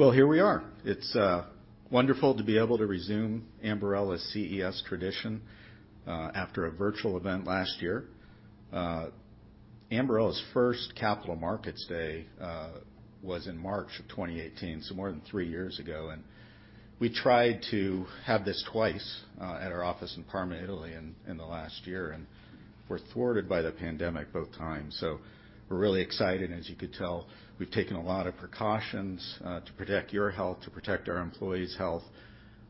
Well, here we are. It's wonderful to be able to resume Ambarella's CES tradition after a virtual event last year. Ambarella's first Capital Markets Day was in March 2018, so more than three years ago, and we tried to have this twice at our office in Parma, Italy in the last year, and were thwarted by the pandemic both times. We're really excited, as you could tell. We've taken a lot of precautions to protect your health, to protect our employees' health,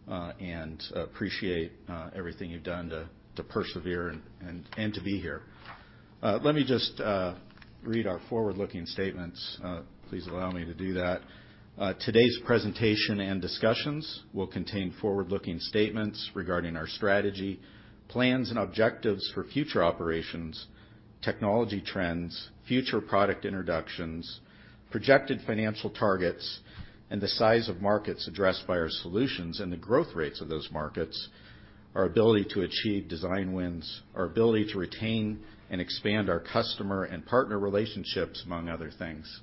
and appreciate everything you've done to persevere and to be here. Let me just read our forward-looking statements. Please allow me to do that. Today's presentation and discussions will contain forward-looking statements regarding our strategy, plans and objectives for future operations, technology trends, future product introductions, projected financial targets, and the size of markets addressed by our solutions and the growth rates of those markets, our ability to achieve design wins, our ability to retain and expand our customer and partner relationships, among other things.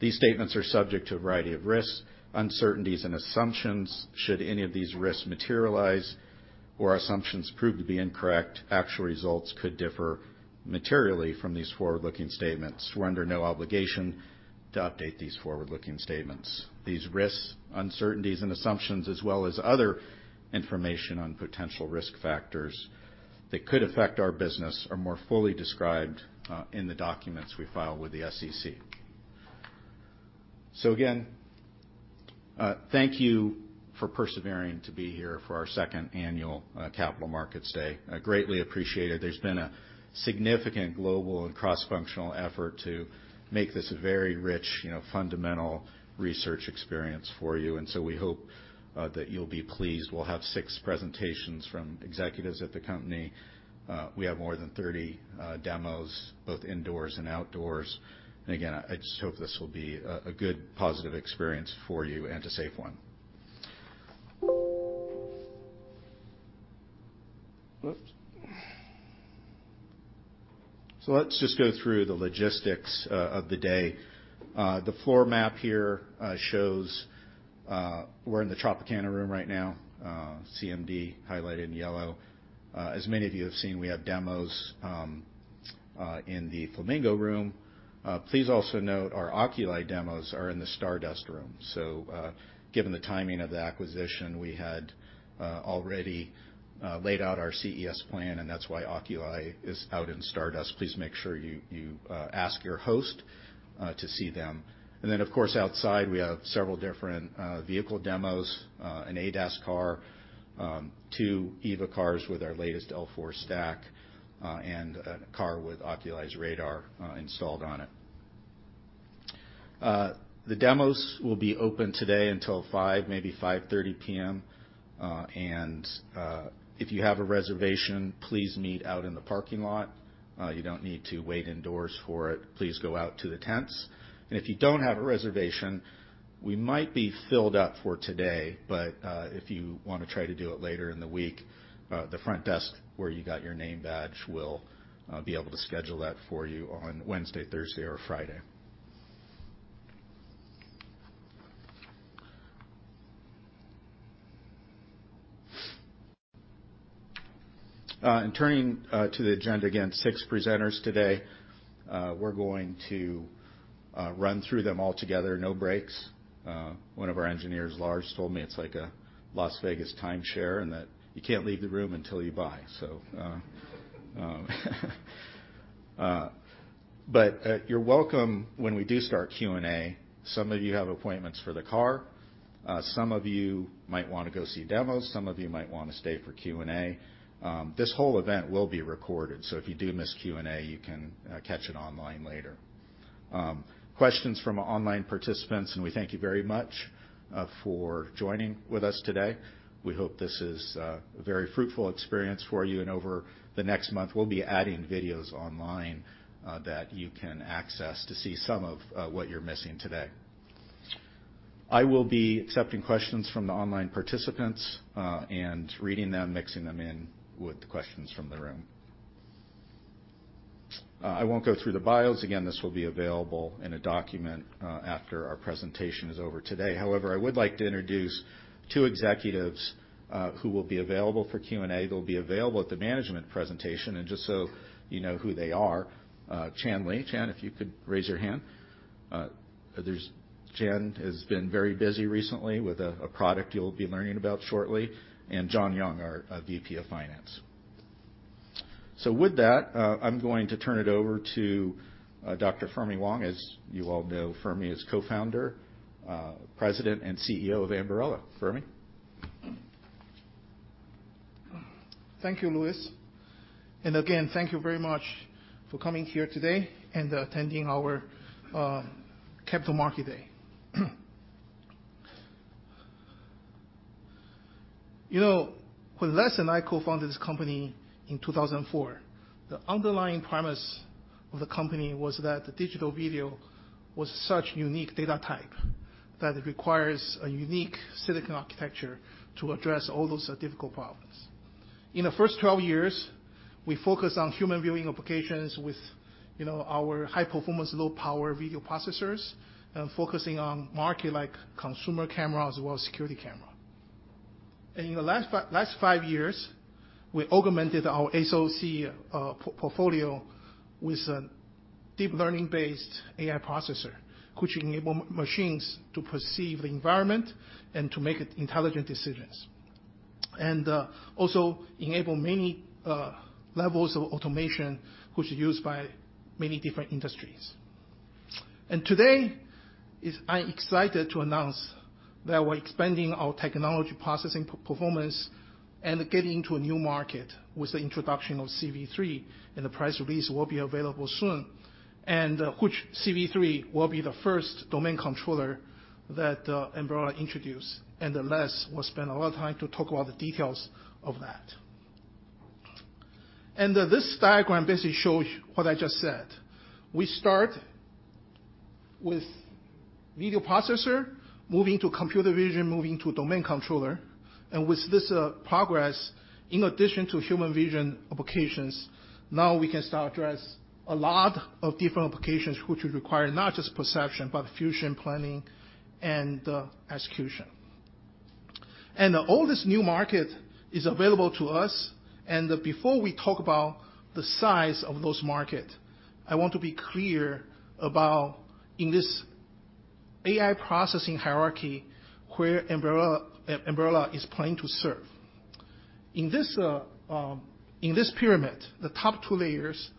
These statements are subject to a variety of risks, uncertainties and assumptions. Should any of these risks materialize or assumptions prove to be incorrect, actual results could differ materially from these forward-looking statements. We're under no obligation to update these forward-looking statements. These risks, uncertainties, and assumptions, as well as other information on potential risk factors that could affect our business, are more fully described in the documents we file with the SEC. Again, thank you for persevering to be here for our second annual Capital Markets Day. I greatly appreciate it. There's been a significant global and cross-functional effort to make this a very rich, you know, fundamental research experience for you, and so we hope that you'll be pleased. We'll have six presentations from executives at the company. We have more than 30 demos, both indoors and outdoors. I just hope this will be a good positive experience for you and a safe one. Whoops. Let's just go through the logistics of the day. The floor map here shows we're in the Tropicana Room right now, CMD, highlighted in yellow. As many of you have seen, we have demos in the Flamingo Room. Please also note our Oculii demos are in the Stardust Room. Given the timing of the acquisition, we had already laid out our CES plan, and that's why Oculii is out in Stardust. Please make sure you ask your host to see them. Of course, outside we have several different vehicle demos, an ADAS car, two EVA cars with our latest L4 stack, and a car with Oculii's radar installed on it. The demos will be open today until 5:00 P.M., maybe 5:30 P.M. If you have a reservation, please meet out in the parking lot. You don't need to wait indoors for it. Please go out to the tents. If you don't have a reservation, we might be filled up for today, but if you wanna try to do it later in the week, the front desk where you got your name badge will be able to schedule that for you on Wednesday, Thursday, or Friday. Turning to the agenda, again, six presenters today. We're going to run through them all together, no breaks. One of our engineers, Lars, told me it's like a Las Vegas timeshare and that you can't leave the room until you buy. But you're welcome, when we do start Q&A, some of you have appointments for the car. Some of you might wanna go see demos. Some of you might wanna stay for Q&A. This whole event will be recorded, so if you do miss Q&A, you can catch it online later. Questions from online participants, and we thank you very much for joining with us today. We hope this is a very fruitful experience for you, and over the next month we'll be adding videos online that you can access to see some of what you're missing today. I will be accepting questions from the online participants and reading them, mixing them in with the questions from the room. I won't go through the bios. Again, this will be available in a document after our presentation is over today. However, I would like to introduce two executives who will be available for Q&A, that'll be available at the management presentation. Just so you know who they are, Chan Lee. Chan, if you could raise your hand. Chan has been very busy recently with a product you'll be learning about shortly. John Young, our VP of Finance. With that, I'm going to turn it over to Dr. Fermi Wang. As you all know, Furmy is co-founder, President, and CEO of Ambarella. Fermi? Thank you, Louis. Again, thank you very much for coming here today and attending our Capital Markets Day. You know, when Les and I co-founded this company in 2004, the underlying premise of the company was that the digital video was such a unique data type that requires a unique silicon architecture to address all those difficult problems. In the first 12 years, we focused on human viewing applications with our high-performance, low-power video processors, and focusing on market like consumer camera as well as security camera. In the last five years, we augmented our SoC portfolio with a deep learning-based AI processor, which enable machines to perceive the environment and to make intelligent decisions. It also enable many levels of automation, which is used by many different industries. Today, I'm excited to announce that we're expanding our technology processing performance and getting into a new market with the introduction of CV3, and the press release will be available soon. Which CV3 will be the first domain controller that Ambarella introduced, and Les will spend a lot of time to talk about the details of that. This diagram basically shows what I just said. We start with video processor, moving to computer vision, moving to domain controller. With this progress, in addition to human vision applications, now we can start to address a lot of different applications which will require not just perception, but fusion planning and execution. All this new market is available to us. Before we talk about the size of those market, I want to be clear about, in this AI processing hierarchy, where Ambarella is planning to serve. In this pyramid, the top two layers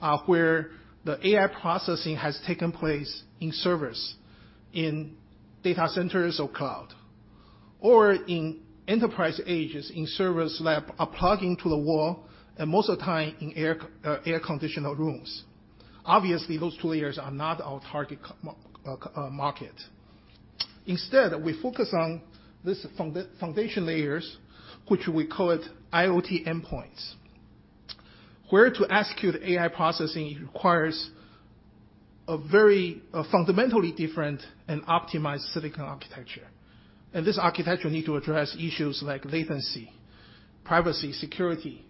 are where the AI processing has taken place in servers, in data centers or cloud, or in enterprise edges, in servers, labs are plugged into the wall, and most of the time in air-conditioned rooms. Obviously, those two layers are not our target market. Instead, we focus on this foundation layers, which we call it IoT endpoints, where to execute AI processing, it requires a very, fundamentally different and optimized silicon architecture. This architecture need to address issues like latency, privacy, security,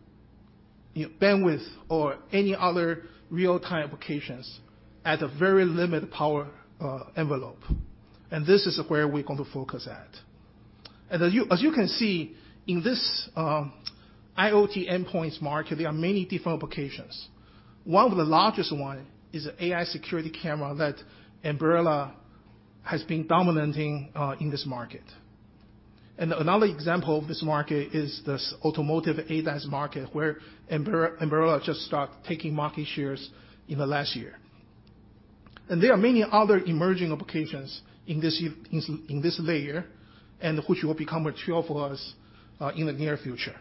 bandwidth, or any other real-time applications at a very limited power envelope. This is where we're going to focus at. As you can see, in this IoT endpoints market, there are many different applications. One of the largest one is AI security camera that Ambarella has been dominant in this market. Another example of this market is this automotive ADAS market where Ambarella just start taking market shares in the last year. There are many other emerging applications in this layer, and which will become material for us, in the near future.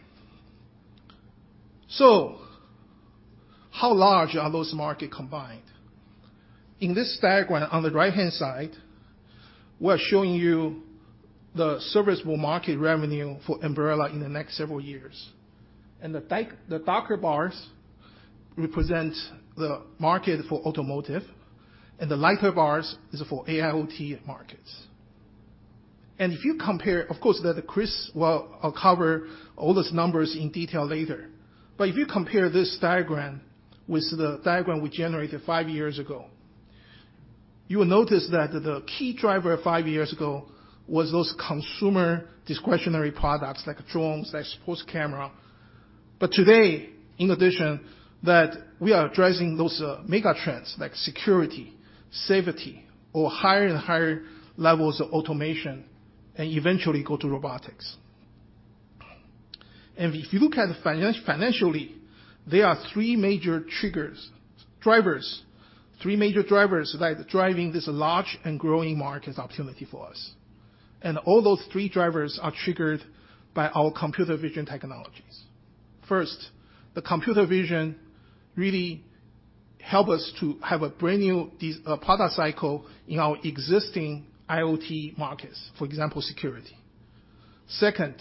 How large are those market combined? In this diagram, on the right-hand side, we're showing you the serviceable market revenue for Ambarella in the next several years. The darker bars represent the market for automotive, and the lighter bars is for AIoT markets. If you compare. Of course, that Chris will cover all those numbers in detail later. If you compare this diagram with the diagram we generated five years ago, you will notice that the key driver five years ago was those consumer discretionary products like drones, like sports camera. Today, in addition, that we are addressing those mega trends like security, safety, or higher and higher levels of automation, and eventually go to robotics. If you look at financially, there are three major drivers that are driving this large and growing market opportunity for us. All those three drivers are triggered by our computer vision technologies. First, the computer vision really help us to have a brand new these product cycle in our existing IoT markets, for example, security. Second,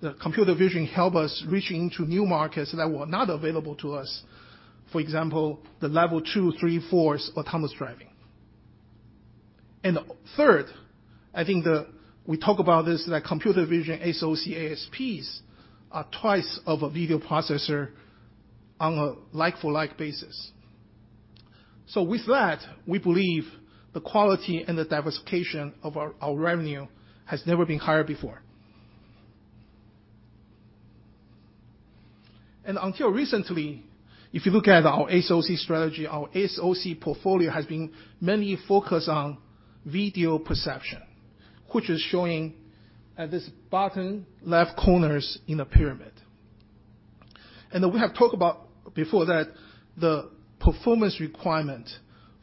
the computer vision help us reach into new markets that were not available to us, for example, the level 2, level 3, level 4 autonomous driving. Third, I think we talk about this, that computer vision SoC ASPs are twice of a video processor on a like-for-like basis. With that, we believe the quality and the diversification of our revenue has never been higher before. Until recently, if you look at our SoC strategy, our SoC portfolio has been mainly focused on video perception, which is showing at this bottom left corners in the pyramid. We have talked about before that the performance requirement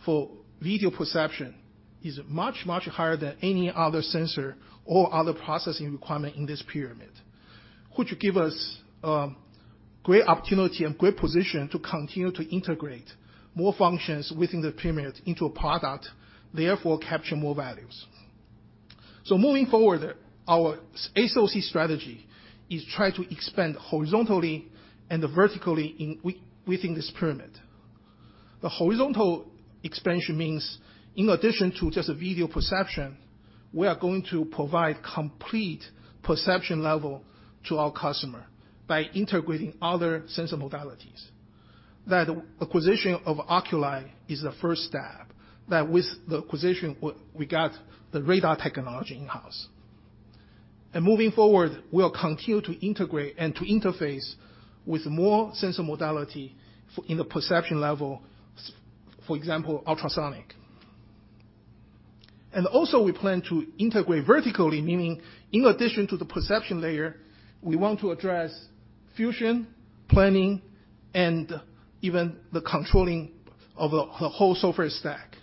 for video perception is much, much higher than any other sensor or other processing requirement in this pyramid, which give us great opportunity and great position to continue to integrate more functions within the pyramid into a product, therefore capture more values. Moving forward, our SoC strategy is try to expand horizontally and vertically within this pyramid. The horizontal expansion means in addition to just video perception, we are going to provide complete perception level to our customer by integrating other sensor modalities. That acquisition of Oculii is the first step, that with the acquisition we got the radar technology in-house. Moving forward, we'll continue to integrate and to interface with more sensor modality in the perception level, for example, ultrasonic. Also we plan to integrate vertically, meaning in addition to the perception layer, we want to address fusion, planning, and even the controlling of the whole software stack.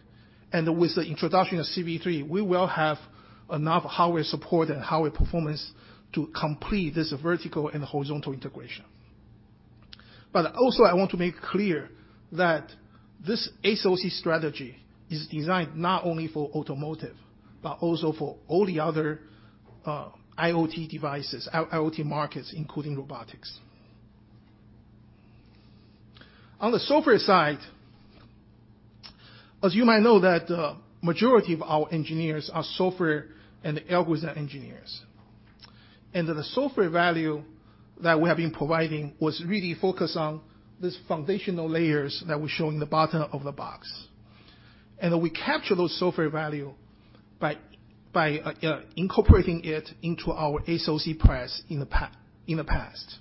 With the introduction of CV3, we will have enough hardware support and hardware performance to complete this vertical and horizontal integration. Also I want to make clear that this SoC strategy is designed not only for automotive, but also for all the other IoT devices, IoT markets, including robotics. On the software side, as you might know that, majority of our engineers are software and algorithm engineers. The software value that we have been providing was really focused on these foundational layers that we show in the bottom of the box. We capture those software value by incorporating it into our SoC price in the past.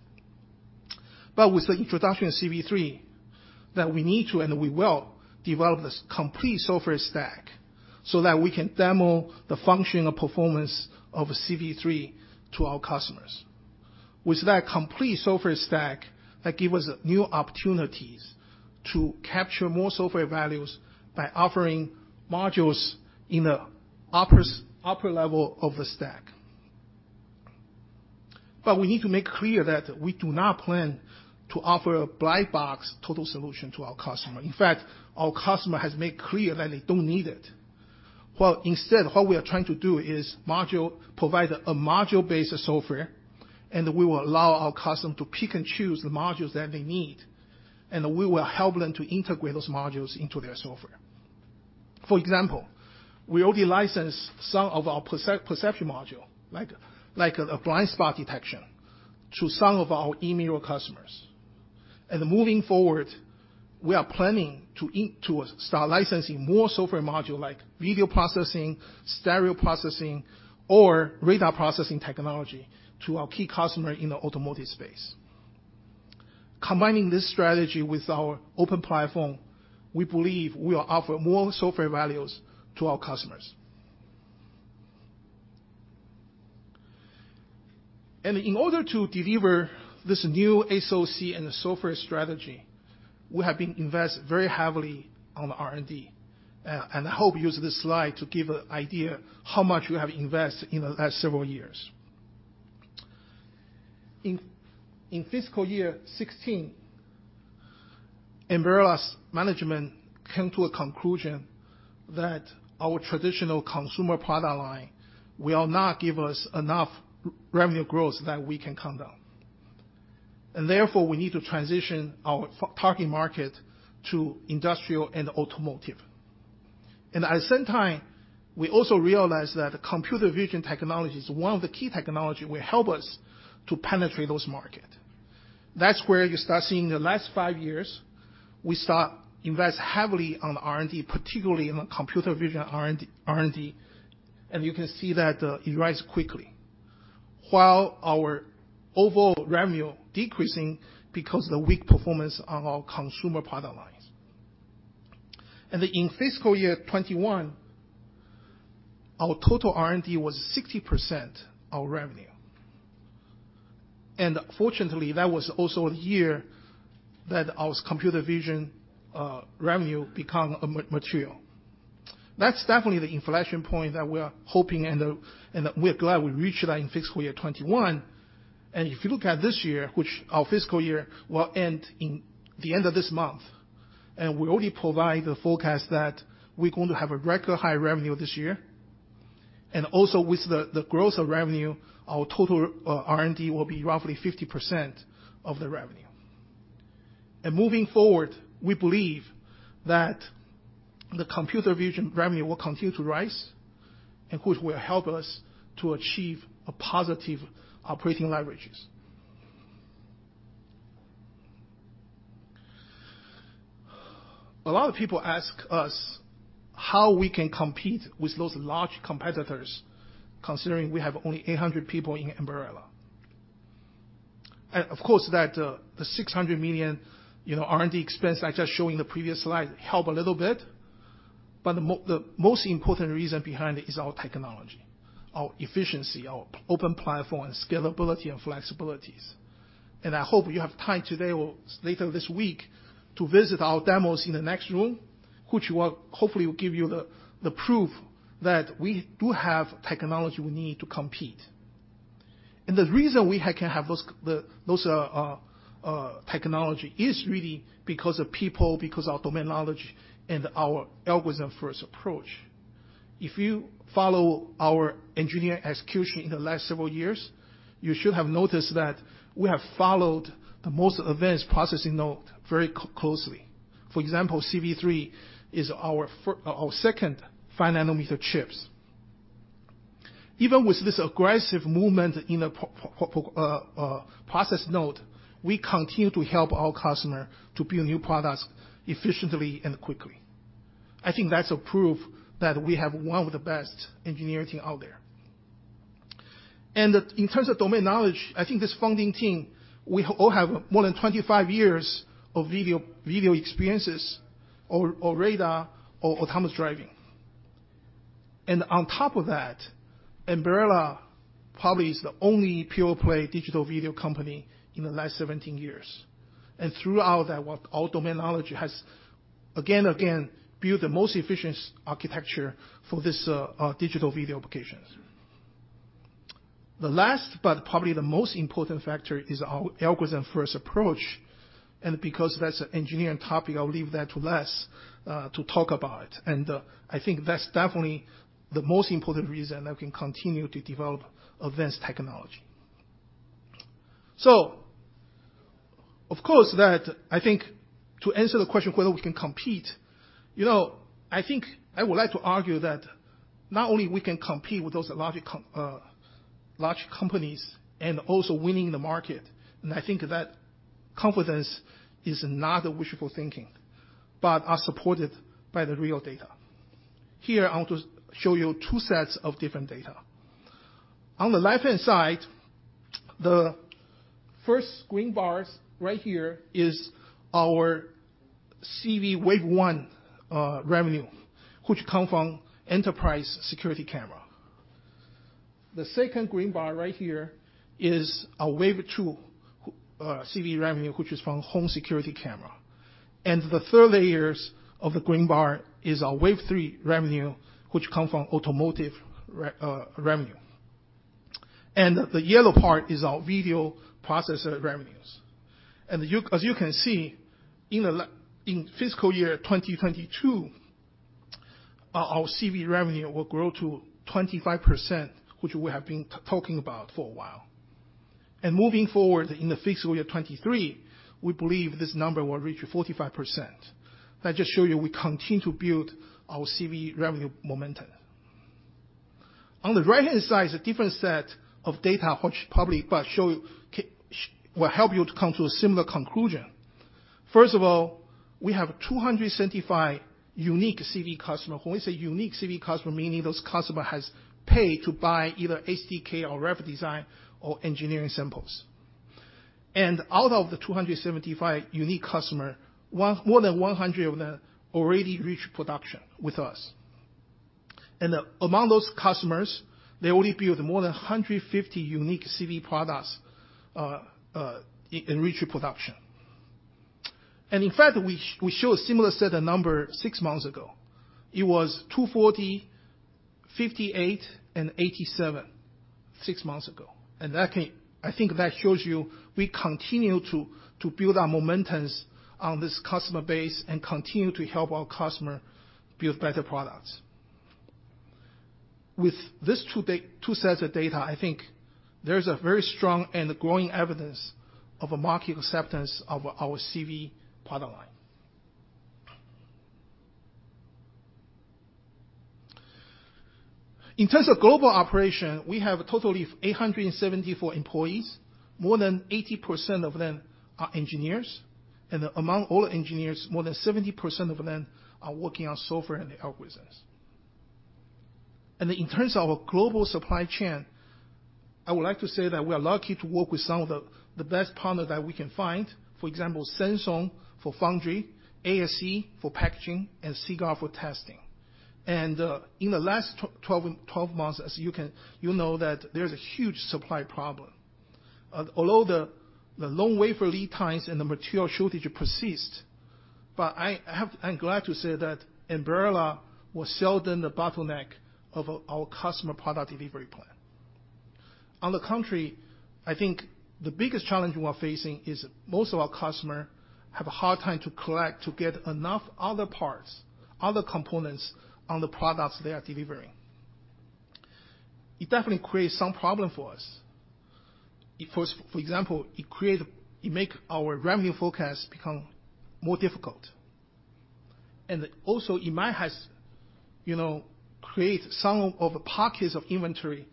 With the introduction of CV3, that we need to and we will develop this complete software stack so that we can demo the functional performance of CV3 to our customers. With that complete software stack, that give us new opportunities to capture more software values by offering modules in a upper level of the stack. We need to make clear that we do not plan to offer a blind box total solution to our customer. In fact, our customer has made clear that they don't need it. Well, instead, what we are trying to do is provide a module-based software, and we will allow our customer to pick and choose the modules that they need, and we will help them to integrate those modules into their software. For example, we already licensed some of our perception module, like a blind spot detection, to some of our OEM customers. Moving forward, we are planning to start licensing more software modules like video processing, stereo processing, or radar processing technology to our key customers in the automotive space. Combining this strategy with our open platform, we believe we will offer more software value to our customers. In order to deliver this new SoC and software strategy, we have been investing very heavily on R&D. I hope use this slide to give an idea how much we have invest in the last several years. In fiscal year 2016, Ambarella's management came to a conclusion that our traditional consumer product line will not give us enough revenue growth that we can count on. Therefore, we need to transition our target market to industrial and automotive. At the same time, we also realized that computer vision technology is one of the key technology will help us to penetrate those market. That's where you start seeing the last five years, we start invest heavily on R&D, particularly on the computer vision R&D, and you can see that, it rise quickly. While our overall revenue decreasing because of the weak performance on our consumer product lines. In fiscal year 2021, our total R&D was 60% our revenue. Fortunately, that was also the year that our computer vision revenue become material. That's definitely the inflection point that we are hoping and we're glad we reached that in fiscal year 2021. If you look at this year, which our fiscal year will end in the end of this month, and we already provide the forecast that we're going to have a record high revenue this year. With the growth of revenue, our total R&D will be roughly 50% of the revenue. Moving forward, we believe that the computer vision revenue will continue to rise and which will help us to achieve a positive operating leverages. A lot of people ask us how we can compete with those large competitors, considering we have only 800 people in Ambarella. Of course that the $600 million, you know, R&D expense I just showed you in the previous slide help a little bit. But the most important reason behind it is our technology, our efficiency, our open platform, and scalability and flexibilities. I hope you have time today or later this week to visit our demos in the next room, which will hopefully give you the proof that we do have technology we need to compete. The reason we can have those technology is really because of people, because our domain knowledge and our algorithm-first approach. If you follow our engineering execution in the last several years, you should have noticed that we have followed the most advanced processing node very closely. For example, CV3 is our second 5 nm chips. Even with this aggressive movement in a process node, we continue to help our customer to build new products efficiently and quickly. I think that's a proof that we have one of the best engineering team out there. In terms of domain knowledge, I think this founding team, we all have more than 25 years of video experiences or radar or autonomous driving. On top of that, Ambarella probably is the only pure play digital video company in the last 17 years. Throughout that, our domain knowledge has again and again built the most efficient architecture for this digital video applications. The last but probably the most important factor is our algorithm-first approach, and because that's an engineering topic, I'll leave that to Les to talk about. I think that's definitely the most important reason that we can continue to develop advanced technology. I think to answer the question whether we can compete, you know, I think I would like to argue that not only we can compete with those large companies and also winning the market, and I think that confidence is not a wishful thinking, but are supported by the real data. Here, I want to show you two sets of different data. On the left-hand side, the first green bars right here is our CV Wave 1 revenue, which come from enterprise security camera. The second green bar right here is our Wave 2 CVflow revenue, which is from home security camera. The third layers of the green bar is our Wave 3 revenue, which come from automotive revenue. The yellow part is our video processor revenues. You can see, in fiscal year 2022, our CV revenue will grow to 25%, which we have been talking about for a while. Moving forward in fiscal year 2023, we believe this number will reach 45%. That just shows you we continue to build our CV revenue momentum. On the right-hand side is a different set of data which will help you to come to a similar conclusion. First of all, we have 275 unique CV customers. When we say unique CV customers, meaning those customers have paid to buy either SDK or ref design or engineering samples. Out of the 275 unique customers, more than 100 of them already reach production with us. Among those customers, they already built more than 150 unique CV products in production. In fact, we show a similar set of numbers six months ago. It was 240, 58, and 87, six months ago. That shows you we continue to build our momentum on this customer base and continue to help our customers build better products. With these two sets of data, I think there's a very strong and growing evidence of a market acceptance of our CV product line. In terms of global operation, we have a total of 874 employees. More than 80% of them are engineers, and among all engineers, more than 70% of them are working on software and the algorithms. In terms of our global supply chain, I would like to say that we are lucky to work with some of the best partner that we can find. For example, Samsung for foundry, ASE for packaging, and SPIL for testing. In the last 12 months, you know that there's a huge supply problem. Although the long wafer lead times and the material shortage persist, I'm glad to say that Ambarella was seldom the bottleneck of our customer product delivery plan. On the contrary, I think the biggest challenge we are facing is most of our customer have a hard time to get enough other parts, other components on the products they are delivering. It definitely creates some problem for us. For example, it make our revenue forecast become more difficult. Also it might has, you know, create some of the pockets of inventory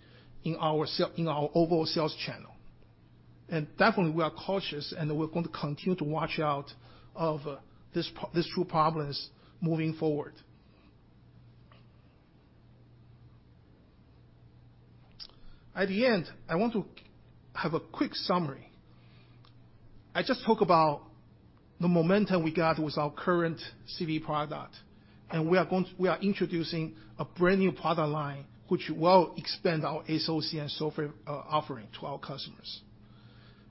in our overall sales channel. Definitely we are cautious, and we're going to continue to watch out of these two problems moving forward. At the end, I want to have a quick summary. I just talk about the momentum we got with our current CV product, and we are introducing a brand-new product line which will expand our SoC and software offering to our customers.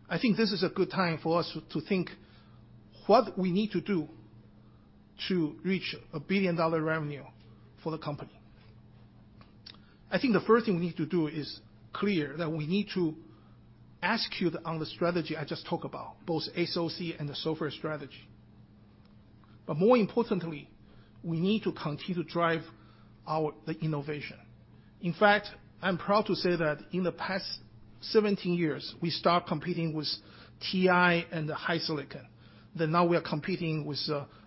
I think this is a good time for us to think what we need to do to reach $1 billion revenue for the company. I think the first thing we need to do is clear that we need to execute on the strategy I just talked about, both SoC and the software strategy. More importantly, we need to continue to drive our innovation. In fact, I'm proud to say that in the past 17 years, we start competing with TI and the HiSilicon. That now we are competing with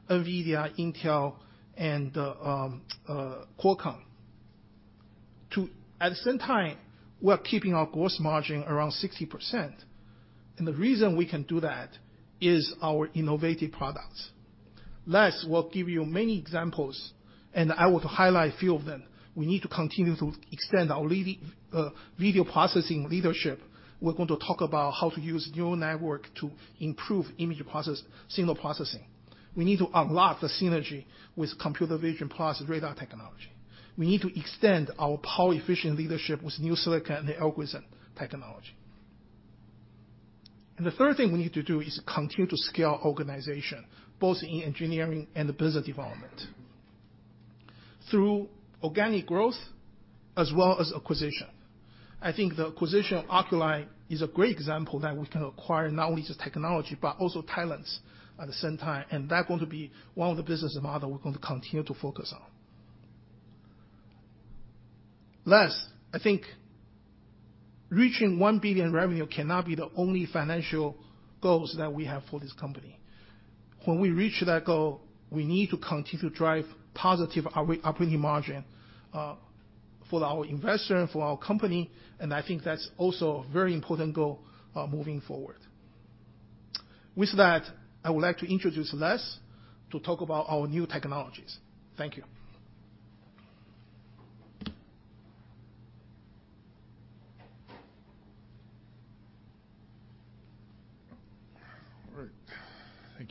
NVIDIA, Intel and Qualcomm. At the same time, we're keeping our gross margin around 60%. The reason we can do that is our innovative products. Les will give you many examples, and I want to highlight a few of them. We need to continue to extend our video processing leadership. We're going to talk about how to use neural network to improve image processing, signal processing. We need to unlock the synergy with computer vision plus radar technology. We need to extend our power efficient leadership with new silicon and the algorithm technology. The third thing we need to do is continue to scale organization, both in engineering and the business development through organic growth as well as acquisition. I think the acquisition of Oculii is a great example that we can acquire not only the technology, but also talents at the same time, and that going to be one of the business model we're going to continue to focus on. Les, I think reaching $1 billion revenue cannot be the only financial goals that we have for this company. When we reach that goal, we need to continue to drive positive operating margin, for our investor, and for our company, and I think that's also a very important goal, moving forward. With that, I would like to introduce Les to talk about our new technologies. Thank you.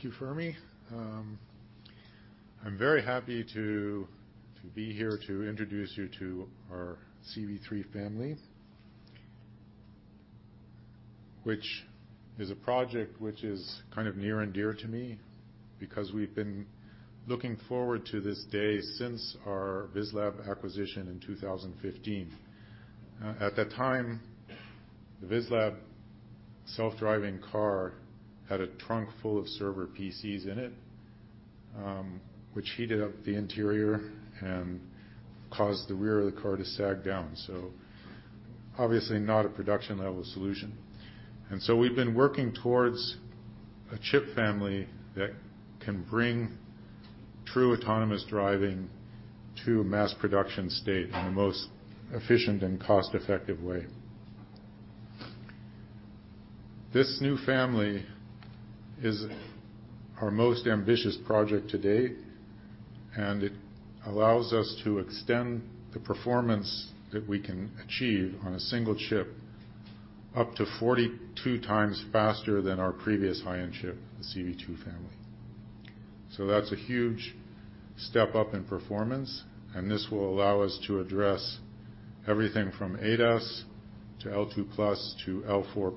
All right. Thank you, Fermi. I'm very happy to be here to introduce you to our CV3 family which is a project which is kind of near and dear to me because we've been looking forward to this day since our VisLab acquisition in 2015. At that time, the VisLab self-driving car had a trunk full of server PCs in it, which heated up the interior and caused the rear of the car to sag down. Obviously not a production level solution. We've been working towards a chip family that can bring true autonomous driving to a mass production state in the most efficient and cost-effective way. This new family is our most ambitious project to date, and it allows us to extend the performance that we can achieve on a single chip up to 42 times faster than our previous high-end chip, the CV2 family. That's a huge step up in performance, and this will allow us to address everything from ADAS to L2+ to L4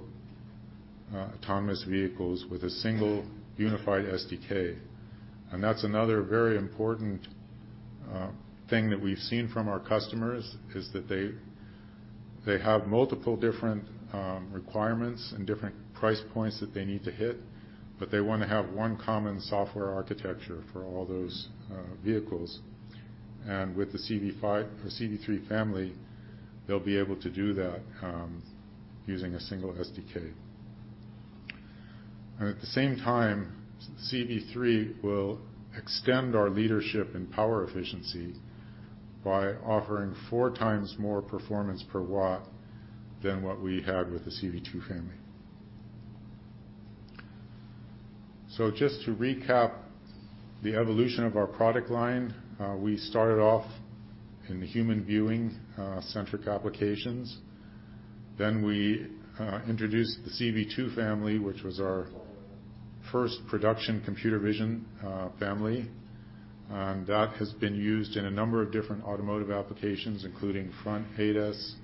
autonomous vehicles with a single unified SDK. That's another very important thing that we've seen from our customers, is that they have multiple different requirements and different price points that they need to hit, but they wanna have one common software architecture for all those vehicles. With the CV5 or CV3 family, they'll be able to do that using a single SDK. At the same time, CV3 will extend our leadership in power efficiency by offering four times more performance per watt than what we had with the CV2 family. Just to recap the evolution of our product line, we started off in the human viewing centric applications. We introduced the CV2 family, which was our first production computer vision family. That has been used in a number of different automotive applications, including front ADAS,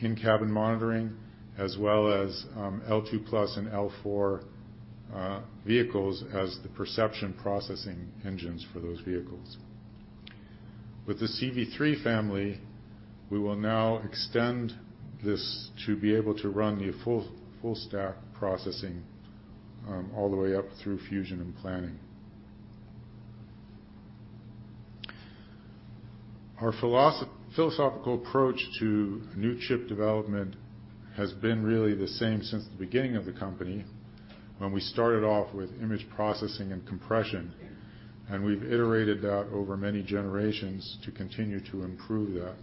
in-cabin monitoring, as well as L2+ and L4 vehicles as the perception processing engines for those vehicles. With the CV3 family, we will now extend this to be able to run the full stack processing all the way up through fusion and planning. Our philosophical approach to new chip development has been really the same since the beginning of the company when we started off with image processing and compression, and we've iterated that over many generations to continue to improve that.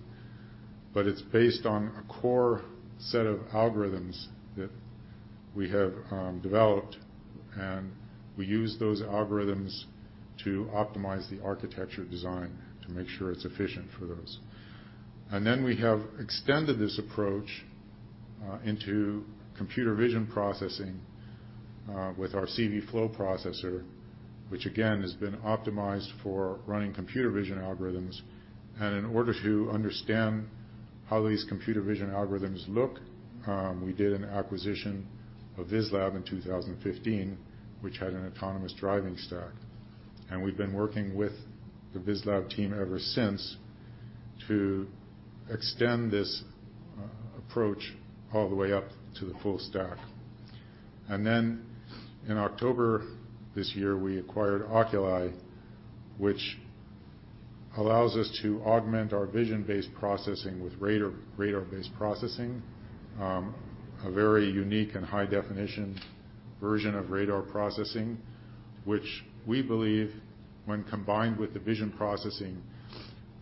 It's based on a core set of algorithms that we have developed, and we use those algorithms to optimize the architecture design to make sure it's efficient for those. We have extended this approach into computer vision processing with our CVflow processor, which again has been optimized for running computer vision algorithms. In order to understand how these computer vision algorithms look, we did an acquisition of VisLab in 2015, which had an autonomous driving stack. We've been working with the VisLab team ever since to extend this approach all the way up to the full stack. In October this year, we acquired Oculii, which allows us to augment our vision-based processing with radar-based processing, a very unique and high-definition version of radar processing, which we believe when combined with the vision processing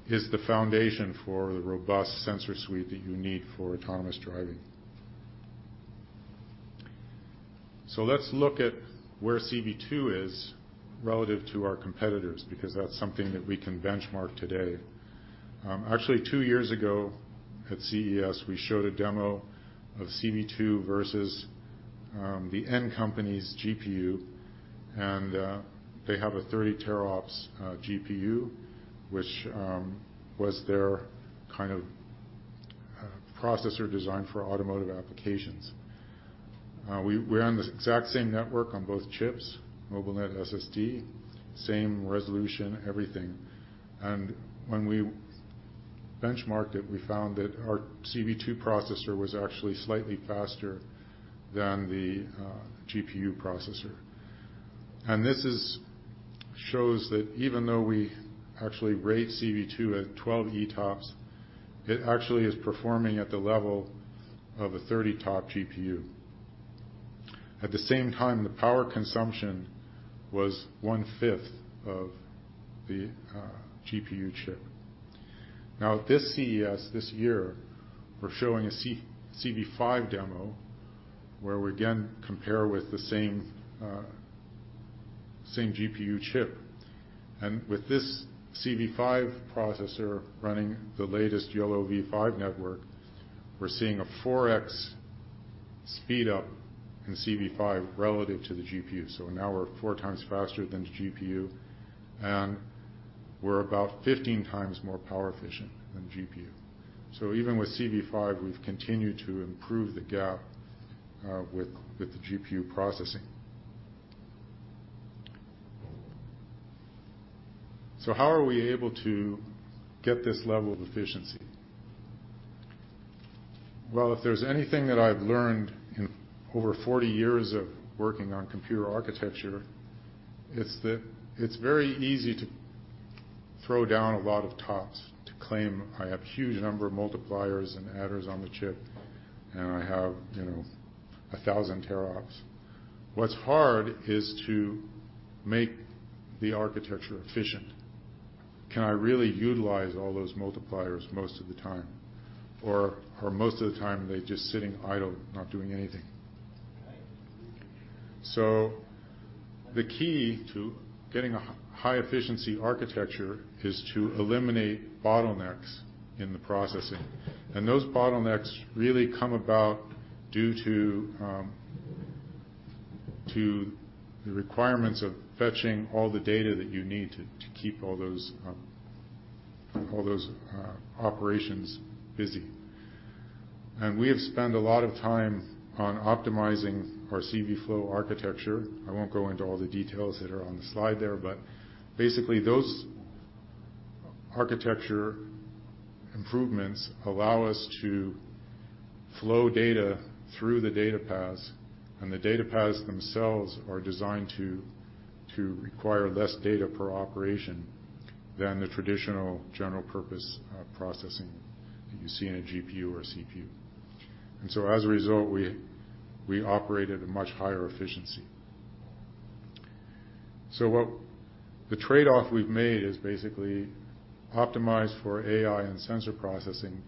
is the foundation for the robust sensor suite that you need for autonomous driving. Let's look at where CV2 is relative to our competitors because that's something that we can benchmark today. Actually, two years ago at CES, we showed a demo of CV2 versus the N company's GPU. They have a 30 ETOPs GPU, which was their kind of processor design for automotive applications. We're on the exact same network on both chips, MobileNetSSD, same resolution, everything. When we benchmarked it, we found that our CV2 processor was actually slightly faster than the GPU processor. This shows that even though we actually rate CV2 at 12 ETOPs, it actually is performing at the level of a 30 ETOPs GPU. At the same time, the power consumption was one-fifth of the GPU chip. Now this CES this year, we're showing a CV5 demo where we again compare with the same same GPU chip. With this CV5 processor running the latest YOLOv5 network, we're seeing a 4x speedup in CV5 relative to the GPU. Now we're four times faster than the GPU, and we're about 15 times more power efficient than the GPU. Even with CV5, we've continued to improve the gap with the GPU processing. How are we able to get this level of efficiency? Well, if there's anything that I've learned in over 40 years of working on computer architecture, it's that it's very easy to throw down a lot of ETOPs to claim I have huge number of multipliers and adders on the chip, and I have, you know, 1,000 teraops. What's hard is to make the architecture efficient. Can I really utilize all those multipliers most of the time? Or most of the time are they just sitting idle, not doing anything? The key to getting a high efficiency architecture is to eliminate bottlenecks in the processing. Those bottlenecks really come about due to the requirements of fetching all the data that you need to keep all those operations busy. We have spent a lot of time on optimizing our CVflow architecture. I won't go into all the details that are on the slide there, but basically, those architecture improvements allow us to flow data through the data paths, and the data paths themselves are designed to require less data per operation than the traditional general purpose processing that you see in a GPU or CPU. As a result, we operate at a much higher efficiency. What the trade-off we've made is basically optimize for AI and sensor processing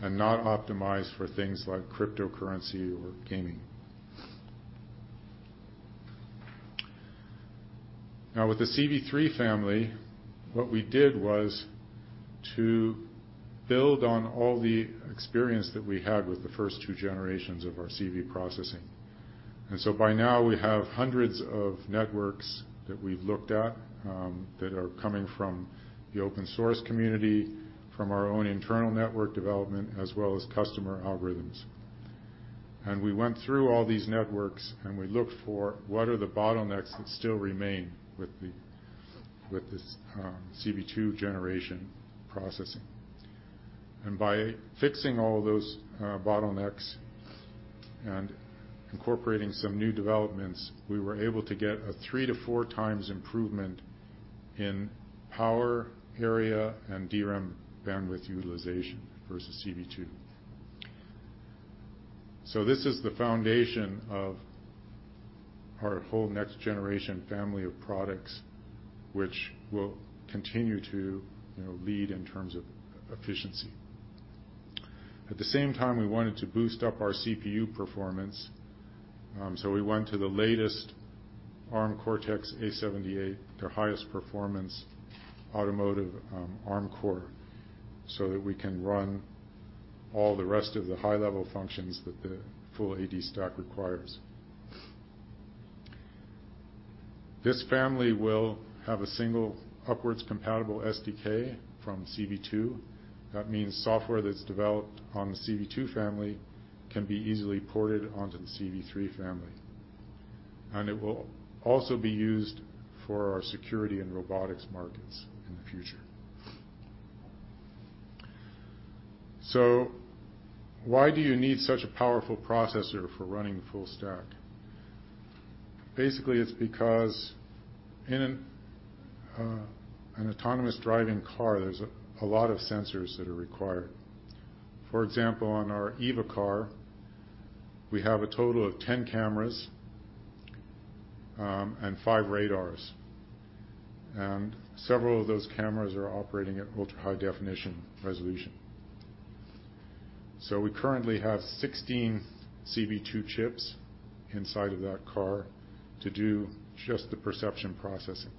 and not optimize for things like cryptocurrency or gaming. Now with the CV3 family, what we did was to build on all the experience that we had with the first two generations of our CV processing. By now, we have hundreds of networks that we've looked at, that are coming from the open source community, from our own internal network development, as well as customer algorithms. We went through all these networks, and we looked for what are the bottlenecks that still remain with this CV2 generation processing. By fixing all those bottlenecks and incorporating some new developments, we were able to get a three to four times improvement in power, area, and DRAM bandwidth utilization versus CV2. This is the foundation of our whole next generation family of products, which will continue to, you know, lead in terms of efficiency. At the same time, we wanted to boost up our CPU performance, so we went to the latest Arm Cortex-A78AE, their highest performance automotive, Arm core, so that we can run all the rest of the high-level functions that the full AD stack requires. This family will have a single upwards compatible SDK from CV2. That means software that's developed on the CV2 family can be easily ported onto the CV3 family. It will also be used for our security and robotics markets in the future. Why do you need such a powerful processor for running full stack? Basically, it's because in an autonomous driving car, there's a lot of sensors that are required. For example, on our EVA car, we have a total of 10 cameras, and 5 radars. Several of those cameras are operating at ultra-high-definition resolution. We currently have 16 CV2 chips inside of that car to do just the perception processing.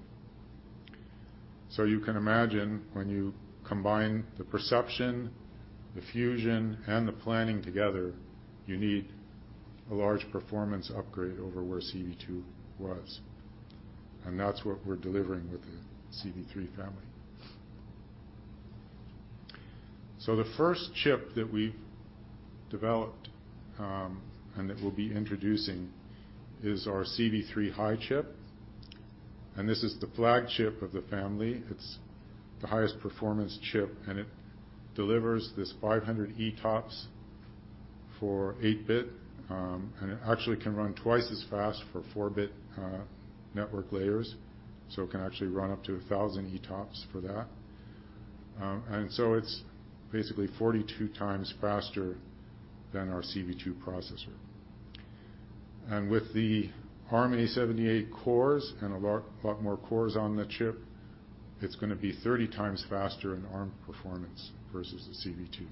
You can imagine when you combine the perception, the fusion, and the planning together, you need a large performance upgrade over where CV2 was. That's what we're delivering with the CV3 family. The first chip that we've developed and that we'll be introducing is our CV3 High chip. This is the flagship of the family. It's the highest performance chip, and it delivers this 500 ETOPs for eight-bit, and it actually can run twice as fast for four-bit network layers, so it can actually run up to a 1000 ETOPs for that. It's basically 42 times faster than our CV2 processor. With the Arm A78 cores and a lot more cores on the chip, it's gonna be 30 times faster in Arm performance versus the CV2.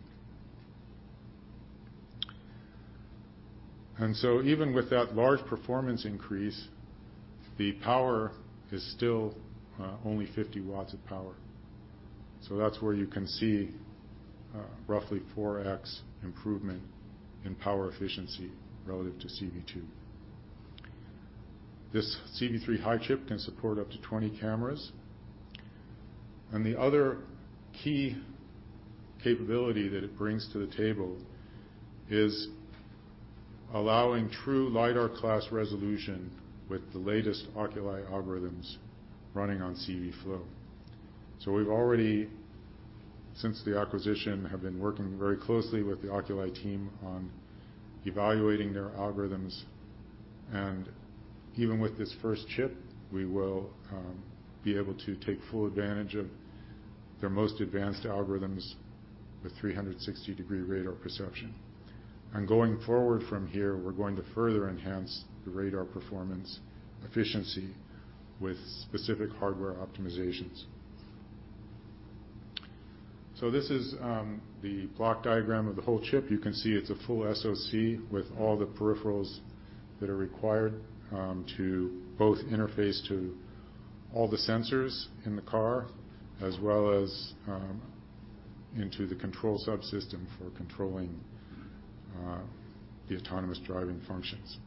Even with that large performance increase, the power is still only 50 watts of power. That's where you can see roughly 4X improvement in power efficiency relative to CV2. This CV3-High chip can support up to 20 cameras. The other key capability that it brings to the table is allowing true lidar class resolution with the latest Oculii algorithms running on CVflow. We've already, since the acquisition, have been working very closely with the Oculii team on evaluating their algorithms. Even with this first chip, we will be able to take full advantage of their most advanced algorithms with 360-degree radar perception. Going forward from here, we're going to further enhance the radar performance efficiency with specific hardware optimizations. This is the block diagram of the whole chip. You can see it's a full SoC with all the peripherals that are required to both interface to all the sensors in the car as well as into the control subsystem for controlling the autonomous driving functions.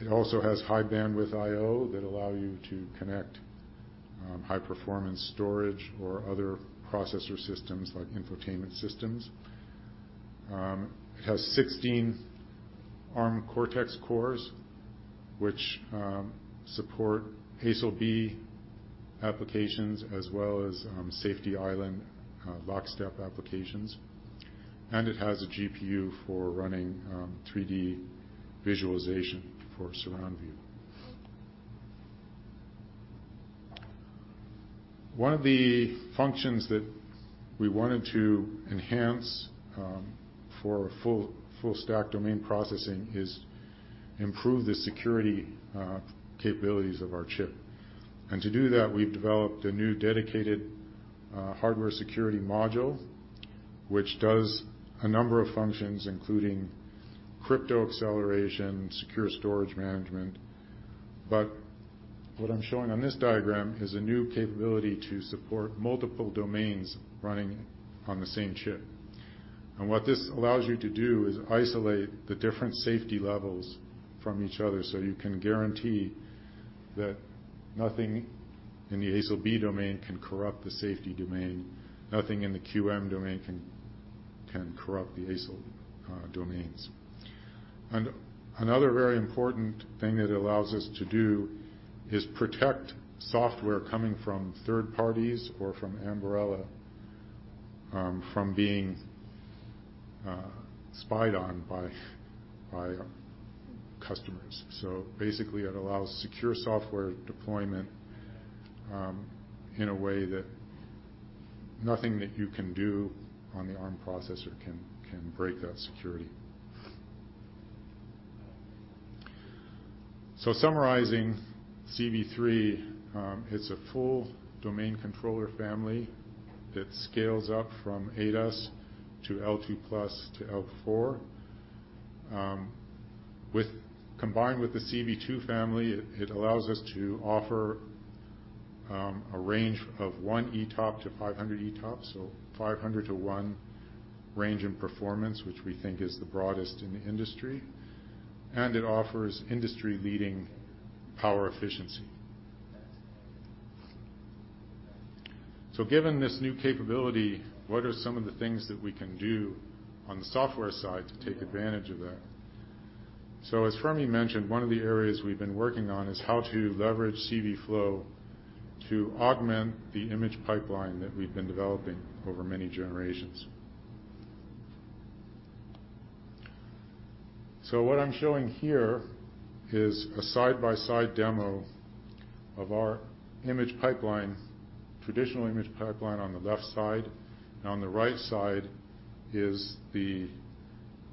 It also has high bandwidth IO that allow you to connect high-performance storage or other processor systems like infotainment systems. It has 16 Arm Cortex cores, which support ASIL B applications as well as safety island lockstep applications. It has a GPU for running 3D visualization for surround view. One of the functions that we wanted to enhance for full stack domain processing is improve the security capabilities of our chip. To do that, we've developed a new dedicated hardware security module, which does a number of functions, including crypto acceleration, secure storage management. What I'm showing on this diagram is a new capability to support multiple domains running on the same chip. What this allows you to do is isolate the different safety levels from each other, so you can guarantee that nothing in the ASIL B domain can corrupt the safety domain, nothing in the QM domain can corrupt the ASIL domains. Another very important thing that it allows us to do is protect software coming from third parties or from Ambarella from being spied on by customers. Basically, it allows secure software deployment in a way that nothing that you can do on the Arm processor can break that security. Summarizing CV3, it's a full domain controller family that scales up from ADAS to L2+ to L4. Combined with the CV2 family, it allows us to offer a range of 1 ETOPs to 500 ETOPs, a 500-to-1 range in performance, which we think is the broadest in the industry. It offers industry-leading power efficiency. Given this new capability, what are some of the things that we can do on the software side to take advantage of that? As Fermi mentioned, one of the areas we've been working on is how to leverage CVflow to augment the image pipeline that we've been developing over many generations. What I'm showing here is a side-by-side demo of our image pipeline, traditional image pipeline on the left side, and on the right side is the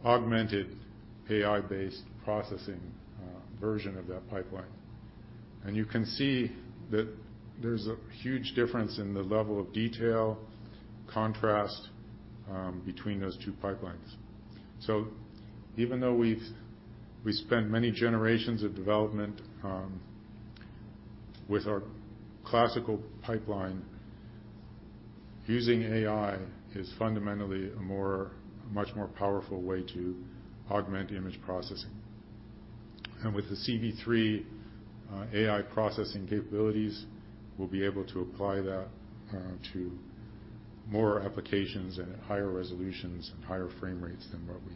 augmented AI-based processing version of that pipeline. You can see that there's a huge difference in the level of detail, contrast, between those two pipelines. Even though we spent many generations of development with our classical pipeline, using AI is fundamentally a much more powerful way to augment image processing. With the CV3 AI processing capabilities, we'll be able to apply that to more applications and at higher resolutions and higher frame rates than what we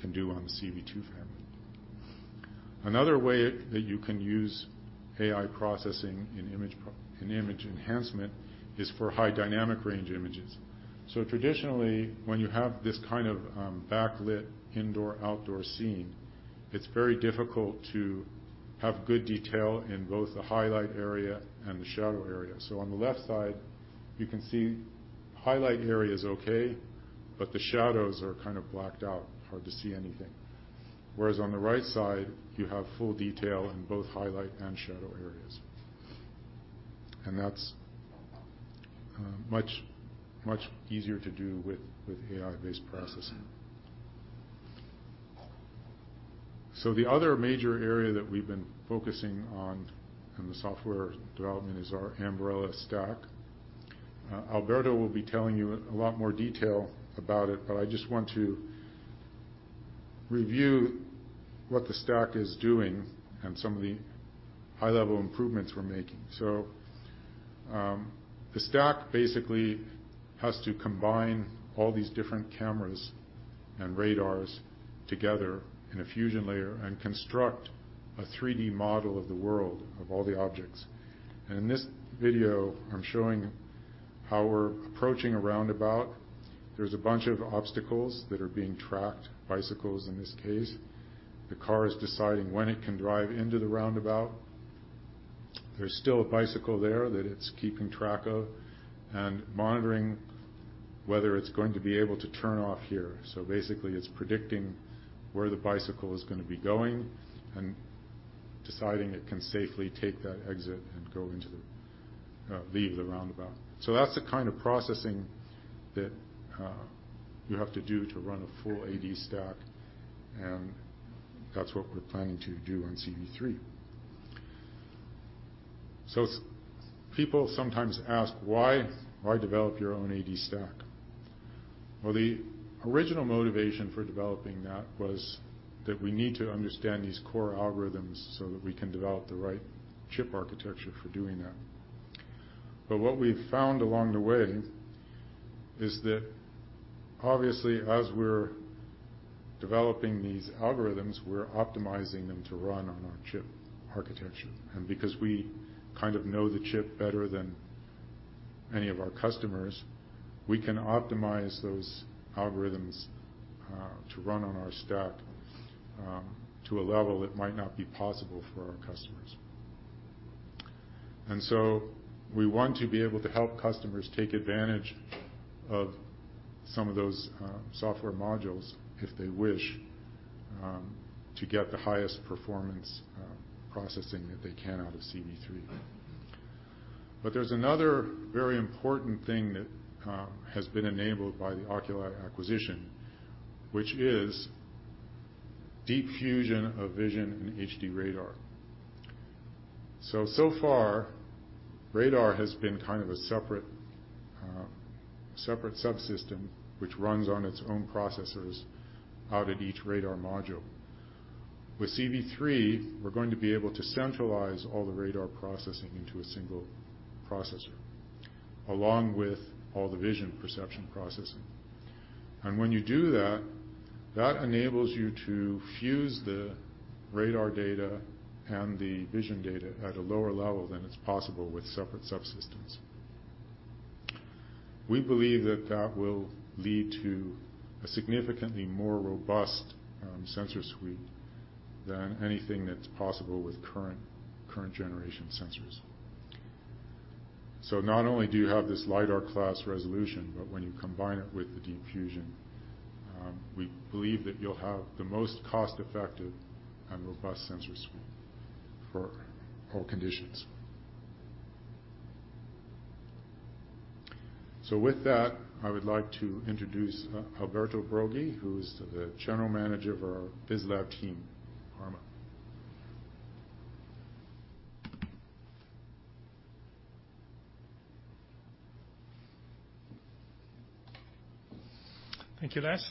can do on the CV2 family. Another way that you can use AI processing in image enhancement is for high dynamic range images. Traditionally, when you have this kind of backlit indoor-outdoor scene, it's very difficult to have good detail in both the highlight area and the shadow area. On the left side, you can see highlight area is okay, but the shadows are kind of blacked out. Hard to see anything. Whereas on the right side, you have full detail in both highlight and shadow areas. That's much easier to do with AI-based processing. The other major area that we've been focusing on in the software development is our Ambarella stack. Alberto will be telling you a lot more detail about it, but I just want to review what the stack is doing and some of the high-level improvements we're making. The stack basically has to combine all these different cameras and radars together in a fusion layer and construct a 3D model of the world of all the objects. In this video, I'm showing how we're approaching a roundabout. There's a bunch of obstacles that are being tracked, bicycles in this case. The car is deciding when it can drive into the roundabout. There's still a bicycle there that it's keeping track of and monitoring whether it's going to be able to turn off here. Basically, it's predicting where the bicycle is gonna be going and deciding it can safely take that exit and leave the roundabout. That's the kind of processing that you have to do to run a full AD stack, and that's what we're planning to do on CV3. People sometimes ask, "Why, why develop your own AD stack?" Well, the original motivation for developing that was that we need to understand these core algorithms so that we can develop the right chip architecture for doing that. What we've found along the way is that obviously, as we're developing these algorithms, we're optimizing them to run on our chip architecture. Because we kind of know the chip better than any of our customers, we can optimize those algorithms to run on our stack to a level that might not be possible for our customers. We want to be able to help customers take advantage of some of those software modules if they wish to get the highest performance processing that they can out of CV3. There's another very important thing that has been enabled by the Oculii acquisition, which is deep fusion of vision and HD radar. So far, radar has been kind of a separate subsystem which runs on its own processors out at each radar module. With CV3, we're going to be able to centralize all the radar processing into a single processor along with all the vision perception processing. When you do that enables you to fuse the radar data and the vision data at a lower level than is possible with separate subsystems. We believe that that will lead to a significantly more robust sensor suite than anything that's possible with current generation sensors. Not only do you have this lidar class resolution, but when you combine it with the deep fusion, we believe that you'll have the most cost-effective and robust sensor suite for all conditions. With that, I would like to introduce Alberto Broggi, who's the General Manager of our VisLab team, Parma. Thank you, Les.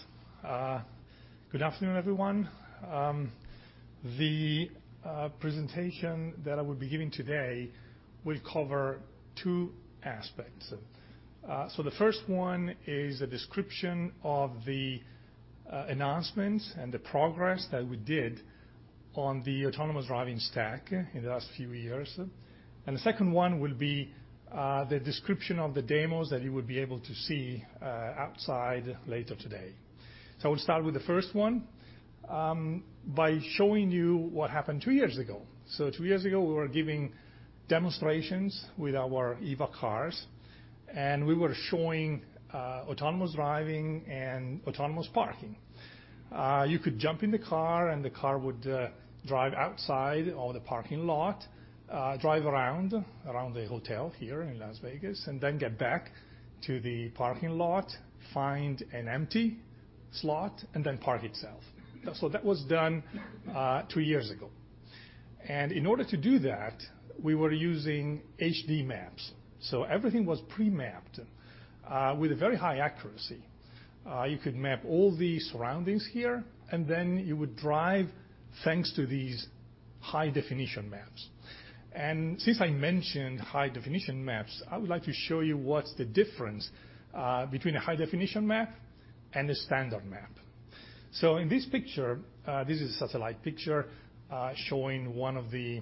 Good afternoon everyone. The presentation that I will be giving today will cover two aspects. The first one is a description of the announcements and the progress that we did on the autonomous driving stack in the last few years. The second one will be the description of the demos that you will be able to see outside later today. I'll start with the first one by showing you what happened two years ago. Two years ago, we were giving demonstrations with our EVA cars, and we were showing autonomous driving and autonomous parking. You could jump in the car and the car would drive outside of the parking lot, drive around the hotel here in Las Vegas, and then get back to the parking lot, find an empty slot, and then park itself. That was done two years ago. In order to do that, we were using HD maps. Everything was pre-mapped with a very high accuracy. You could map all the surroundings here, and then you would drive thanks to these high-definition maps. Since I mentioned high-definition maps, I would like to show you what's the difference between a high-definition map and a standard map. In this picture, this is a satellite picture showing one of the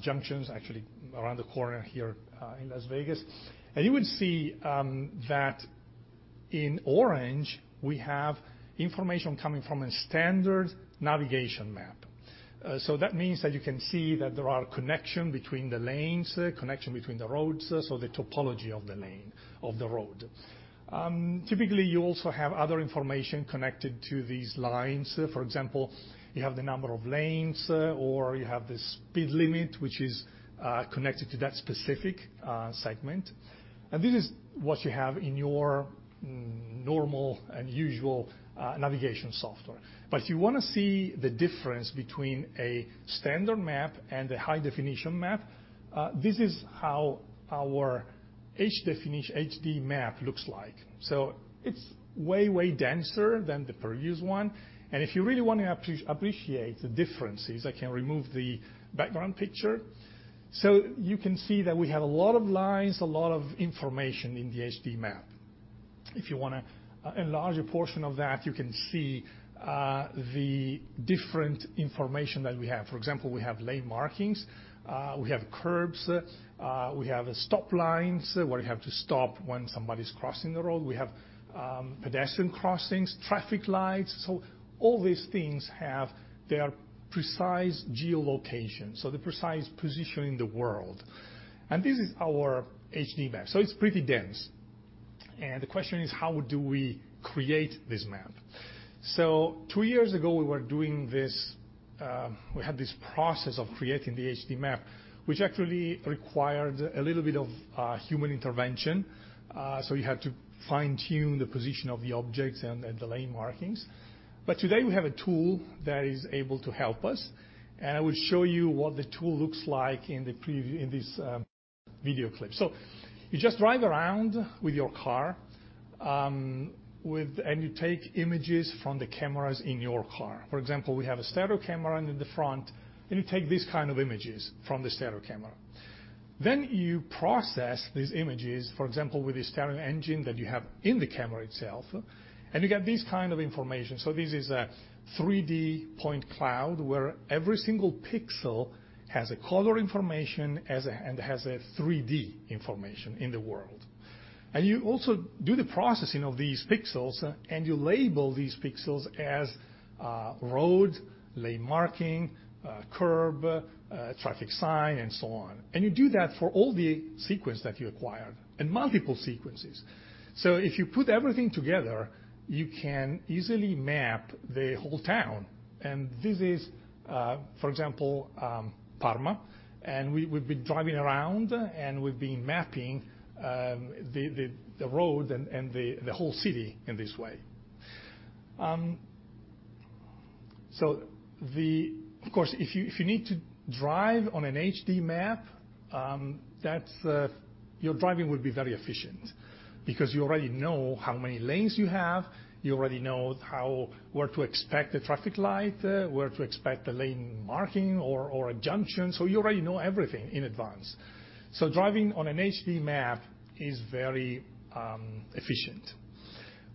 junctions actually around the corner here in Las Vegas. You would see that in orange, we have information coming from a standard navigation map. So that means that you can see that there are connection between the lanes, connection between the roads, so the topology of the lane, of the road. Typically, you also have other information connected to these lines. For example, you have the number of lanes, or you have the speed limit, which is connected to that specific segment. This is what you have in your normal and usual navigation software. But if you wanna see the difference between a standard map and a high-definition map, this is how our HD map looks like. It's way denser than the previous one. If you really wanna appreciate the differences, I can remove the background picture. You can see that we have a lot of lines, a lot of information in the HD map. If you wanna enlarge a portion of that, you can see the different information that we have. For example, we have lane markings, we have curbs, we have stop lines where you have to stop when somebody's crossing the road. We have pedestrian crossings, traffic lights. All these things have their precise geolocation, so the precise position in the world. This is our HD map, so it's pretty dense. The question is, how do we create this map? Two years ago we were doing this, we had this process of creating the HD map, which actually required a little bit of human intervention. You had to fine-tune the position of the objects and the lane markings. Today we have a tool that is able to help us, and I will show you what the tool looks like in the preview in this video clip. You just drive around with your car and you take images from the cameras in your car. For example, we have a stereo camera in the front, and you take these kind of images from the stereo camera. You process these images, for example, with a stereo engine that you have in the camera itself, and you get this kind of information. This is a 3D point cloud where every single pixel has a color information and it has a 3D information in the world. You also do the processing of these pixels, and you label these pixels as road, lane marking, curb, traffic sign, and so on. You do that for all the sequence that you acquired and multiple sequences. If you put everything together, you can easily map the whole town. This is, for example, Parma, and we've been driving around, and we've been mapping the road and the whole city in this way. Of course, if you need to drive on an HD map, that's your driving will be very efficient because you already know how many lanes you have, you already know where to expect the traffic light, where to expect the lane marking or a junction. You already know everything in advance. Driving on an HD map is very efficient.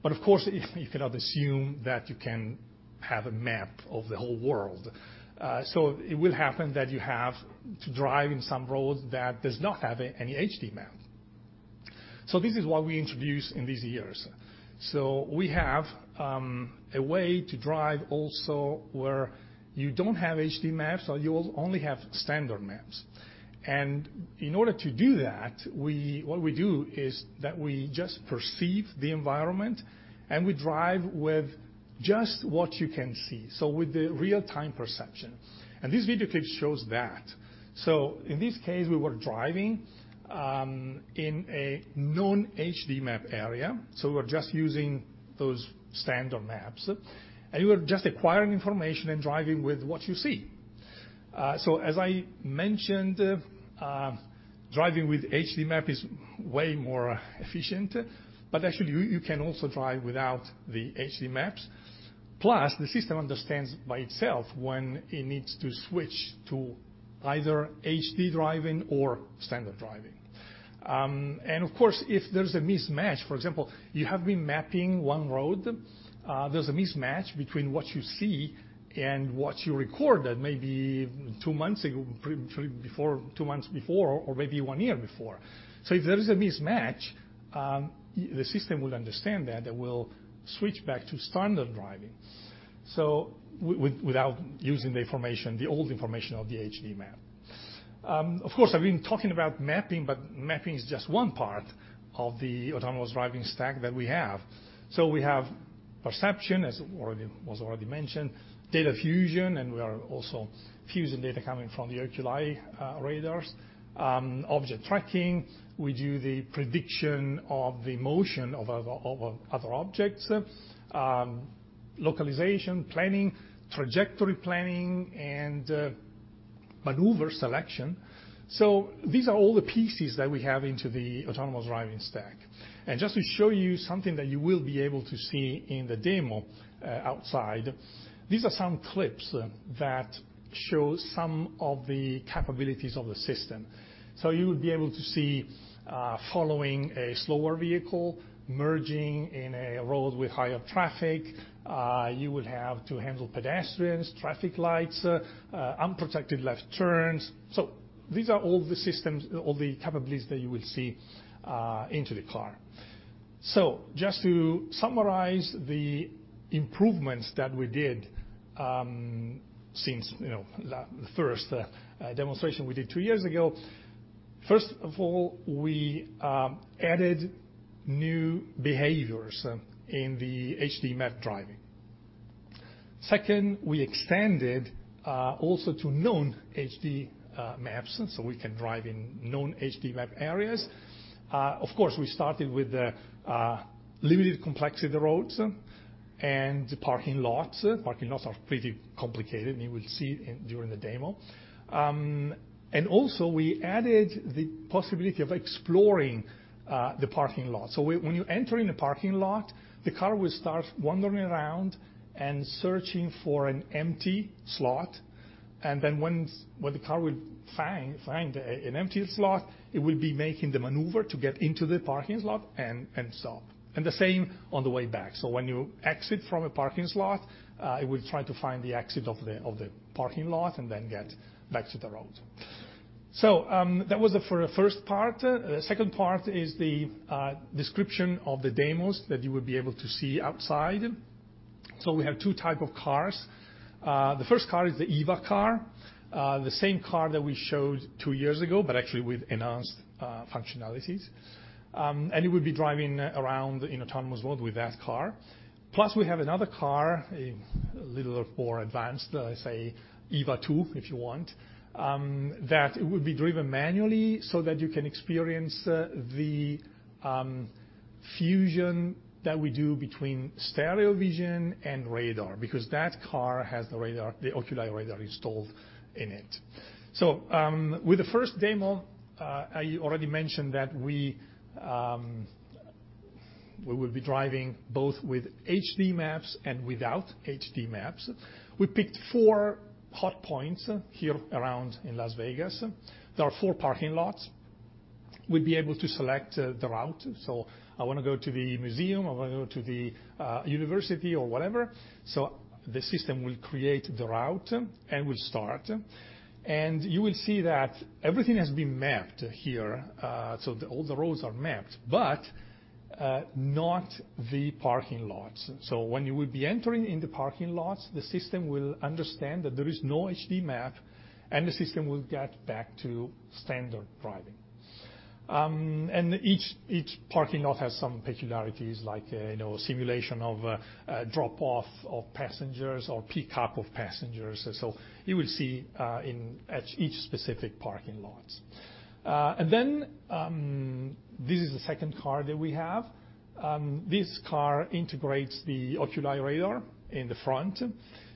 You cannot assume that you can have a map of the whole world. It will happen that you have to drive in some roads that does not have any HD map. This is what we introduced in these years. We have a way to drive also where you don't have HD maps or you will only have standard maps. In order to do that, what we do is that we just perceive the environment and we drive with just what you can see, so with the real-time perception. This video clip shows that. In this case, we were driving in a non-HD map area, so we're just using those standard maps, and we were just acquiring information and driving with what you see. As I mentioned, driving with HD map is way more efficient, but actually, you can also drive without the HD maps. Plus, the system understands by itself when it needs to switch to either HD driving or standard driving. Of course, if there's a mismatch, for example, you have been mapping one road, there's a mismatch between what you see and what you recorded maybe two months ago, two months before or maybe one year before. If there is a mismatch, the system will understand that and will switch back to standard driving without using the information, the old information of the HD map. Of course, I've been talking about mapping, but mapping is just one part of the autonomous driving stack that we have. We have perception, as already mentioned, data fusion, and we are also fusing data coming from the Oculii radars, object tracking. We do the prediction of the motion of other objects, localization, planning, trajectory planning, and maneuver selection. These are all the pieces that we have into the autonomous driving stack. Just to show you something that you will be able to see in the demo outside, these are some clips that show some of the capabilities of the system. You would be able to see following a slower vehicle, merging in a road with higher traffic. You would have to handle pedestrians, traffic lights, unprotected left turns. These are all the systems, all the capabilities that you will see into the car. Just to summarize the improvements that we did, since you know, the first demonstration we did two years ago. First of all, we added new behaviors in the HD map driving. Second, we extended also to known HD maps, so we can drive in known HD map areas. Of course, we started with the limited complexity roads and parking lots. Parking lots are pretty complicated, and you will see during the demo. Also we added the possibility of exploring the parking lot. So when you enter in a parking lot, the car will start wandering around and searching for an empty slot, and then once when the car will find an empty slot, it will be making the maneuver to get into the parking slot and stop. The same on the way back. When you exit from a parking slot, it will try to find the exit of the parking lot and then get back to the road. That was it for the first part. Second part is the description of the demos that you would be able to see outside. We have two type of cars. The first car is the EVA car, the same car that we showed two years ago, but actually with enhanced functionalities. It would be driving around in autonomous mode with that car. Plus, we have another car, a little more advanced, let's say EVA 2.0, if you want, that it would be driven manually so that you can experience the fusion that we do between stereo vision and radar because that car has the radar, the Oculii radar installed in it. With the first demo, I already mentioned that we will be driving both with HD maps and without HD maps. We picked four hot points here around in Las Vegas. There are four parking lots. We'd be able to select the route, so I wanna go to the museum, I wanna go to the university or whatever. The system will create the route and will start. You will see that everything has been mapped here, so all the roads are mapped, but not the parking lots. When you would be entering in the parking lots, the system will understand that there is no HD map, and the system will get back to standard driving. Each parking lot has some peculiarities like, you know, simulation of a drop off of passengers or pickup of passengers. You will see in each specific parking lots. This is the second car that we have. This car integrates the Oculii radar in the front,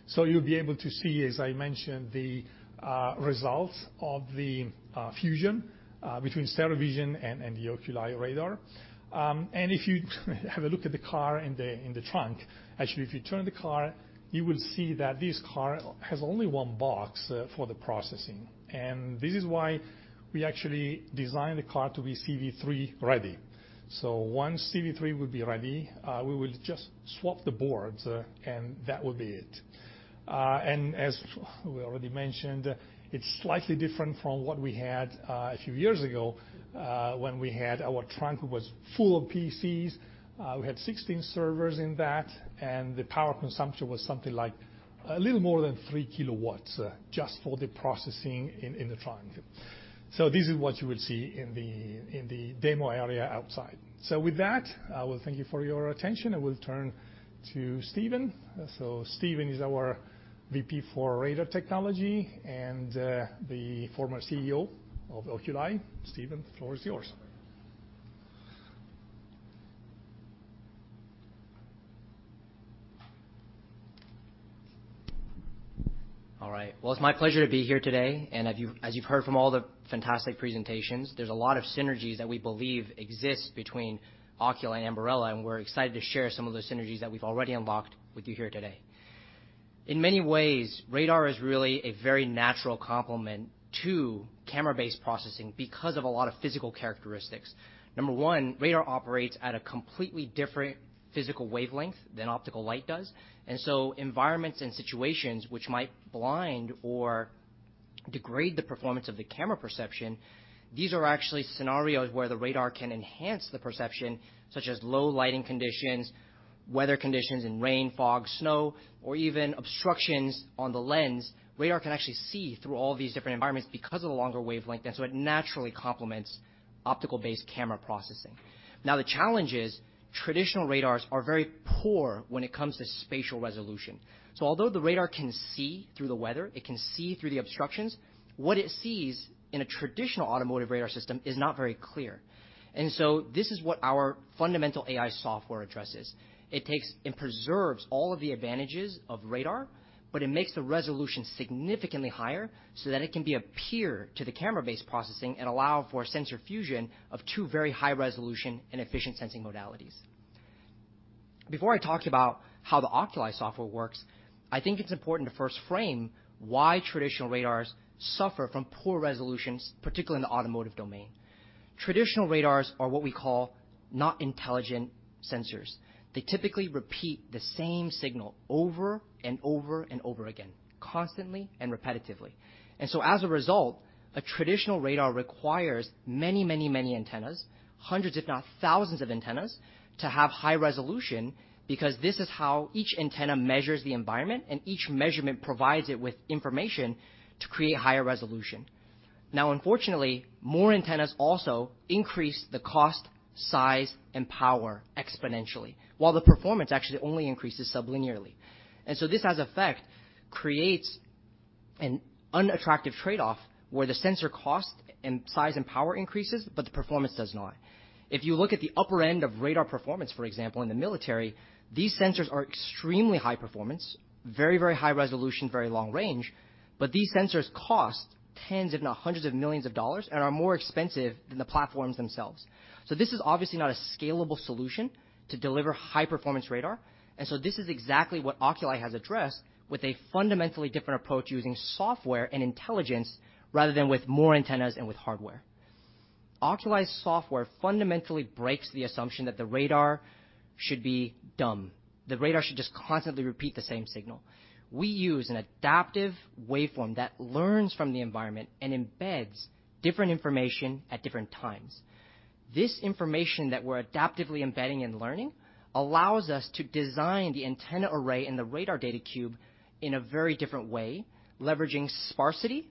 so you'll be able to see, as I mentioned, the results of the fusion between stereo vision and the Oculii radar. If you have a look at the car in the trunk, actually, if you turn the car, you will see that this car has only one box for the processing. This is why we actually designed the car to be CV3 ready. Once CV3 will be ready, we will just swap the boards, and that will be it. As we already mentioned, it's slightly different from what we had a few years ago, when we had our trunk was full of PCs. We had 16 servers in that, and the power consumption was something like a little more than 3 kW just for the processing in the trunk. This is what you will see in the demo area outside. With that, I will thank you for your attention, and we'll turn to Steven. Steven is our VP for Radar Technology and the Former CEO of Oculii. Steven, the floor is yours. All right. Well, it's my pleasure to be here today. If you, as you've heard from all the fantastic presentations, there's a lot of synergies that we believe exist between Oculii and Ambarella, and we're excited to share some of those synergies that we've already unlocked with you here today. In many ways, radar is really a very natural complement to camera-based processing because of a lot of physical characteristics. Number one, radar operates at a completely different physical wavelength than optical light does. Environments and situations which might blind or degrade the performance of the camera perception, these are actually scenarios where the radar can enhance the perception, such as low lighting conditions, weather conditions in rain, fog, snow, or even obstructions on the lens. Radar can actually see through all these different environments because of the longer wavelength, and so it naturally complements optical-based camera processing. Now, the challenge is traditional radars are very poor when it comes to spatial resolution. Although the radar can see through the weather, it can see through the obstructions, what it sees in a traditional automotive radar system is not very clear. This is what our fundamental AI software addresses. It takes and preserves all of the advantages of radar, but it makes the resolution significantly higher so that it can be a peer to the camera-based processing and allow for sensor fusion of two very high resolution and efficient sensing modalities. Before I talk about how the Oculii software works, I think it's important to first frame why traditional radars suffer from poor resolutions, particularly in the automotive domain. Traditional radars are what we call not intelligent sensors. They typically repeat the same signal over and over and over again, constantly and repetitively. As a result, a traditional radar requires many, many, many antennas, hundreds, if not thousands of antennas to have high resolution because this is how each antenna measures the environment, and each measurement provides it with information to create higher resolution. Now, unfortunately, more antennas also increase the cost, size, and power exponentially, while the performance actually only increases sublinearly. This adverse effect creates an unattractive trade-off where the sensor cost and size and power increases, but the performance does not. If you look at the upper end of radar performance, for example, in the military, these sensors are extremely high performance, very, very high resolution, very long range. These sensors cost tens, if not hundreds, of millions of dollars and are more expensive than the platforms themselves. This is obviously not a scalable solution to deliver high-performance radar. This is exactly what Oculii has addressed with a fundamentally different approach using software and intelligence rather than with more antennas and with hardware. Oculii's software fundamentally breaks the assumption that the radar should be dumb. The radar should just constantly repeat the same signal. We use an adaptive waveform that learns from the environment and embeds different information at different times. This information that we're adaptively embedding and learning allows us to design the antenna array in the radar data cube in a very different way, leveraging sparsity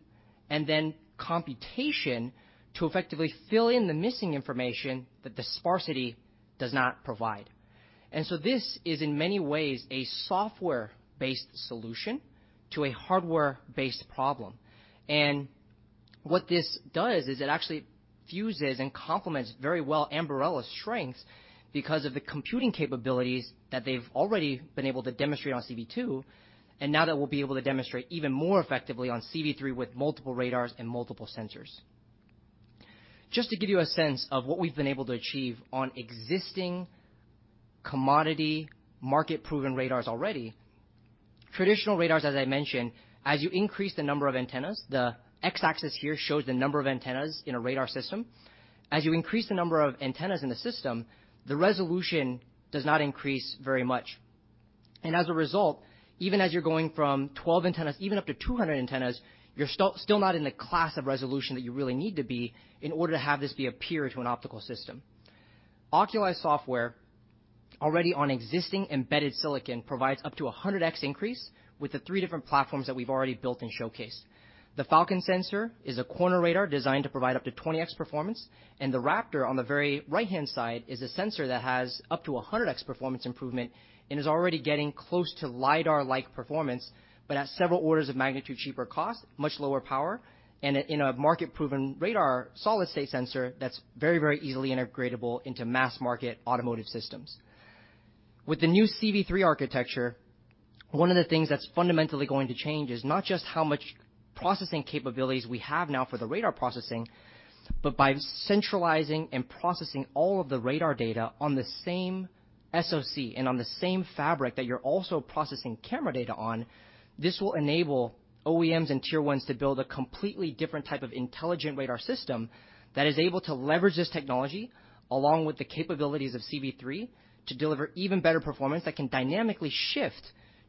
and then computation to effectively fill in the missing information that the sparsity does not provide. This is in many ways a software-based solution to a hardware-based problem. What this does is it actually fuses and complements very well Ambarella's strengths because of the computing capabilities that they've already been able to demonstrate on CV2, and now that we'll be able to demonstrate even more effectively on CV3 with multiple radars and multiple sensors. Just to give you a sense of what we've been able to achieve on existing commodity market-proven radars already. Traditional radars, as I mentioned, as you increase the number of antennas, the x-axis here shows the number of antennas in a radar system. As you increase the number of antennas in the system, the resolution does not increase very much. As a result, even as you're going from 12 antennas, even up to 200 antennas, you're still not in the class of resolution that you really need to be in order to have this be a peer to an optical system. Oculii software already on existing embedded silicon provides up to a 100x increase with the three different platforms that we've already built and showcased. The Falcon sensor is a corner radar designed to provide up to 20x performance, and the Raptor on the very right-hand side is a sensor that has up to a 100x performance improvement and is already getting close to lidar-like performance, but at several orders of magnitude cheaper cost, much lower power, and you know, market-proven radar, solid-state sensor that's very, very easily integratable into mass-market automotive systems. With the new CV3 architecture, one of the things that's fundamentally going to change is not just how much processing capabilities we have now for the radar processing, but by centralizing and processing all of the radar data on the same SoC and on the same fabric that you're also processing camera data on. This will enable OEMs and Tier 1s to build a completely different type of intelligent radar system that is able to leverage this technology along with the capabilities of CV3 to deliver even better performance that can dynamically shift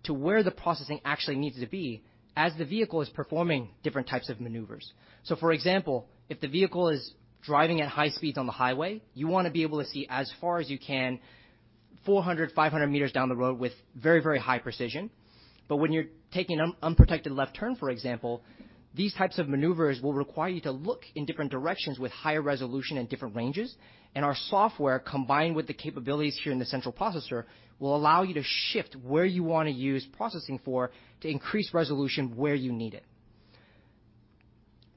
to where the processing actually needs to be as the vehicle is performing different types of maneuvers. For example, if the vehicle is driving at high speeds on the highway, you wanna be able to see as far as you can, 400-500 meters down the road with very, very high precision. When you're taking an unprotected left turn, for example, these types of maneuvers will require you to look in different directions with higher resolution and different ranges. Our software, combined with the capabilities here in the central processor, will allow you to shift where you wanna use processing for to increase resolution where you need it.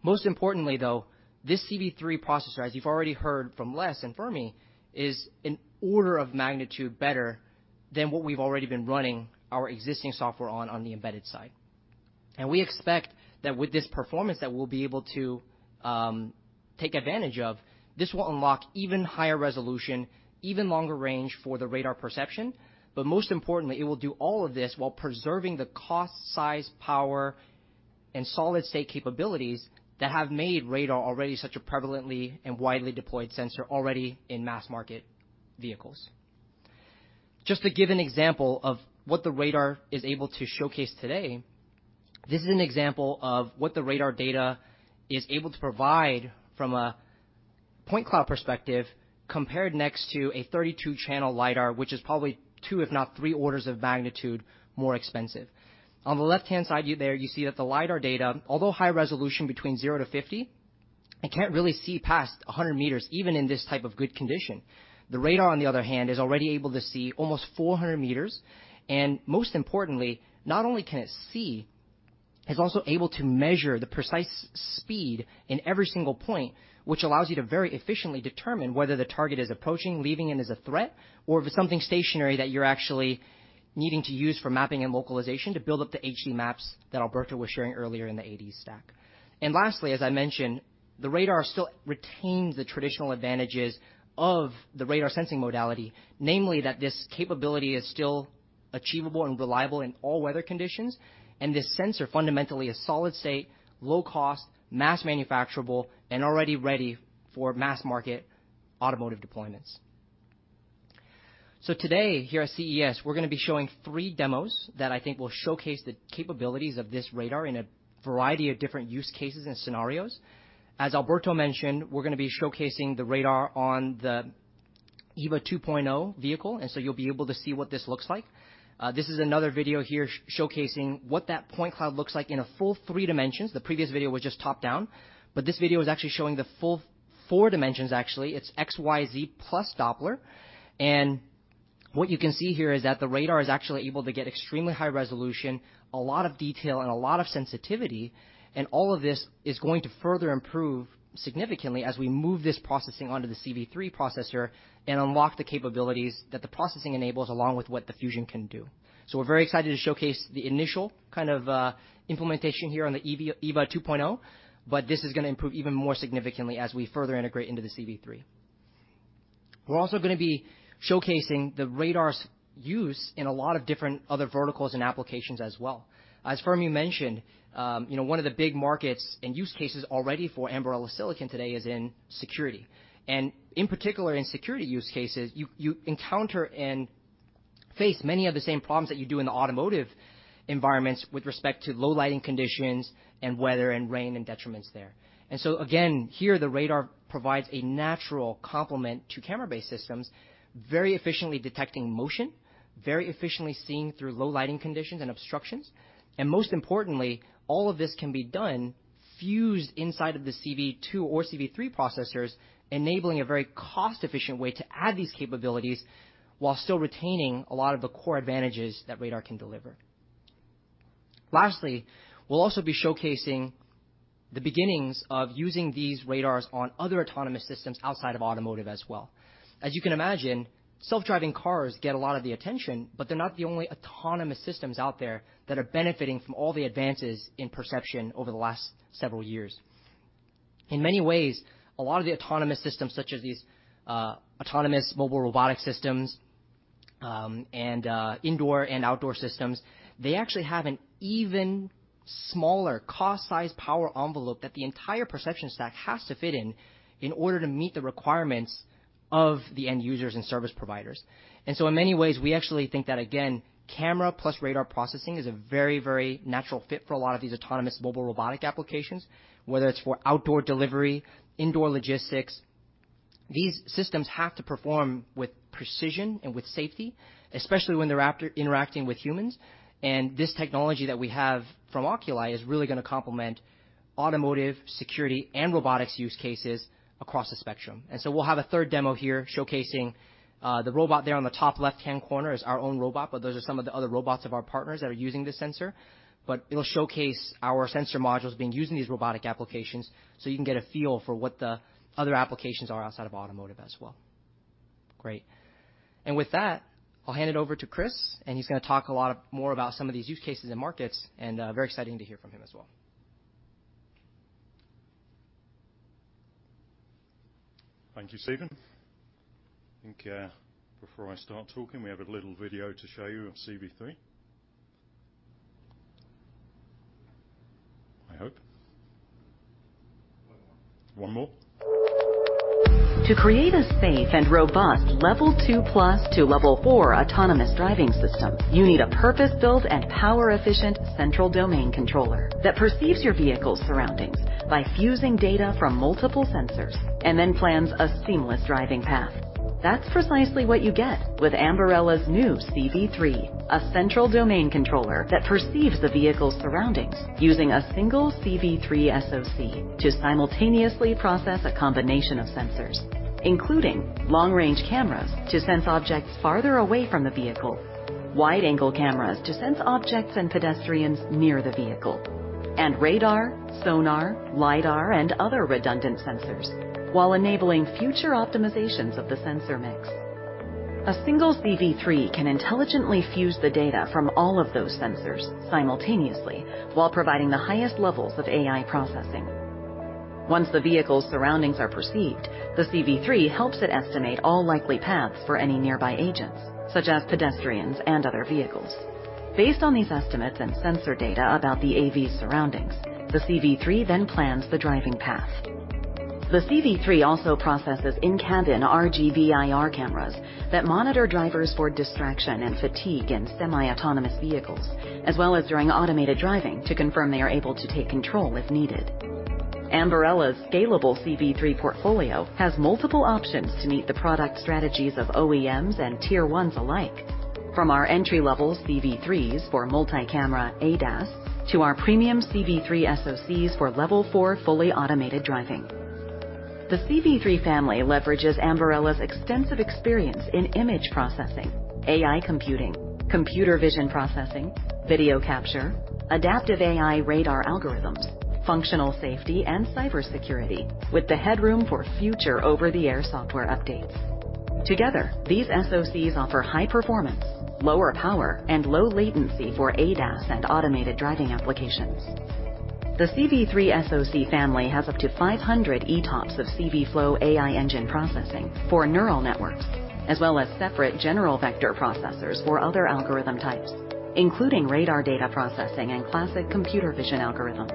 Most importantly, though, this CV3 processor, as you've already heard from Les and Fermi, is an order of magnitude better than what we've already been running our existing software on the embedded side. We expect that with this performance that we'll be able to take advantage of, this will unlock even higher resolution, even longer range for the radar perception. Most importantly, it will do all of this while preserving the cost, size, power, and solid-state capabilities that have made radar already such a prevalently and widely deployed sensor already in mass market vehicles. Just to give an example of what the radar is able to showcase today, this is an example of what the radar data is able to provide from a point cloud perspective compared next to a 32 channel lidar, which is probably two, if not three orders of magnitude more expensive. On the left-hand side there, you see that the lidar data, although high resolution between zero to 50, it can't really see past 100 meters even in this type of good condition. The radar, on the other hand, is already able to see almost 400 meters. Most importantly, not only can it see, it's also able to measure the precise speed in every single point, which allows you to very efficiently determine whether the target is approaching, leaving, and is a threat, or if it's something stationary that you're actually needing to use for mapping and localization to build up the HD maps that Alberto was sharing earlier in the AD stack. Lastly, as I mentioned, the radar still retains the traditional advantages of the radar sensing modality, namely that this capability is still achievable and reliable in all weather conditions. This sensor fundamentally is solid state, low cost, mass manufacturable, and already ready for mass market automotive deployments. Today, here at CES, we're gonna be showing three demos that I think will showcase the capabilities of this radar in a variety of different use cases and scenarios. As Alberto mentioned, we're gonna be showcasing the radar on the EVA 2.0 vehicle, and so you'll be able to see what this looks like. This is another video here showcasing what that point cloud looks like in a full three dimensions. The previous video was just top-down, but this video is actually showing the full four dimensions actually. It's XYZ plus Doppler. What you can see here is that the radar is actually able to get extremely high resolution, a lot of detail and a lot of sensitivity, and all of this is going to further improve significantly as we move this processing onto the CV3 processor and unlock the capabilities that the processing enables along with what the fusion can do. We're very excited to showcase the initial kind of implementation here on the EVA 2.0, but this is gonna improve even more significantly as we further integrate into the CV3. We're also gonna be showcasing the radar's use in a lot of different other verticals and applications as well. As Fermi mentioned, you know, one of the big markets and use cases already for Ambarella silicon today is in security. In particular, in security use cases, you encounter and face many of the same problems that you do in the automotive environments with respect to low lighting conditions and weather and rain and detriments there. Again, here, the radar provides a natural complement to camera-based systems, very efficiently detecting motion, very efficiently seeing through low lighting conditions and obstructions. Most importantly, all of this can be done fused inside of the CV2 or CV3 processors, enabling a very cost-efficient way to add these capabilities while still retaining a lot of the core advantages that radar can deliver. Lastly, we'll also be showcasing the beginnings of using these radars on other autonomous systems outside of automotive as well. As you can imagine, self-driving cars get a lot of the attention, but they're not the only autonomous systems out there that are benefiting from all the advances in perception over the last several years. In many ways, a lot of the autonomous systems such as these, autonomous mobile robotic systems, and indoor and outdoor systems, they actually have an even smaller cost, size, power envelope that the entire perception stack has to fit in in order to meet the requirements of the end users and service providers. In many ways, we actually think that, again, camera plus radar processing is a very, very natural fit for a lot of these autonomous mobile robotic applications, whether it's for outdoor delivery, indoor logistics. These systems have to perform with precision and with safety, especially when they're interacting with humans. This technology that we have from Oculii is really gonna complement automotive, security, and robotics use cases across the spectrum. We'll have a third demo here showcasing the robot there on the top left-hand corner is our own robot, but those are some of the other robots of our partners that are using this sensor. It'll showcase our sensor modules being used in these robotic applications, so you can get a feel for what the other applications are outside of automotive as well. Great. With that, I'll hand it over to Chris, and he's gonna talk a lot more about some of these use cases and markets, and very exciting to hear from him as well. Thank you, Steven. I think, before I start talking, we have a little video to show you of CV3. I hope. One more. One more? To create a safe and robust Level 2+ to Level 4 autonomous driving system, you need a purpose-built and power-efficient central domain controller that perceives your vehicle's surroundings by fusing data from multiple sensors and then plans a seamless driving path. That's precisely what you get with Ambarella's new CV3, a central domain controller that perceives the vehicle's surroundings using a single CV3 SoC to simultaneously process a combination of sensors, including long-range cameras to sense objects farther away from the vehicle. Wide-angle cameras to sense objects and pedestrians near the vehicle. Radar, sonar, lidar, and other redundant sensors while enabling future optimizations of the sensor mix. A single CV3 can intelligently fuse the data from all of those sensors simultaneously while providing the highest levels of AI processing. Once the vehicle's surroundings are perceived, the CV3 helps it estimate all likely paths for any nearby agents, such as pedestrians and other vehicles. Based on these estimates and sensor data about the AV's surroundings, the CV3 then plans the driving path. The CV3 also processes in-cabin RGBIR cameras that monitor drivers for distraction and fatigue in semi-autonomous vehicles, as well as during automated driving to confirm they are able to take control if needed. Ambarella's scalable CV3 portfolio has multiple options to meet the product strategies of OEMs and Tier 1s alike. From our entry-level CV3s for multi-camera ADAS to our premium CV3 SoCs for level four fully automated driving. The CV3 family leverages Ambarella's extensive experience in image processing, AI computing, computer vision processing, video capture, adaptive AI radar algorithms, functional safety, and cybersecurity, with the headroom for future over-the-air software updates. Together, these SoCs offer high performance, lower power, and low latency for ADAS and automated driving applications. The CV3 SoC family has up to 500 ETOPs of CVflow AI engine processing for neural networks, as well as separate general vector processors for other algorithm types, including radar data processing and classic computer vision algorithms.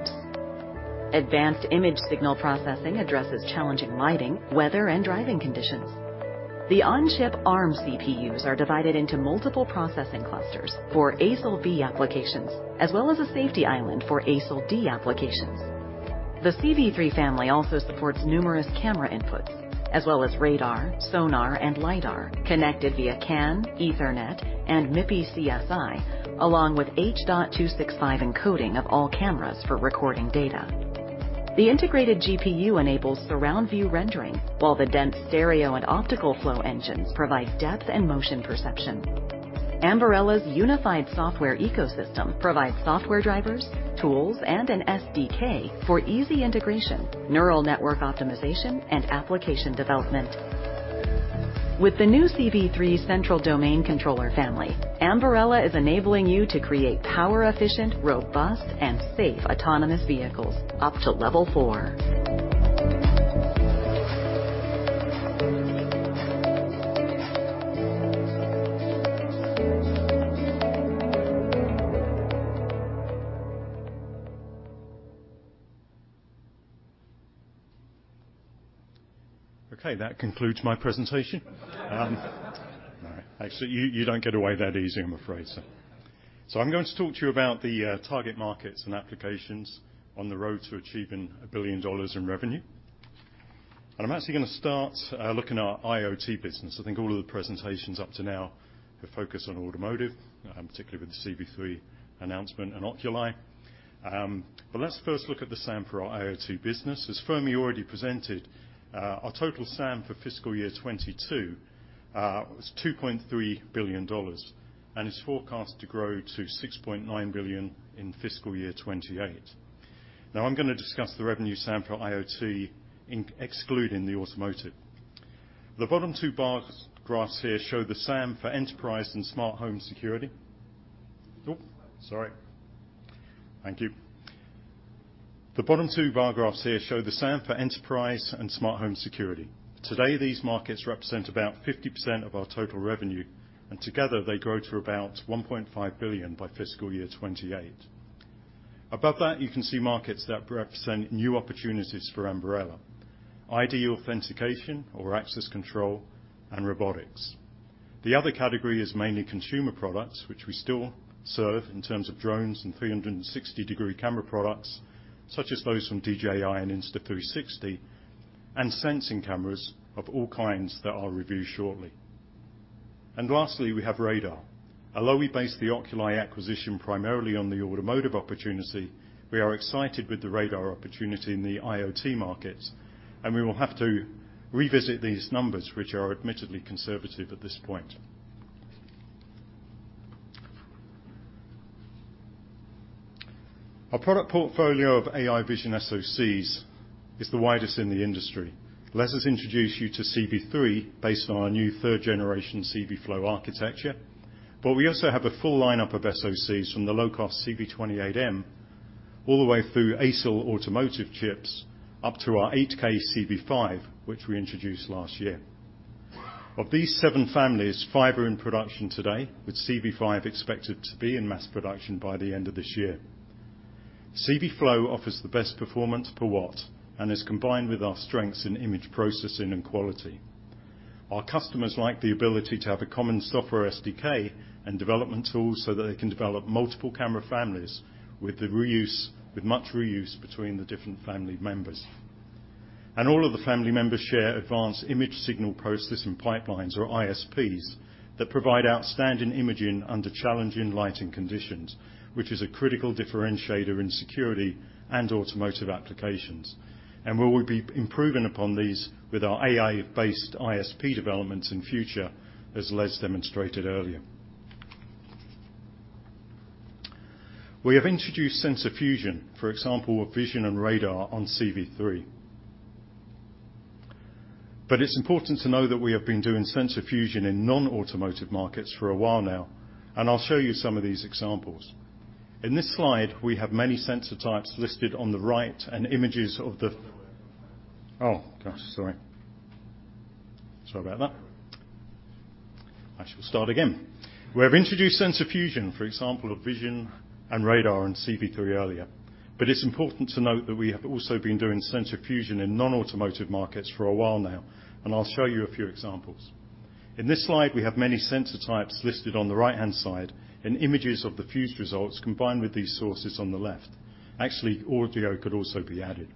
Advanced image signal processing addresses challenging lighting, weather, and driving conditions. The on-chip Arm CPUs are divided into multiple processing clusters for ASIL B applications, as well as a safety island for ASIL D applications. The CV3 family also supports numerous camera inputs, as well as radar, sonar, and lidar connected via CAN, Ethernet, and MIPI CSI, along with H.265 encoding of all cameras for recording data. The integrated GPU enables surround view rendering, while the dense stereo and optical flow engines provide depth and motion perception. Ambarella's unified software ecosystem provides software drivers, tools, and an SDK for easy integration, neural network optimization, and application development. With the new CV3 central domain controller family, Ambarella is enabling you to create power-efficient, robust, and safe autonomous vehicles up to level four. Okay, that concludes my presentation. Actually, you don't get away that easy, I'm afraid. I'm going to talk to you about the target markets and applications on the road to achieving $1 billion in revenue. I'm actually gonna start looking at our IoT business. I think all of the presentations up to now have focused on automotive, particularly with the CV3 announcement and Oculii. Let's first look at the SAM for our IoT business. As Fermi already presented, our total SAM for fiscal year 2022 was $2.3 billion and is forecast to grow to $6.9 billion in fiscal year 2028. Now I'm gonna discuss the revenue SAM for IoT excluding the automotive. The bottom two graphs here show the SAM for enterprise and smart home security. Thank you. The bottom two bar graphs here show the SAM for enterprise and smart home security. Today, these markets represent about 50% of our total revenue, and together they grow to about $1.5 billion by FY 2028. Above that, you can see markets that represent new opportunities for Ambarella: ID authentication or access control and robotics. The other category is mainly consumer products, which we still serve in terms of drones and 360-degree camera products such as those from DJI and Insta360, and sensing cameras of all kinds that I'll review shortly. Lastly, we have radar. Although we based the Oculii acquisition primarily on the automotive opportunity, we are excited with the radar opportunity in the IoT markets, and we will have to revisit these numbers, which are admittedly conservative at this point. Our product portfolio of AI vision SoCs is the widest in the industry. Let us introduce you to CV3 based on our new third generation CVflow architecture, but we also have a full lineup of SoCs from the low-cost CV28M all the way through ASIL automotive chips up to our 8K CV5, which we introduced last year. Of these seven families, five are in production today, with CV5 expected to be in mass production by the end of this year. CVflow offers the best performance per watt and is combined with our strengths in image processing and quality. Our customers like the ability to have a common software SDK and development tools so that they can develop multiple camera families with much reuse between the different family members. All of the family members share advanced image signal processing pipelines, or ISPs, that provide outstanding imaging under challenging lighting conditions, which is a critical differentiator in security and automotive applications. We will be improving upon these with our AI-based ISP developments in future, as Les demonstrated earlier. We have introduced sensor fusion, for example, with vision and radar on CV3. It's important to know that we have been doing sensor fusion in non-automotive markets for a while now, and I'll show you some of these examples. It's important to note that we have also been doing sensor fusion in non-automotive markets for a while now, and I'll show you a few examples. In this slide, we have many sensor types listed on the right-hand side, and images of the fused results combined with these sources on the left. Actually, audio could also be added.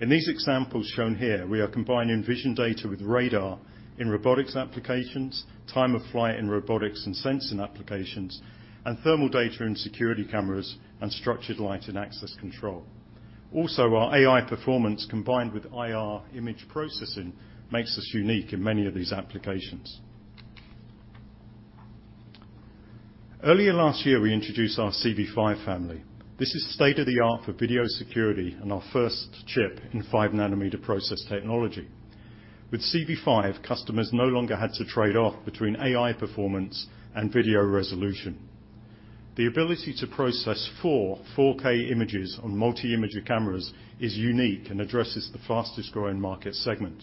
In these examples shown here, we are combining vision data with radar in robotics applications, time of flight in robotics and sensing applications, and thermal data in security cameras, and structured light in access control. Also, our AI performance combined with IR image processing makes us unique in many of these applications. Earlier last year, we introduced our CV5 family. This is state-of-the-art for video security and our first chip in 5 nm process technology. With CV5, customers no longer had to trade off between AI performance and video resolution. The ability to process four 4K images on multi-imager cameras is unique and addresses the fastest growing market segment.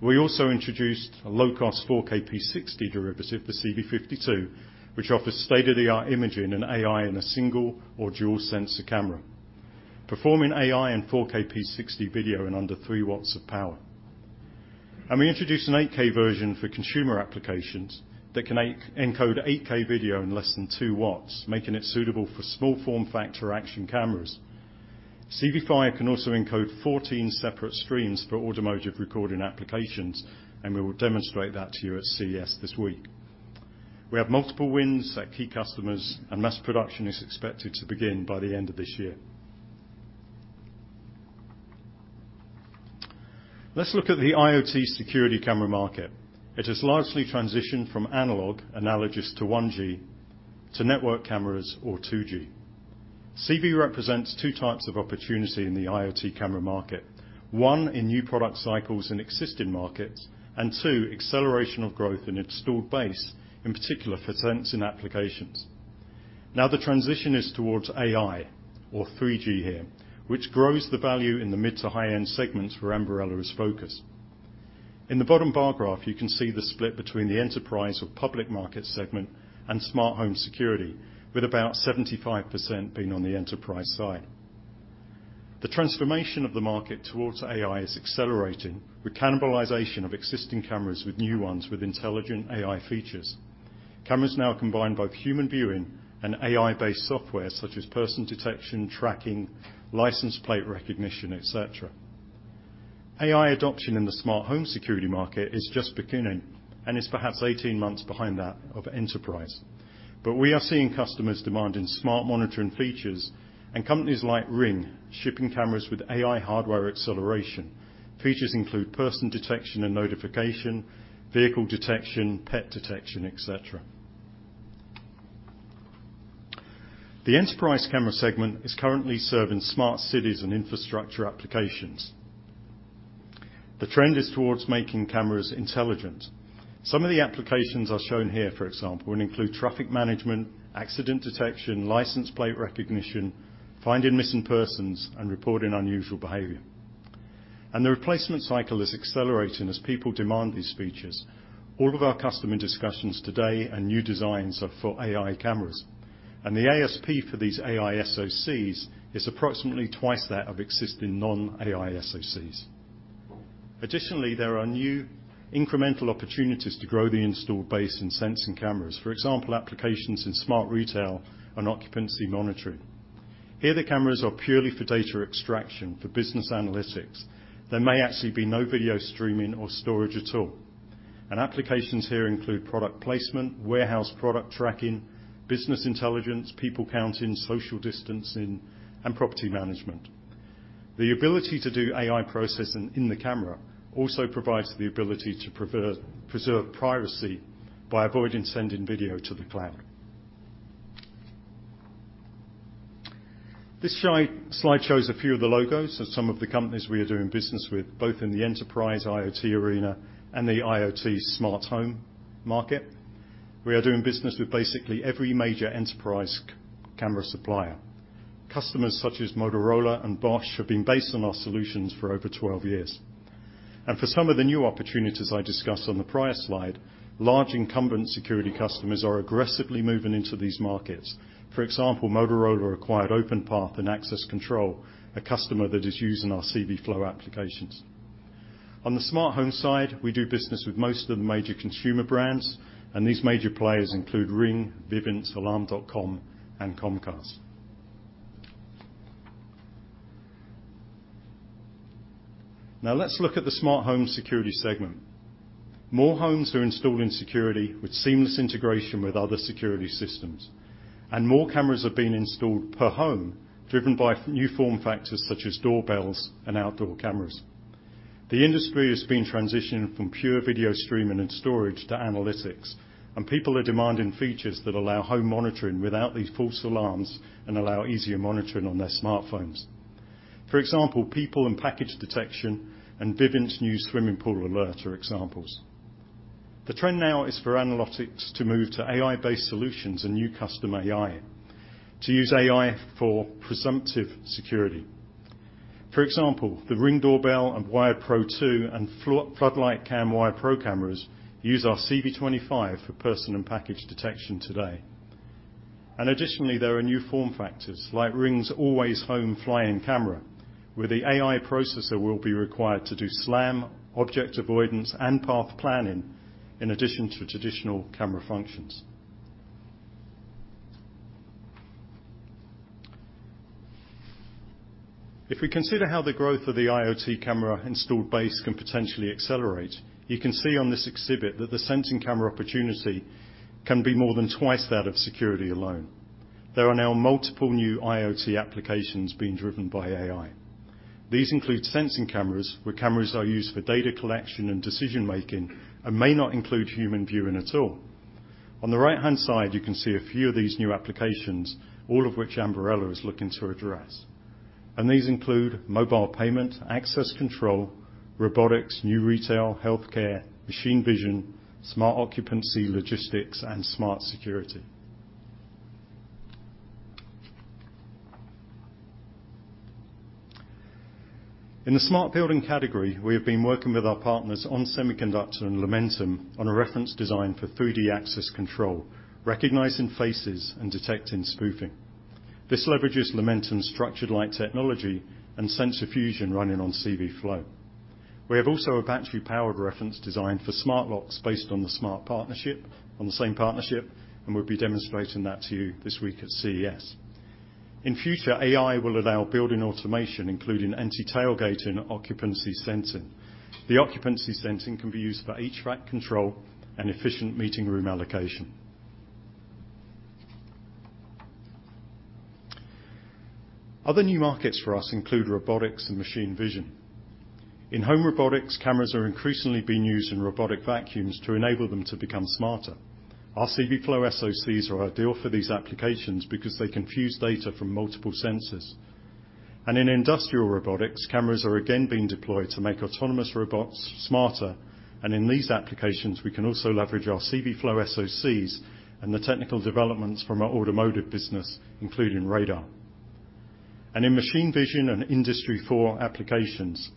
We also introduced a low-cost 4KP60 derivative, the CV52, which offers state-of-the-art imaging and AI in a single or dual sensor camera, performing AI and 4KP60 video in under three watts of power. We introduced an 8K version for consumer applications that can encode 8K video in less than two watts, making it suitable for small form factor action cameras. CV5 can also encode 14 separate streams for automotive recording applications, and we will demonstrate that to you at CES this week. We have multiple wins at key customers and mass production is expected to begin by the end of this year. Let's look at the IoT security camera market. It has largely transitioned from analog, Analogix to 1G, to network cameras or 2G. CV represents two types of opportunity in the IoT camera market. One, in new product cycles in existing markets, and two, acceleration of growth in its installed base, in particular for sensing applications. Now the transition is towards AI, or 3G here, which grows the value in the mid to high-end segments where Ambarella is focused. In the bottom bar graph, you can see the split between the enterprise or public market segment and smart home security, with about 75% being on the enterprise side. The transformation of the market towards AI is accelerating with cannibalization of existing cameras with new ones with intelligent AI features. Cameras now combine both human viewing and AI-based software, such as person detection, tracking, license plate recognition, et cetera. AI adoption in the smart home security market is just beginning, and is perhaps 18 months behind that of enterprise. We are seeing customers demanding smart monitoring features and companies like Ring shipping cameras with AI hardware acceleration. Features include person detection and notification, vehicle detection, pet detection, et cetera. The enterprise camera segment is currently serving smart cities and infrastructure applications. The trend is towards making cameras intelligent. Some of the applications are shown here, for example, and include traffic management, accident detection, license plate recognition, finding missing persons, and reporting unusual behavior. The replacement cycle is accelerating as people demand these features. All of our customer discussions today and new designs are for AI cameras. The ASP for these AI SoCs is approximately twice that of existing non-AI SoCs. Additionally, there are new incremental opportunities to grow the installed base in sensing cameras. For example, applications in smart retail and occupancy monitoring. Here, the cameras are purely for data extraction for business analytics. There may actually be no video streaming or storage at all. Applications here include product placement, warehouse product tracking, business intelligence, people counting, social distancing, and property management. The ability to do AI processing in the camera also provides the ability to preserve privacy by avoiding sending video to the cloud. This slide shows a few of the logos of some of the companies we are doing business with, both in the enterprise IoT arena and the IoT smart home market. We are doing business with basically every major enterprise camera supplier. Customers such as Motorola and Bosch have based their solutions on our solutions for over 12 years. For some of the new opportunities I discussed on the prior slide, large incumbent security customers are aggressively moving into these markets. For example, Motorola acquired Openpath, an access control customer that is using our CVflow applications. On the smart home side, we do business with most of the major consumer brands, and these major players include Ring, Vivint, Alarm.com, and Comcast. Now let's look at the smart home security segment. More homes are installing security with seamless integration with other security systems. More cameras are being installed per home, driven by new form factors such as doorbells and outdoor cameras. The industry has been transitioning from pure video streaming and storage to analytics, and people are demanding features that allow home monitoring without these false alarms and allow easier monitoring on their smartphones. For example, people and package detection and Vivint's new swimming pool alert are examples. The trend now is for analytics to move to AI-based solutions and new custom AI to use AI for presumptive security. For example, the Ring Doorbell and Wired Pro and Floodlight Cam Wired Pro Cameras use our CV25 for person and package detection today. Additionally, there are new form factors like Ring's Always Home Cam, where the AI processor will be required to do SLAM, object avoidance, and path planning in addition to traditional camera functions. If we consider how the growth of the IoT camera installed base can potentially accelerate, you can see on this exhibit that the sensing camera opportunity can be more than twice that of security alone. There are now multiple new IoT applications being driven by AI. These include sensing cameras, where cameras are used for data collection and decision-making and may not include human viewing at all. On the right-hand side, you can see a few of these new applications, all of which Ambarella is looking to address. These include mobile payment, access control, robotics, new retail, healthcare, machine vision, smart occupancy, logistics, and smart security. In the smart building category, we have been working with our partners on semiconductor and Lumentum on a reference design for 3D access control, recognizing faces and detecting spoofing. This leverages Lumentum's structured light technology and sensor fusion running on CVflow. We have also a battery-powered reference design for smart locks based on the same partnership, and we'll be demonstrating that to you this week at CES. In future, AI will allow building automation, including anti-tailgating occupancy sensing. The occupancy sensing can be used for HVAC control and efficient meeting room allocation. Other new markets for us include robotics and machine vision. In home robotics, cameras are increasingly being used in robotic vacuums to enable them to become smarter. Our CVflow SoCs are ideal for these applications because they can fuse data from multiple sensors. In industrial robotics, cameras are again being deployed to make autonomous robots smarter. In these applications, we can also leverage our CVflow SoCs and the technical developments from our automotive business, including radar. In machine vision and Industry 4.0 applications,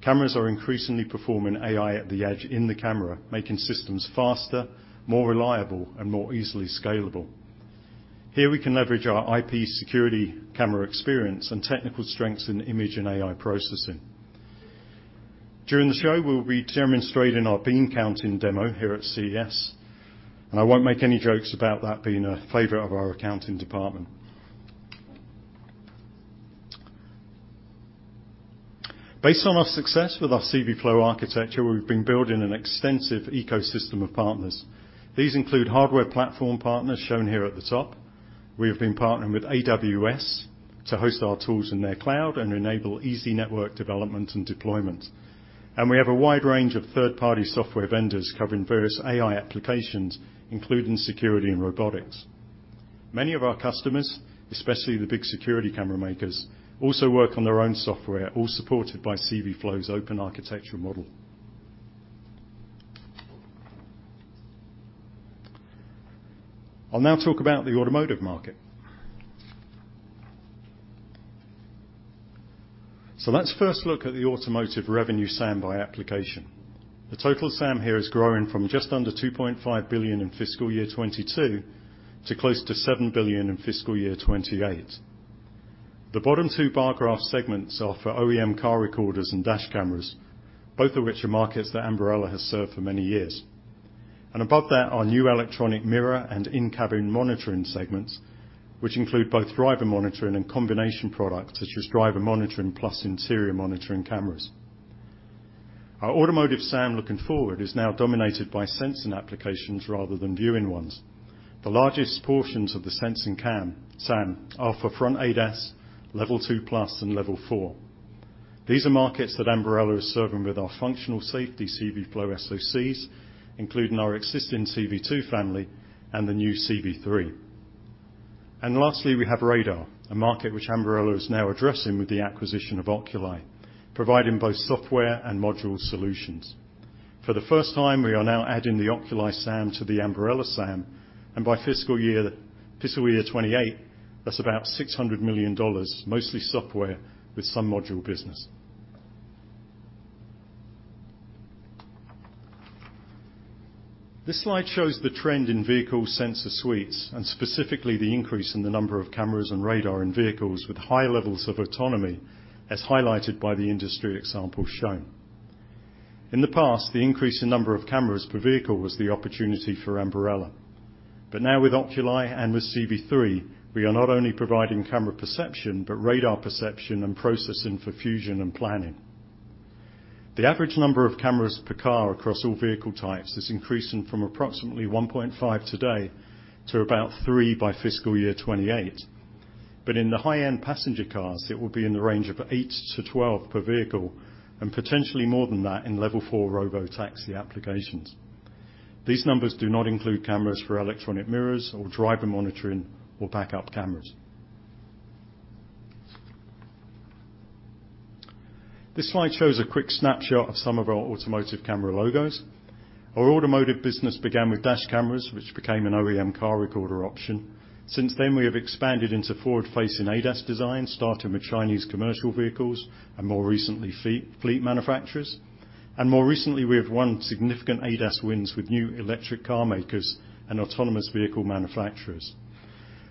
cameras are increasingly performing AI at the edge in the camera, making systems faster, more reliable, and more easily scalable. Here we can leverage our IP security camera experience and technical strengths in image and AI processing. During the show, we'll be demonstrating our bean counting demo here at CES, and I won't make any jokes about that being a favorite of our accounting department. Based on our success with our CVflow architecture, we've been building an extensive ecosystem of partners. These include hardware platform partners shown here at the top. We have been partnering with AWS to host our tools in their cloud and enable easy network development and deployment. We have a wide range of third-party software vendors covering various AI applications, including security and robotics. Many of our customers, especially the big security camera makers, also work on their own software, all supported by CVflow's open architectural model. I'll now talk about the automotive market. Let's first look at the automotive revenue SAM by application. The total SAM here is growing from just under $2.5 billion in fiscal year 2022 to close to $7 billion in fiscal year 2028. The bottom two bar graph segments are for OEM car recorders and dash cameras, both of which are markets that Ambarella has served for many years. Above that are new electronic mirror and in-cabin monitoring segments, which include both driver monitoring and combination products such as driver monitoring plus interior monitoring cameras. Our automotive SAM looking forward is now dominated by sensing applications rather than viewing ones. The largest portions of the sensing SAM are for front ADAS, level 2+, and level 4. These are markets that Ambarella is serving with our functional safety CVflow SoCs, including our existing CV2 family and the new CV3. Lastly, we have radar, a market which Ambarella is now addressing with the acquisition of Oculii, providing both software and module solutions. For the first time, we are now adding the Oculii SAM to the Ambarella SAM, and by fiscal year 2028, that's about $600 million, mostly software with some module business. This slide shows the trend in vehicle sensor suites, and specifically the increase in the number of cameras and radar in vehicles with high levels of autonomy, as highlighted by the industry example shown. In the past, the increase in number of cameras per vehicle was the opportunity for Ambarella. Now with Oculii and with CV3, we are not only providing camera perception, but radar perception and processing for fusion and planning. The average number of cameras per car across all vehicle types is increasing from approximately 1.5 today to about three by FY 2028. In the high-end passenger cars, it will be in the range of eight to 12 per vehicle, and potentially more than that in level four robotaxi applications. These numbers do not include cameras for electronic mirrors or driver monitoring or backup cameras. This slide shows a quick snapshot of some of our automotive camera logos. Our automotive business began with dash cameras, which became an OEM car recorder option. Since then, we have expanded into forward-facing ADAS design, starting with Chinese commercial vehicles and more recently fleet manufacturers. More recently, we have won significant ADAS wins with new electric car makers and autonomous vehicle manufacturers.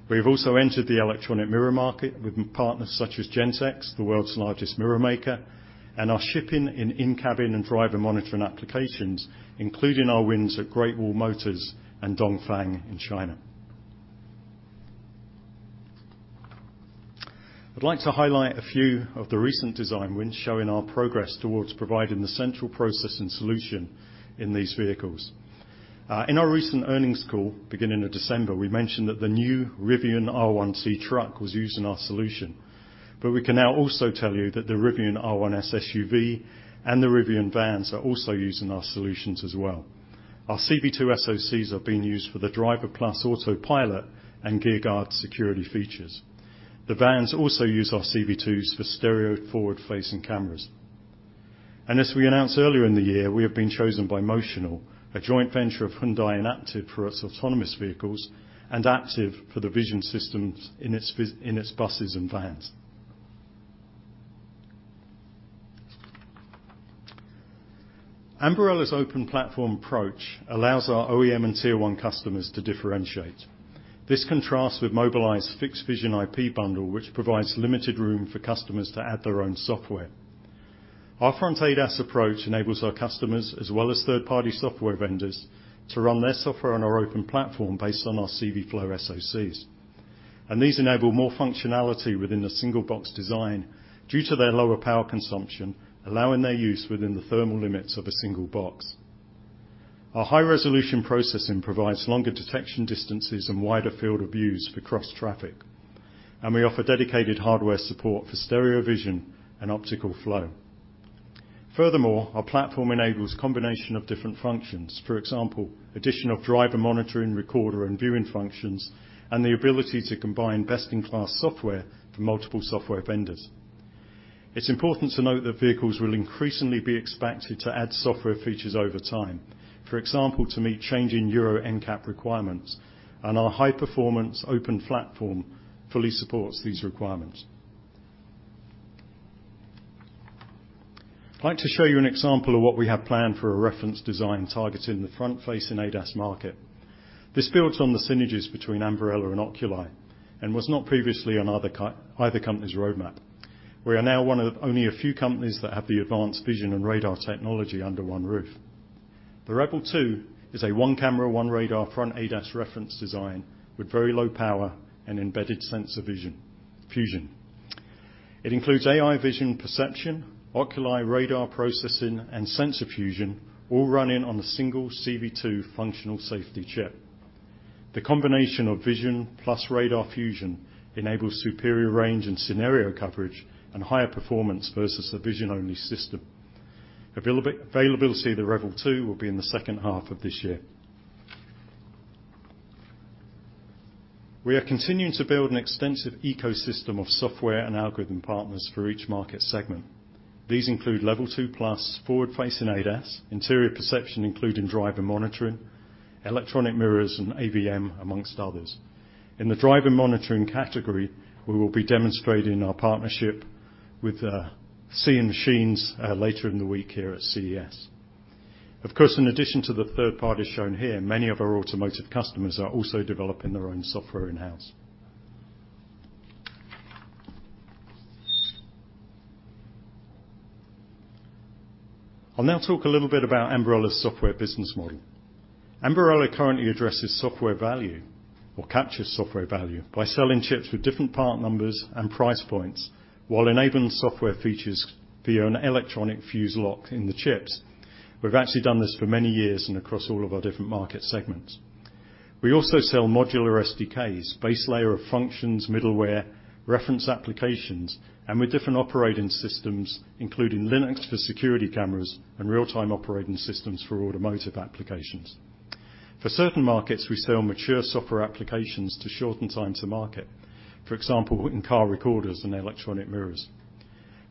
We have also entered the electronic mirror market with partners such as Gentex, the world's largest mirror maker, and are shipping in-cabin and driver monitoring applications, including our wins at Great Wall Motor and Dongfeng in China. I'd like to highlight a few of the recent design wins showing our progress towards providing the central process and solution in these vehicles. In our recent earnings call, beginning of December, we mentioned that the new Rivian R1T truck was using our solution. We can now also tell you that the Rivian R1S SUV and the Rivian vans are also using our solutions as well. Our CV2 SoCs are being used for the Driver+ autopilot and Gear Guard security features. The vans also use our CV2s for stereo forward-facing cameras. As we announced earlier in the year, we have been chosen by Motional, a joint venture of Hyundai and Aptiv, for its autonomous vehicles and Aptiv for the vision systems in its buses and vans. Ambarella's open platform approach allows our OEM and Tier 1 customers to differentiate. This contrasts with Mobileye's fixed vision IP bundle, which provides limited room for customers to add their own software. Our front ADAS approach enables our customers, as well as third-party software vendors, to run their software on our open platform based on our CVflow SoCs. These enable more functionality within the single box design due to their lower power consumption, allowing their use within the thermal limits of a single box. Our high-resolution processing provides longer detection distances and wider field of views for cross-traffic, and we offer dedicated hardware support for stereo vision and optical flow. Furthermore, our platform enables combination of different functions. For example, addition of driver monitoring, recorder, and viewing functions, and the ability to combine best-in-class software from multiple software vendors. It's important to note that vehicles will increasingly be expected to add software features over time. For example, to meet changing Euro NCAP requirements, and our high-performance open platform fully supports these requirements. I'd like to show you an example of what we have planned for a reference design targeted in the front-facing ADAS market. This builds on the synergies between Ambarella and Oculii and was not previously on either company's roadmap. We are now one of only a few companies that have the advanced vision and radar technology under one roof. The REVL 2 is a one camera, one radar front ADAS reference design with very low power and embedded sensor vision fusion. It includes AI vision perception, Oculii radar processing, and sensor fusion all running on a single CV2 functional safety chip. The combination of vision plus radar fusion enables superior range and scenario coverage and higher performance versus a vision-only system. Availability of the REVL 2 will be in the second half of this year. We are continuing to build an extensive ecosystem of software and algorithm partners for each market segment. These include level two plus, forward-facing ADAS, interior perception including driver monitoring, electronic mirrors, and AVM, among others. In the driver monitoring category, we will be demonstrating our partnership with Seeing Machines later in the week here at CES. Of course, in addition to the third parties shown here, many of our automotive customers are also developing their own software in-house. I'll now talk a little bit about Ambarella's software business model. Ambarella currently addresses software value or captures software value by selling chips with different part numbers and price points while enabling software features via an electronic fuse lock in the chips. We've actually done this for many years and across all of our different market segments. We also sell modular SDKs, base layer of functions, middleware, reference applications, and with different operating systems, including Linux for security cameras and real-time operating systems for automotive applications. For certain markets, we sell mature software applications to shorten time to market, for example, in-car recorders and electronic mirrors.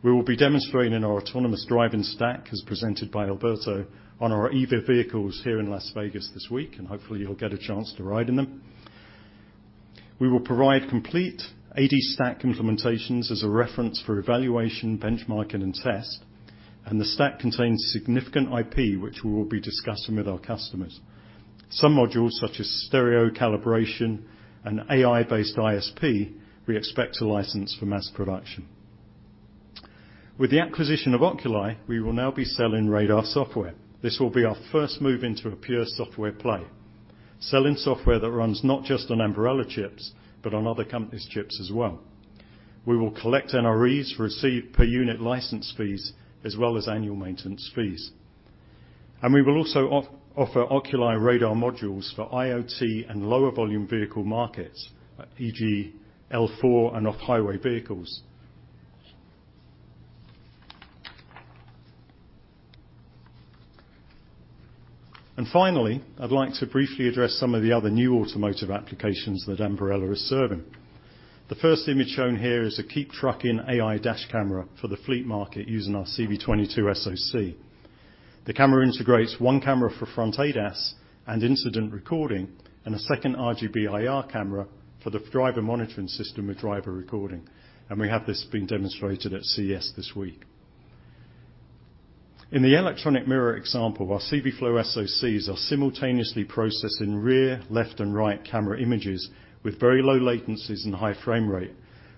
We will be demonstrating in our autonomous driving stack, as presented by Alberto, on our EV vehicles here in Las Vegas this week, and hopefully you'll get a chance to ride in them. We will provide complete AD stack implementations as a reference for evaluation, benchmarking, and test, and the stack contains significant IP, which we will be discussing with our customers. Some modules, such as stereo calibration and AI-based ISP, we expect to license for mass production. With the acquisition of Oculii, we will now be selling radar software. This will be our first move into a pure software play, selling software that runs not just on Ambarella chips, but on other companies' chips as well. We will collect NREs, receive per unit license fees, as well as annual maintenance fees. We will also offer Oculii radar modules for IoT and lower volume vehicle markets, e.g., L4 and off-highway vehicles. Finally, I'd like to briefly address some of the other new automotive applications that Ambarella is serving. The first image shown here is a KeepTruckin AI dash camera for the fleet market using our CV22 SoC. The camera integrates one camera for front ADAS and incident recording, and a second RGB IR camera for the driver monitoring system with driver recording. We have this being demonstrated at CES this week. In the electronic mirror example, our CVflow SoCs are simultaneously processing rear, left, and right camera images with very low latencies and high frame rate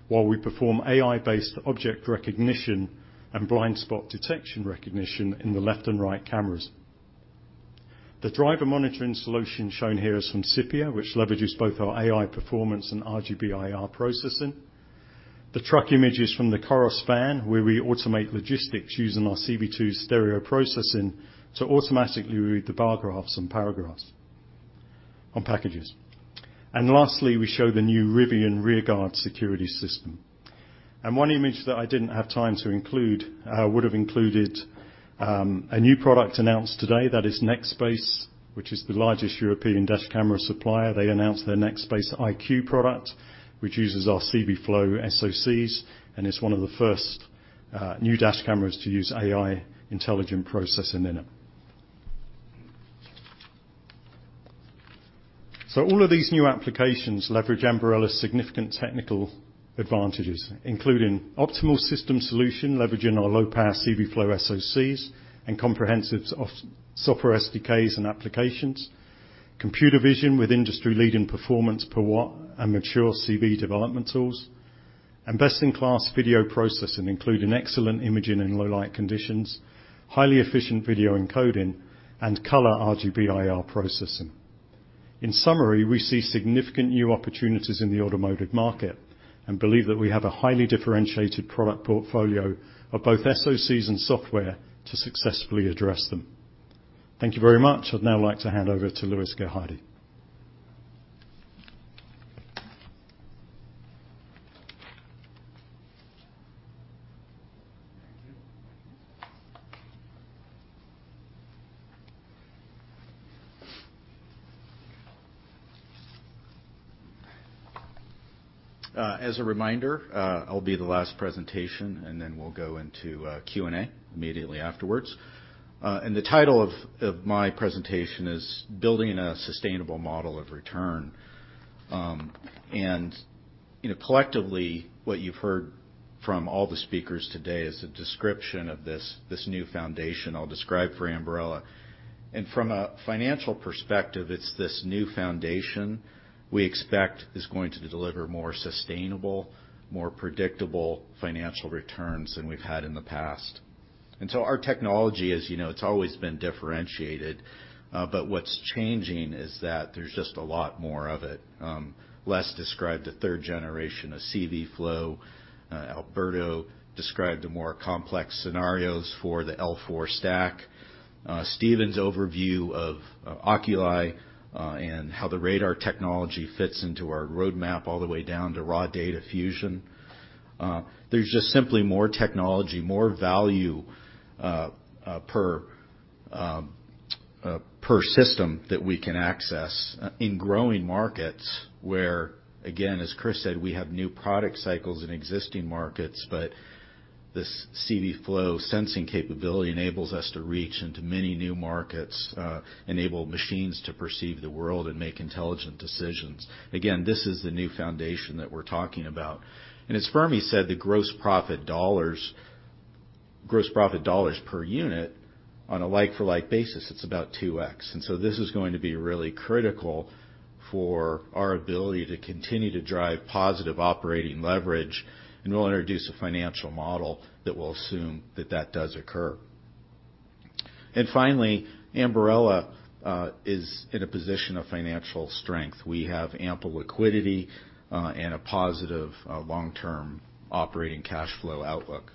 while we perform AI-based object recognition and blind spot detection recognition in the left and right cameras. The driver monitoring solution shown here is from Cipia, which leverages both our AI performance and RGB IR processing. The truck image is from the Coros van, where we automate logistics using our CV2 stereo processing to automatically read the barcodes and paragraphs on packages. Lastly, we show the new Rivian Gear Guard security system. One image that I didn't have time to include would have included a new product announced today that is Nextbase, which is the largest European dash camera supplier. They announced their Nextbase iQ product, which uses our CVflow SoCs, and it's one of the first new dash cameras to use AI intelligent processing in it. All of these new applications leverage Ambarella's significant technical advantages, including optimal system solution leveraging our low-power CVflow SoCs and comprehensive software SDKs and applications, computer vision with industry-leading performance per watt and mature CV development tools, and best-in-class video processing, including excellent imaging in low light conditions, highly efficient video encoding, and color RGB IR processing. In summary, we see significant new opportunities in the automotive market and believe that we have a highly differentiated product portfolio of both SoCs and software to successfully address them. Thank you very much. I'd now like to hand over to Louis Gerhardy. As a reminder, I'll be the last presentation, and then we'll go into Q&A immediately afterwards. The title of my presentation is Building a Sustainable Model of Return. You know, collectively, what you've heard from all the speakers today is a description of this new foundation I'll describe for Ambarella. From a financial perspective, it's this new foundation we expect is going to deliver more sustainable, more predictable financial returns than we've had in the past. Our technology, as you know, it's always been differentiated, but what's changing is that there's just a lot more of it. Les described the third generation of CVflow. Alberto described the more complex scenarios for the L4 stack. Stephen's overview of Oculii and how the radar technology fits into our roadmap all the way down to raw data fusion. There's just simply more technology, more value per system that we can access in growing markets where, again, as Chris said, we have new product cycles in existing markets, but this CVflow sensing capability enables us to reach into many new markets, enable machines to perceive the world and make intelligent decisions. Again, this is the new foundation that we're talking about. As Fermi said, the gross profit dollars per unit on a like-for-like basis, it's about 2x. This is going to be really critical for our ability to continue to drive positive operating leverage, and we'll introduce a financial model that will assume that that does occur. Finally, Ambarella is in a position of financial strength. We have ample liquidity and a positive long-term operating cash flow outlook.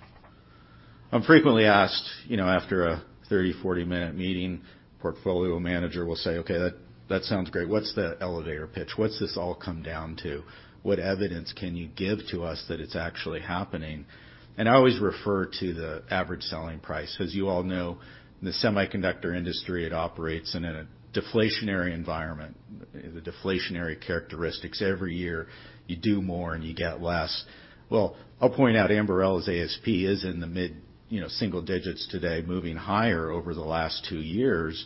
I'm frequently asked, you know, after a 30-40 minute meeting, portfolio manager will say, "Okay, that sounds great. What's the elevator pitch? What's this all come down to? What evidence can you give to us that it's actually happening?" I always refer to the average selling price. As you all know, the semiconductor industry operates in a deflationary environment, the deflationary characteristics. Every year, you do more, and you get less. Well, I'll point out Ambarella's ASP is in the mid, you know, single digits today, moving higher over the last two years.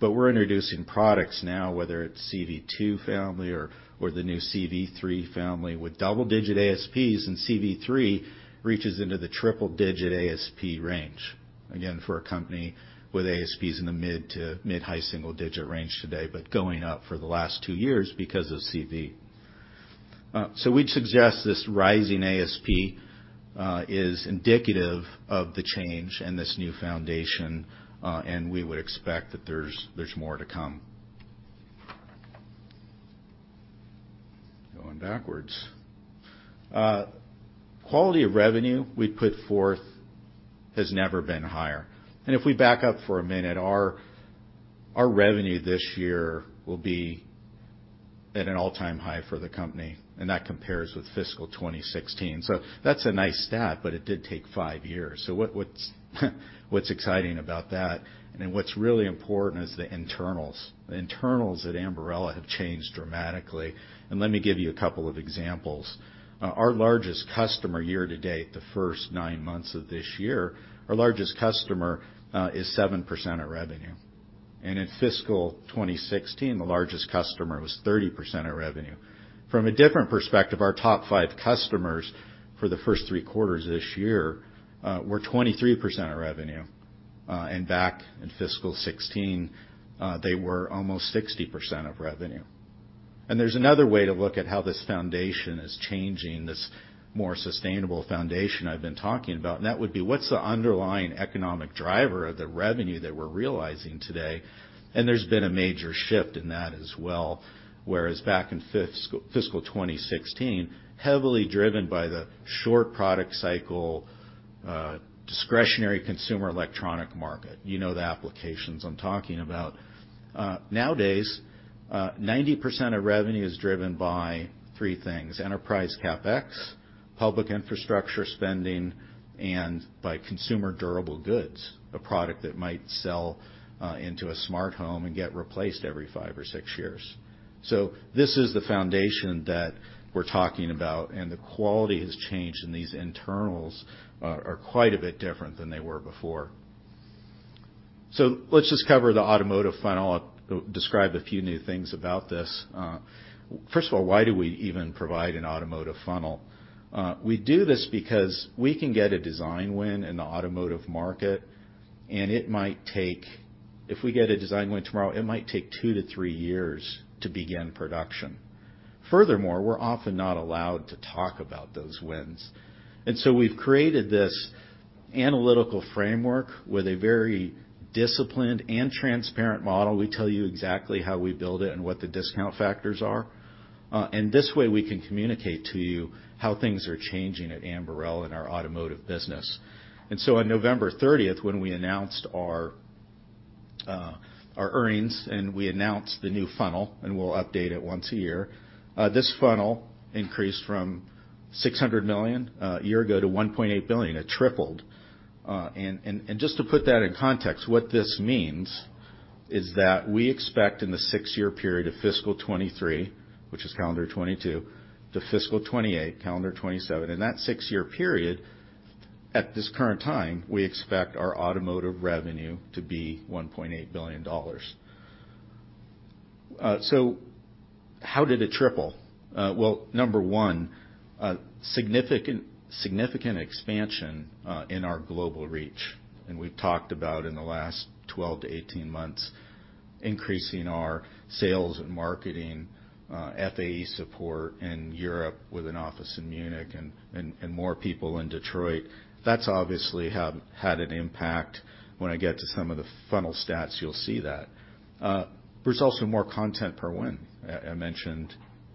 We're introducing products now, whether it's CV2 family or the new CV3 family with double-digit ASPs, and CV3 reaches into the triple-digit ASP range. Again, for a company with ASPs in the mid- to mid-high single-digit range today but going up for the last two years because of CV, we'd suggest this rising ASP is indicative of the change and this new foundation, and we would expect that there's more to come. Going backwards, quality of revenue we put forth has never been higher. If we back up for a minute, our revenue this year will be at an all-time high for the company, and that compares with fiscal 2016. That's a nice stat, but it did take five years. What's exciting about that, and what's really important is the internals. The internals at Ambarella have changed dramatically. Let me give you a couple of examples. Our largest customer year to date, the first nine months of this year, our largest customer, is 7% of revenue. In fiscal 2016, the largest customer was 30% of revenue. From a different perspective, our top five customers for the first three quarters this year were 23% of revenue. Back in fiscal 2016, they were almost 60% of revenue. There's another way to look at how this foundation is changing, this more sustainable foundation I've been talking about, and that would be what's the underlying economic driver of the revenue that we're realizing today. There's been a major shift in that as well, whereas back in fiscal 2016, heavily driven by the short product cycle, discretionary consumer electronics market. You know the applications I'm talking about. Nowadays, 90% of revenue is driven by three things: enterprise CapEx, public infrastructure spending, and by consumer durable goods. A product that might sell into a smart home and get replaced every five or six years. This is the foundation that we're talking about, and the quality has changed, and these internals are quite a bit different than they were before. Let's just cover the automotive funnel. I'll describe a few new things about this. First of all, why do we even provide an automotive funnel? We do this because we can get a design win in the automotive market, and it might take two to three years to begin production. If we get a design win tomorrow, it might take two to three years to begin production. Furthermore, we're often not allowed to talk about those wins. We've created this analytical framework with a very disciplined and transparent model. We tell you exactly how we build it and what the discount factors are. This way, we can communicate to you how things are changing at Ambarella in our automotive business. On November 30, when we announced our earnings and we announced the new funnel, and we'll update it once a year, this funnel increased from $600 million a year ago to $1.8 billion. It tripled. And just to put that in context, what this means is that we expect in the six-year period of fiscal 2023, which is calendar 2022, to fiscal 2028, calendar 2027, in that six-year period, at this current time, we expect our automotive revenue to be $1.8 billion. How did it triple? Well, number one, a significant expansion in our global reach. We've talked about in the last 12 to 18 months, increasing our sales and marketing, FAE support in Europe with an office in Munich and more people in Detroit. That's obviously had an impact. When I get to some of the funnel stats, you'll see that. There's also more content per win. I mentioned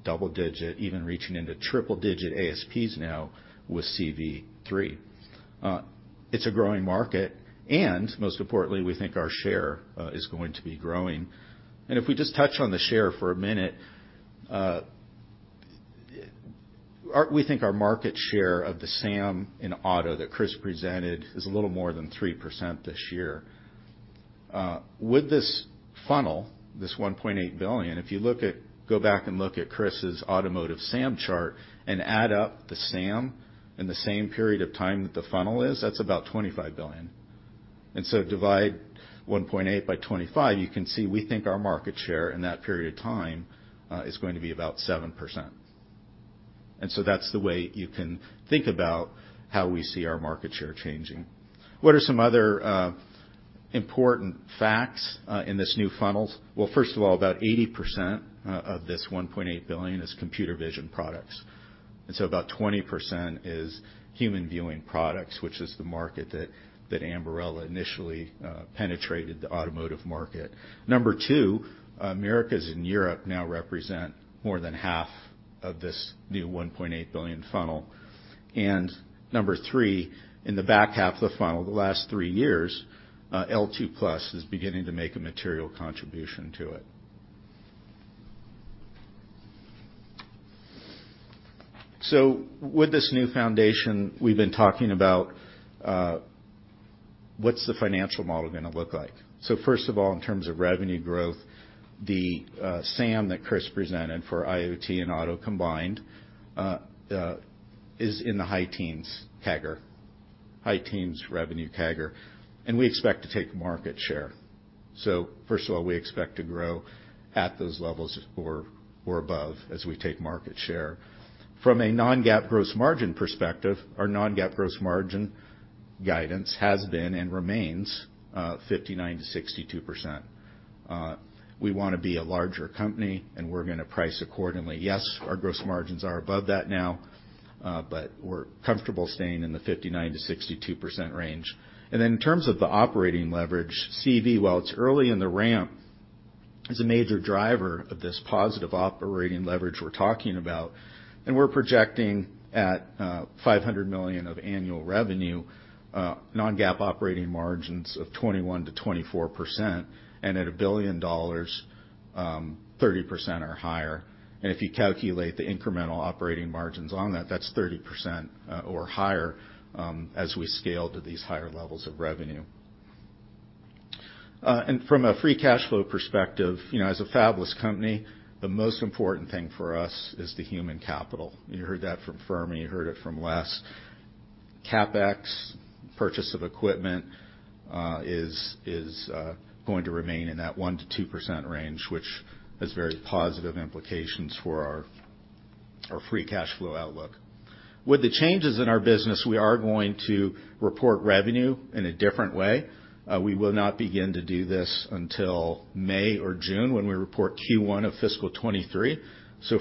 double-digit, even reaching into triple-digit ASPs now with CV3. It's a growing market, and most importantly, we think our share is going to be growing. If we just touch on the share for a minute, we think our market share of the SAM in auto that Chris presented is a little more than 3% this year. With this funnel, this $1.8 billion, if you look at go back and look at Chris' automotive SAM chart and add up the SAM in the same period of time that the funnel is, that's about $25 billion. Divide 1.8 by 25, you can see we think our market share in that period of time is going to be about 7%. That's the way you can think about how we see our market share changing. What are some other important facts in this new funnel? Well, first of all, about 80% of this $1.8 billion is computer vision products. About 20% is human viewing products, which is the market that Ambarella initially penetrated the automotive market. Number two, Americas and Europe now represent more than half of this new $1.8 billion funnel. Number three, in the back half of the funnel, the last three years, L2+ is beginning to make a material contribution to it. With this new foundation we've been talking about, what's the financial model gonna look like? First of all, in terms of revenue growth, the SAM that Chris presented for IoT and auto combined is in the high teens CAGR, high teens revenue CAGR, and we expect to take market share. First of all, we expect to grow at those levels or above as we take market share. From a non-GAAP gross margin perspective, our non-GAAP gross margin guidance has been and remains 59%-62%. We wanna be a larger company, and we're gonna price accordingly. Yes, our gross margins are above that now. We're comfortable staying in the 59%-62% range. In terms of the operating leverage, CV, while it's early in the ramp, is a major driver of this positive operating leverage we're talking about. We're projecting at $500 million of annual revenue, non-GAAP operating margins of 21%-24%, and at $1 billion, 30% or higher. If you calculate the incremental operating margins on that's 30% or higher as we scale to these higher levels of revenue. From a free cash flow perspective, you know, as a fabless company, the most important thing for us is the human capital. You heard that from Fermi, you heard it from Les. CapEx, purchase of equipment, is going to remain in that 1%-2% range, which has very positive implications for our free cash flow outlook. With the changes in our business, we are going to report revenue in a different way. We will not begin to do this until May or June when we report Q1 of fiscal 2023.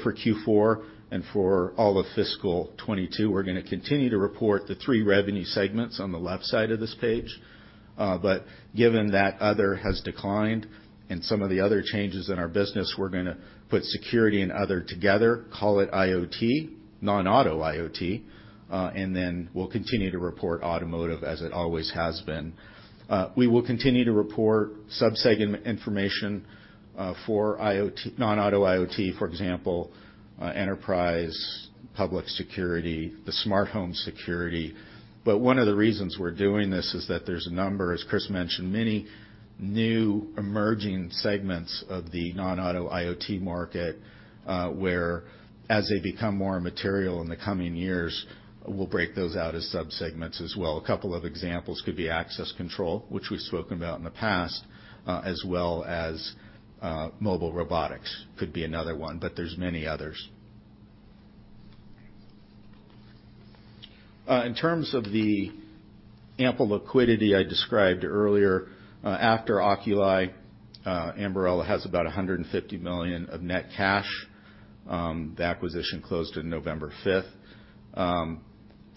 For Q4 and for all of fiscal 2022, we're gonna continue to report the three revenue segments on the left side of this page. Given that other has declined and some of the other changes in our business, we're gonna put security and other together, call it IoT, non-auto IoT, and then we'll continue to report automotive as it always has been. We will continue to report sub-segment information for IoT, non-auto IoT, for example, enterprise, public security, the smart home security. One of the reasons we're doing this is that there's a number, as Chris mentioned, many new emerging segments of the non-auto IoT market, where as they become more material in the coming years, we'll break those out as sub-segments as well. A couple of examples could be access control, which we've spoken about in the past, as well as, mobile robotics could be another one, but there's many others. In terms of the ample liquidity I described earlier, after Oculii, Ambarella has about $150 million of net cash. The acquisition closed on November fifth.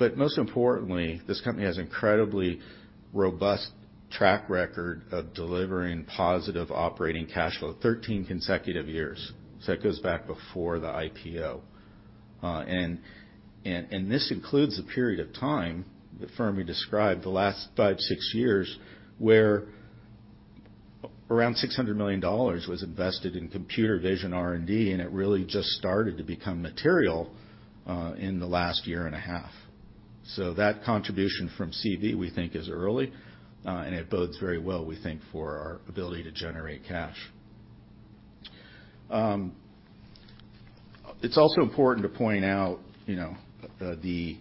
But most importantly, this company has incredibly robust track record of delivering positive operating cash flow, 13 consecutive years. That goes back before the IPO. This includes a period of time that Fermi described the last five, six years, where around $600 million was invested in computer vision R&D, and it really just started to become material in the last year and a half. That contribution from CV, we think, is early, and it bodes very well, we think, for our ability to generate cash. It's also important to point out, you know, the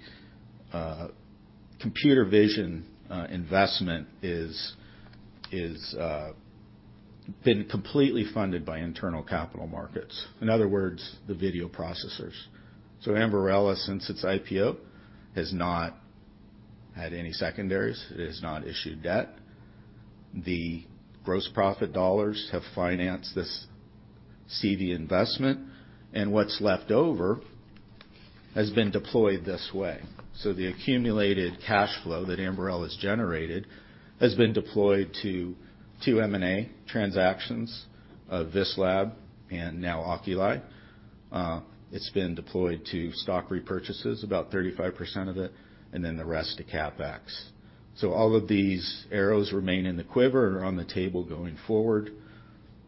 computer vision investment is been completely funded by internal capital markets, in other words, the video processors. Ambarella, since its IPO, has not had any secondaries, it has not issued debt. The gross profit dollars have financed this CV investment, and what's left over has been deployed this way. The accumulated cash flow that Ambarella's generated has been deployed to two M&A transactions of VisLab and now Oculii. It's been deployed to stock repurchases, about 35% of it, and then the rest to CapEx. All of these arrows remain in the quiver or on the table going forward,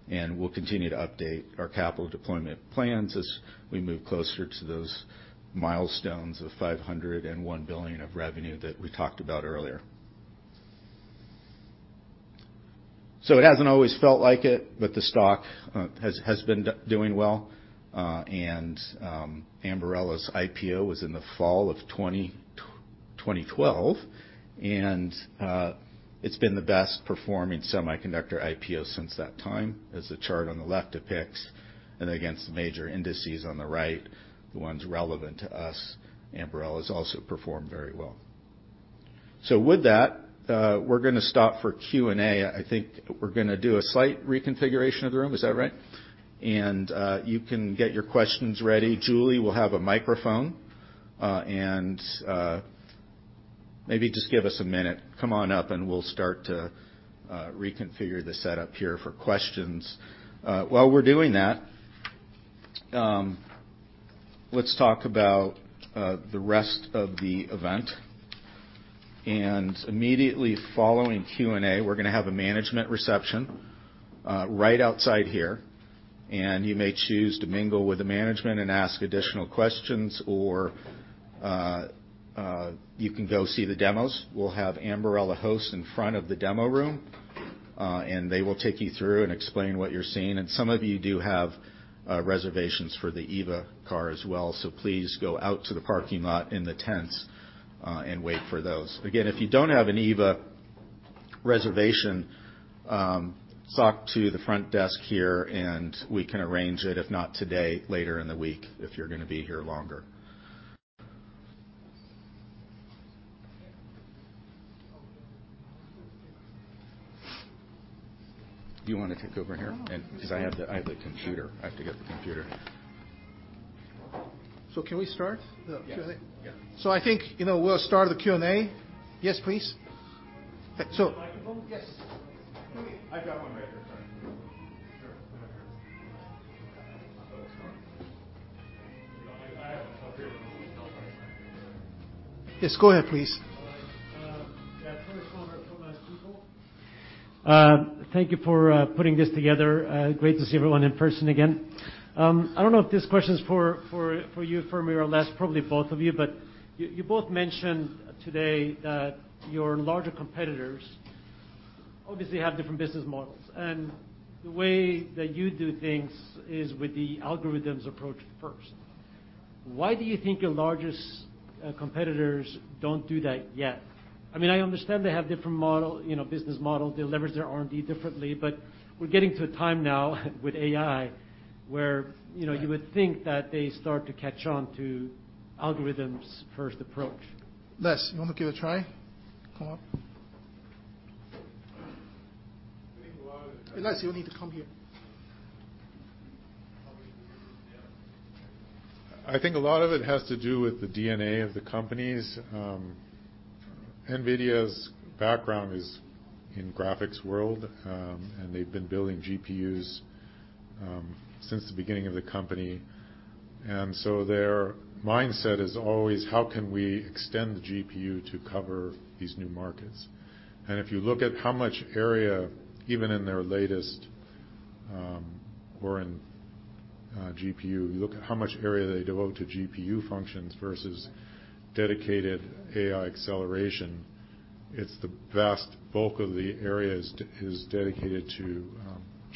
and we'll continue to update our capital deployment plans as we move closer to those milestones of $501 billion of revenue that we talked about earlier. It hasn't always felt like it, but the stock has been doing well. Ambarella's IPO was in the fall of 2012, and it's been the best performing semiconductor IPO since that time, as the chart on the left depicts. Against the major indices on the right, the ones relevant to us, Ambarella's also performed very well. With that, we're gonna stop for Q&A. I think we're gonna do a slight reconfiguration of the room. Is that right? You can get your questions ready. Julie will have a microphone, and maybe just give us a minute. Come on up, and we'll start to reconfigure the setup here for questions. While we're doing that, let's talk about the rest of the event. Immediately following Q&A, we're gonna have a management reception right outside here, and you may choose to mingle with the management and ask additional questions, or you can go see the demos. We'll have Ambarella hosts in front of the demo room, and they will take you through and explain what you're seeing. Some of you do have reservations for the EVA car as well, so please go out to the parking lot in the tents, and wait for those. Again, if you don't have an EVA reservation, talk to the front desk here, and we can arrange it, if not today, later in the week if you're gonna be here longer. You wanna take over here and. No. 'Cause I have the computer. I have to get the computer. Can we start the Q&A? Yes. Yeah. I think, you know, we'll start the Q&A. Yes, please. Do you have a microphone? Yes. I've got one right here. Sorry. Sure. Yes, go ahead, please. All right. Yeah, first one from Google. Thank you for putting this together. Great to see everyone in person again. I don't know if this question is for you, Fermi, or Les, probably both of you, but you both mentioned today that your larger competitors obviously have different business models, and the way that you do things is with the algorithms approach first. Why do you think your largest competitors don't do that yet? I mean, I understand they have different model, you know, business model, they leverage their R&D differently, but we're getting to a time now with AI where, you know, you would think that they start to catch on to algorithms first approach. Les, you wanna give it a try? Come up. I think a lot of the. Les, you will need to come here. I think a lot of it has to do with the DNA of the companies. NVIDIA's background is in graphics world, and they've been building GPUs since the beginning of the company. Their mindset is always how can we extend the GPU to cover these new markets? If you look at how much area, even in their latest Orin GPU, you look at how much area they devote to GPU functions versus dedicated AI acceleration, it's the vast bulk of the area is dedicated to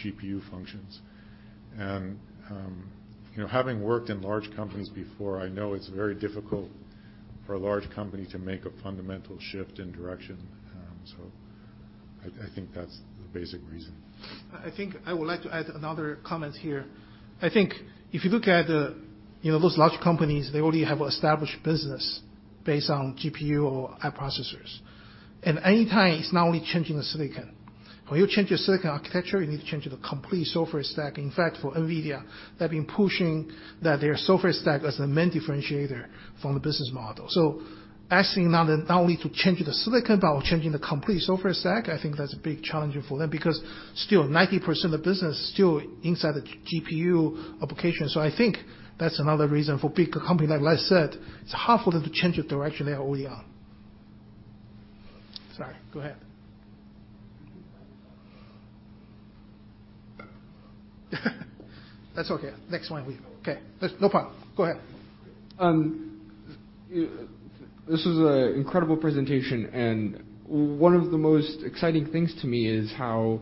GPU functions. You know, having worked in large companies before, I know it's very difficult for a large company to make a fundamental shift in direction. I think that's the basic reason. I think I would like to add another comment here. I think if you look at, you know, those large companies, they already have established business based on GPU or app processors. Any time it's not only changing the silicon. When you change your silicon architecture, you need to change the complete software stack. In fact, for NVIDIA, they've been pushing that their software stack as the main differentiator from the business model. Asking now then not only to change the silicon, but changing the complete software stack, I think that's a big challenge for them because still 90% of business is still inside the GPU application. I think that's another reason for bigger company like Les said, it's hard for them to change the direction they are already on. Sorry, go ahead. That's okay. Okay. There's no problem. Go ahead. This was an incredible presentation, and one of the most exciting things to me is how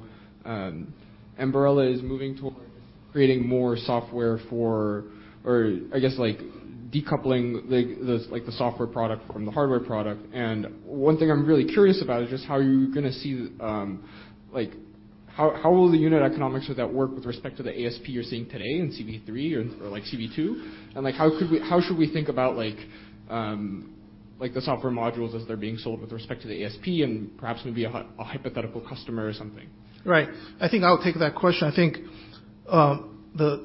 Ambarella is moving towards creating more software or I guess like decoupling the software product from the hardware product. One thing I'm really curious about is just how you're gonna see like how will the unit economics of that work with respect to the ASP you're seeing today in CV three or like CV two. How should we think about like the software modules as they're being sold with respect to the ASP and perhaps maybe a hypothetical customer or something? Right. I think I'll take that question. I think let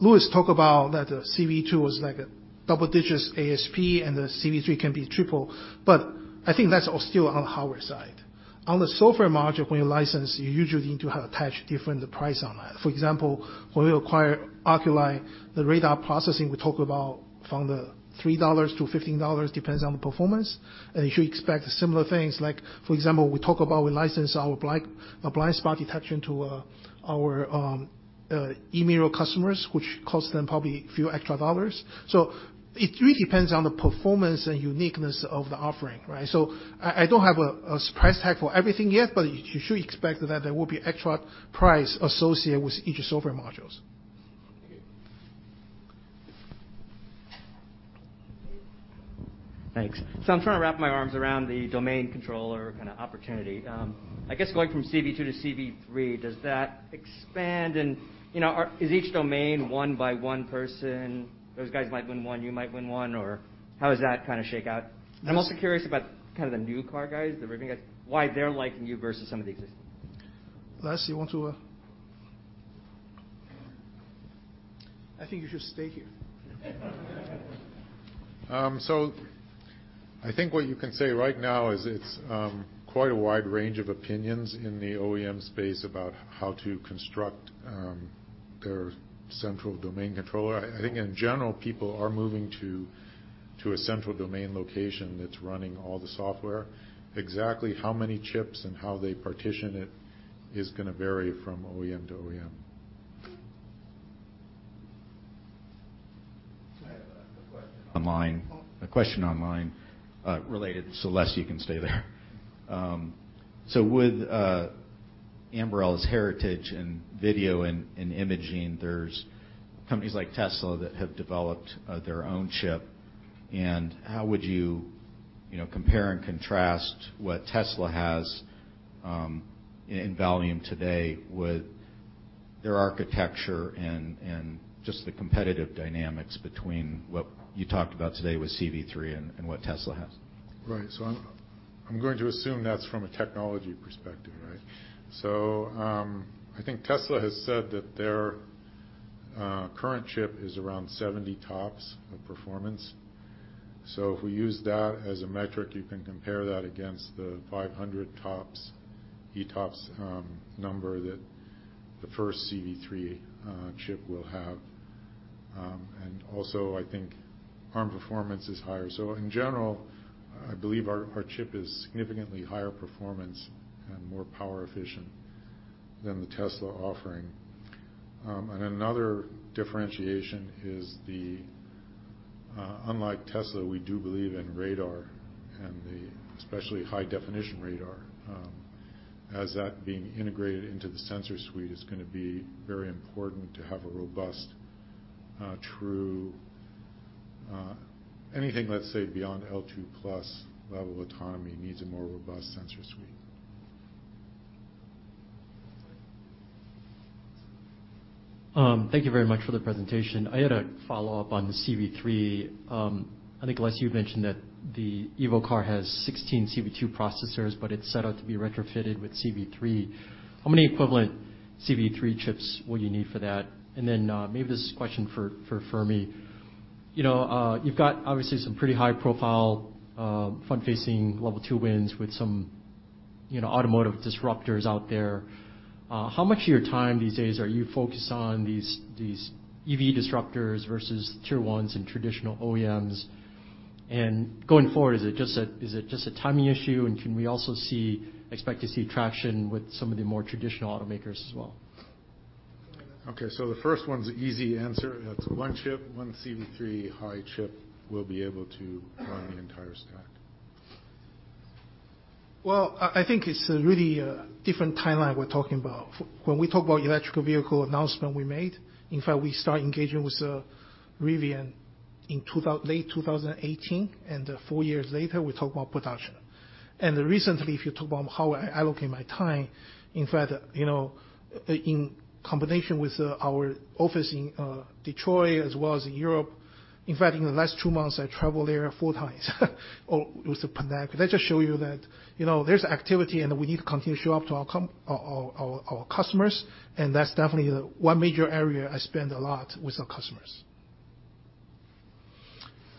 Louis talk about that CV2 was like a double digits ASP and the CV3 can be triple, but I think that's all still on the hardware side. On the software module, when you license, you usually need to attach a different price on that. For example, when we acquire Oculii, the radar processing, we talk about from $3 to $15, depends on the performance. You should expect similar things like, for example, we license our blind spot detection to our e-mirror customers, which costs them probably a few extra dollars. It really depends on the performance and uniqueness of the offering, right? I don't have a price tag for everything yet, but you should expect that there will be extra price associated with each software modules. Thanks. I'm trying to wrap my arms around the domain controller kinda opportunity. I guess going from CV2 to CV3, does that expand? You know, is each domain won by one person? Those guys might win one, you might win one, or how does that kinda shake out? I'm also curious about kind of the new car guys, the Rivian guys, why they're liking you versus some of the existing. Les, you want to? I think you should stay here. I think what you can say right now is it's quite a wide range of opinions in the OEM space about how to construct their central domain controller. I think in general, people are moving to a central domain location that's running all the software. Exactly how many chips and how they partition it is gonna vary from OEM to OEM. I have a question online. Oh. A question online, related, so Les you can stay there. With Ambarella's heritage in video and imaging, there's companies like Tesla that have developed their own chip. How would you know, compare and contrast what Tesla has in volume today with their architecture and just the competitive dynamics between what you talked about today with CV3 and what Tesla has? Right. I'm going to assume that's from a technology perspective, right? I think Tesla has said that their current chip is around 70 ETOPs of performance. If we use that as a metric, you can compare that against the 500 EOPs number that the first CV3 chip will have. And also, I think Arm performance is higher. In general, I believe our chip is significantly higher performance and more power efficient than the Tesla offering. Another differentiation is unlike Tesla, we do believe in radar and especially high definition radar as that being integrated into the sensor suite is gonna be very important to have a robust true anything, let's say, beyond L2+ level of autonomy needs a more robust sensor suite. Thank you very much for the presentation. I had a follow-up on the CV3. I think, Les, you mentioned that the EVA car has 16 CV2 processors, but it's set to be retrofitted with CV3. How many equivalent CV3 chips will you need for that? And then, maybe this is a question for Fermi. You know, you've got obviously some pretty high profile, front-facing level two wins with some, you know, automotive disruptors out there. How much of your time these days are you focused on these EV disruptors versus tier ones and traditional OEMs? And going forward, is it just a timing issue, and can we also expect to see traction with some of the more traditional automakers as well? Okay, the first one's an easy answer. That's one chip. One CV3-High chip will be able to run the entire stack. Well, I think it's a really different timeline we're talking about. When we talk about electric vehicle announcement we made, in fact, we start engaging with Rivian in late 2018, and then four years later, we talk about production. Recently, if you talk about how I allocate my time, in fact, you know, in combination with our office in Detroit as well as Europe, in fact, in the last two months, I traveled there four times with the pandemic. That just show you that, you know, there's activity, and we need to continue to show up to our customers, and that's definitely one major area I spend a lot with our customers.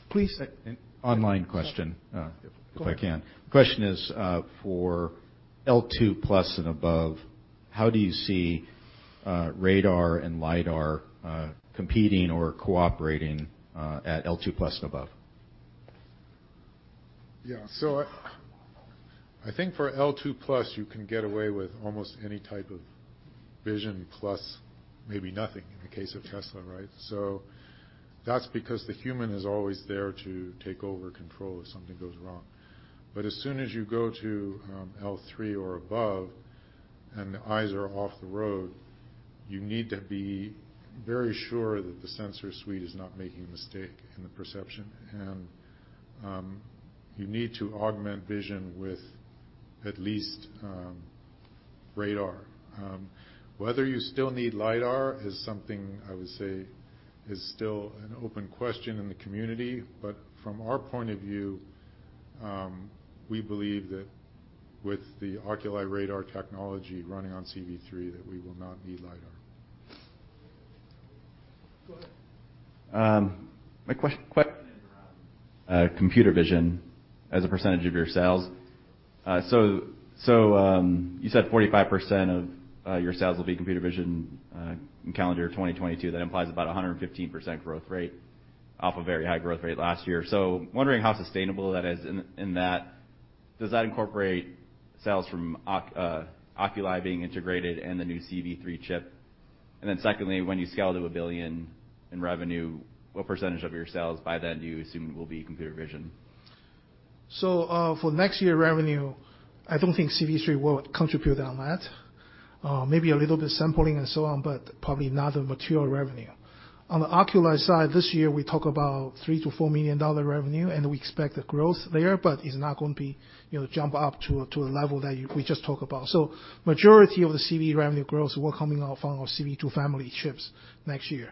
Please. Online question. Sorry. If I can. Question is, for L2 plus and above, how do you see, radar and lidar, competing or cooperating, at L2 plus and above? Yeah. I think for L2+, you can get away with almost any type of vision plus maybe nothing in the case of Tesla, right? That's because the human is always there to take over control if something goes wrong. As soon as you go to L3 or above and the eyes are off the road, you need to be very sure that the sensor suite is not making a mistake in the perception. You need to augment vision with at least radar. Whether you still need lidar is something I would say is still an open question in the community. From our point of view, we believe that with the Oculii radar technology running on CV3 that we will not need lidar. Go ahead. Computer vision as a percentage of your sales. You said 45% of your sales will be computer vision in calendar 2022. That implies about a 115% growth rate off a very high growth rate last year. Wondering how sustainable that is in that. Does that incorporate sales from Oculii being integrated and the new CV3 chip? And then secondly, when you scale to $1 billion in revenue, what percentage of your sales by then do you assume will be computer vision? For next year revenue, I don't think CV3 will contribute on that. Maybe a little bit sampling and so on, but probably not a material revenue. On the Oculii side, this year we talk about $3 million-$4 million revenue, and we expect a growth there, but it's not going to be, you know, jump up to a level that we just talk about. Majority of the CV revenue growth will coming off on our CV2 family chips next year.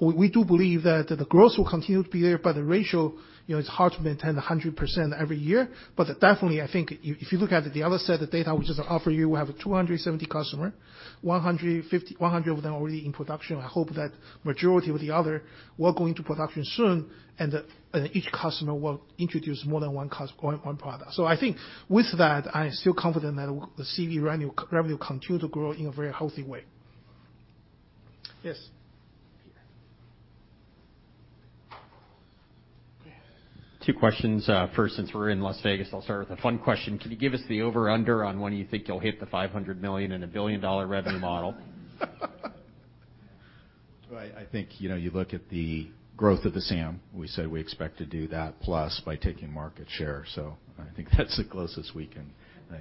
We do believe that the growth will continue to be there, but the ratio, you know, it's hard to maintain 100% every year. Definitely, I think if you look at the other set of data which we offer you, we have 270 customers, 100 of them already in production. I hope that majority of the other will go into production soon, and each customer will introduce more than one product. I think with that, I am still confident that the CV revenue continue to grow in a very healthy way. Yes. Two questions. First, since we're in Las Vegas, I'll start with a fun question. Can you give us the over-under on when you think you'll hit the $500 million and $1 billion dollar revenue model? Well, I think, you know, you look at the growth of the SAM. We said we expect to do that plus by taking market share. I think that's the closest we can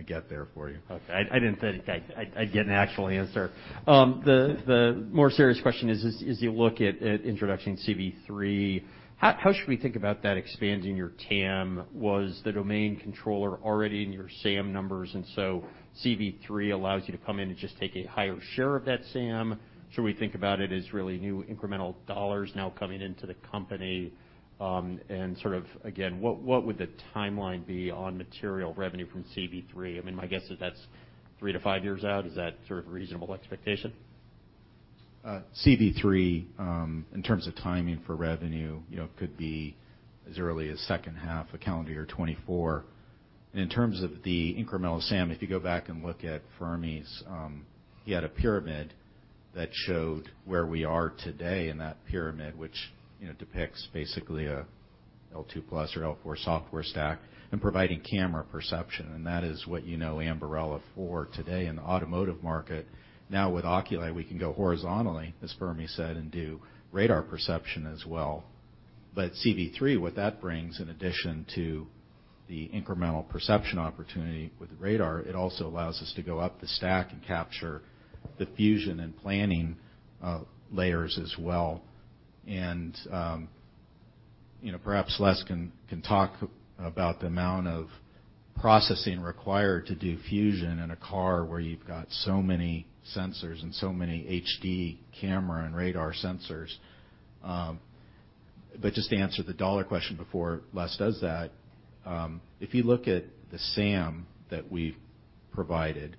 get there for you. Okay. I didn't think I'd get an actual answer. The more serious question is, as you look at introducing CV3, how should we think about that expanding your TAM? Was the domain controller already in your SAM numbers, and so CV3 allows you to come in and just take a higher share of that SAM? Should we think about it as really new incremental dollars now coming into the company? And sort of again, what would the timeline be on material revenue from CV3? I mean, my guess is that's three to five years out. Is that sort of a reasonable expectation? CV3, in terms of timing for revenue, you know, could be as early as second half of calendar year 2024. In terms of the incremental SAM, if you go back and look at Fermi's, he had a pyramid that showed where we are today in that pyramid, which, you know, depicts basically a L2+ or L4 software stack and providing camera perception. That is what you know Ambarella for today in the automotive market. Now with Oculii, we can go horizontally, as Fermi said, and do radar perception as well. CV3, what that brings in addition to the incremental perception opportunity with radar, it also allows us to go up the stack and capture the fusion and planning layers as well. You know, perhaps Les can talk about the amount of processing required to do fusion in a car where you've got so many sensors and so many HD camera and radar sensors. But just to answer the dollar question before Les does that, if you look at the SAM that we've provided,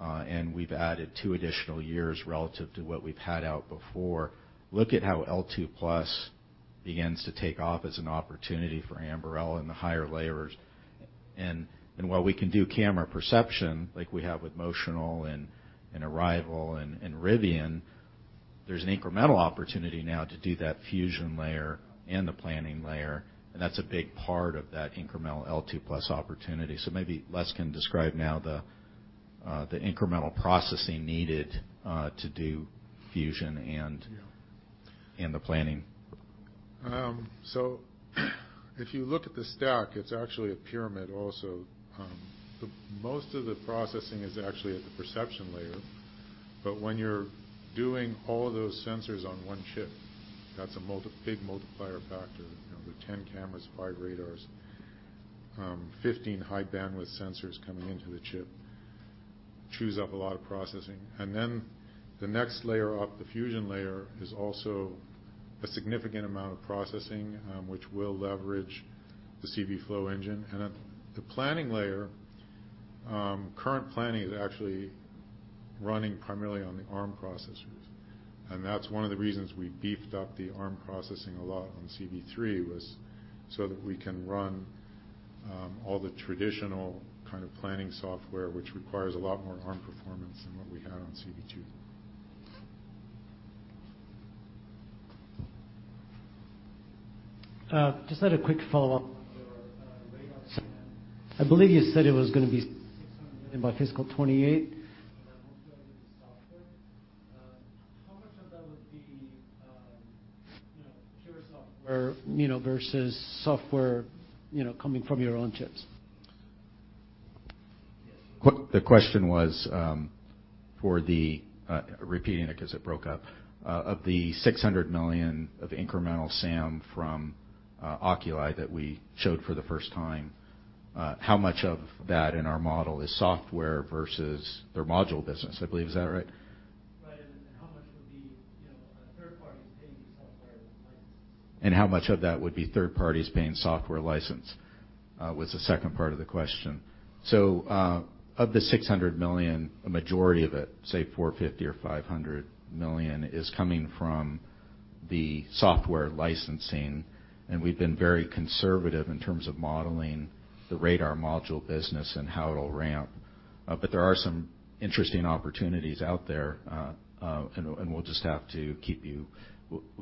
and we've added two additional years relative to what we've had out before, look at how L2+ begins to take off as an opportunity for Ambarella in the higher layers. While we can do camera perception like we have with Motional, Arrival, and Rivian, there's an incremental opportunity now to do that fusion layer and the planning layer, and that's a big part of that incremental L2+ opportunity. Maybe Les can describe now the incremental processing needed to do fusion and- Yeah. The planning. If you look at the stack, it's actually a pyramid also. Most of the processing is actually at the perception layer. When you're doing all of those sensors on one chip, that's a big multiplier factor. You know, the 10 cameras, five radars, 15 high bandwidth sensors coming into the chip chews up a lot of processing. Then the next layer up, the fusion layer, is also a significant amount of processing, which we'll leverage the CVflow engine. At the planning layer, current planning is actually running primarily on the Arm processors. That's one of the reasons we beefed up the Arm processing a lot on CV3 was so that we can run all the traditional kind of planning software, which requires a lot more Arm performance than what we had on CV2. Just had a quick follow-up on your radar SAM. I believe you said it was gonna be $600 million by fiscal 2028, and then most of it is software. How much of that would be, you know, pure software, you know, versus software, you know, coming from your own chips? The question was, repeating it 'cause it broke up. Of the 600 million of incremental SAM from Oculii that we showed for the first time, how much of that in our model is software versus their module business, I believe. Is that right? How much of that would be third parties paying software license, was the second part of the question. Of the $600 million, a majority of it, say $450 million or $500 million, is coming from the software licensing, and we've been very conservative in terms of modeling the radar module business and how it'll ramp. But there are some interesting opportunities out there. We'll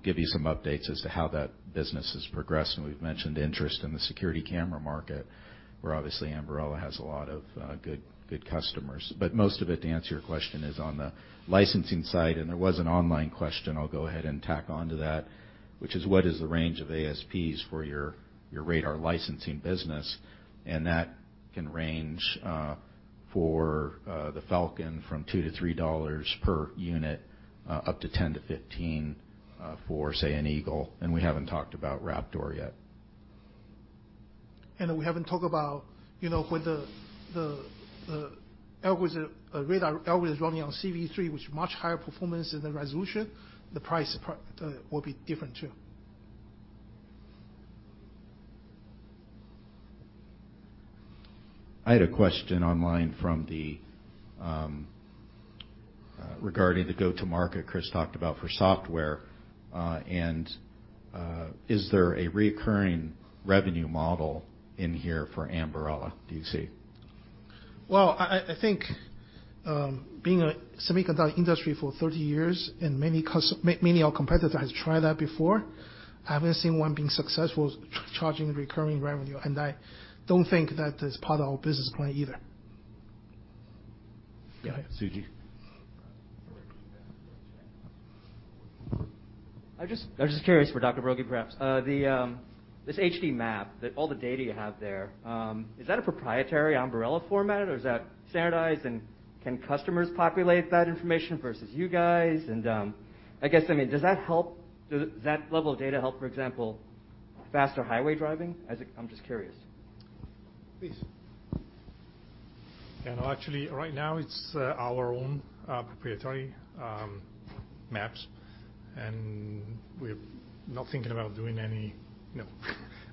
give you some updates as to how that business is progressing. We've mentioned interest in the security camera market, where obviously Ambarella has a lot of good customers. Most of it, to answer your question, is on the licensing side. There was an online question. I'll go ahead and tack on to that, which is what is the range of ASPs for your radar licensing business? That can range for the Falcon from $2-$3 per unit up to $10-$15 for, say, an Eagle. We haven't talked about Raptor yet. We haven't talked about, you know, the radar algorithm is running on CV3, which has much higher performance and the resolution. The price will be different too. I had a question online from the regarding the go-to-market Chris talked about for software. Is there a recurring revenue model in here for Ambarella do you see? Well, I think, being in the semiconductor industry for 30 years and many of our competitors tried that before, I haven't seen one being successful charging recurring revenue. I don't think that is part of our business plan either. Yeah, Suji. I was just curious for Dr. Broggi, perhaps. This HD map that all the data you have there is that a proprietary Ambarella format, or is that standardized, and can customers populate that information versus you guys? I mean, does that level of data help, for example, faster highway driving? I'm just curious. Please. Yeah, no, actually, right now it's our own proprietary maps, and we're not thinking about doing any, you know,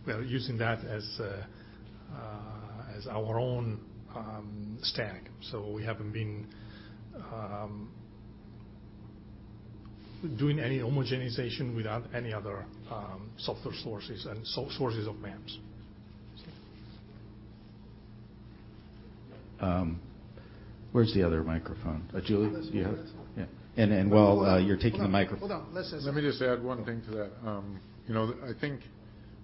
we are using that as our own stack. So we haven't been doing any homogenization without any other software sources and sources of maps. Where's the other microphone? Julie, do you have it? While you're taking the microphone. Hold on. Let me just add one thing to that. You know, I think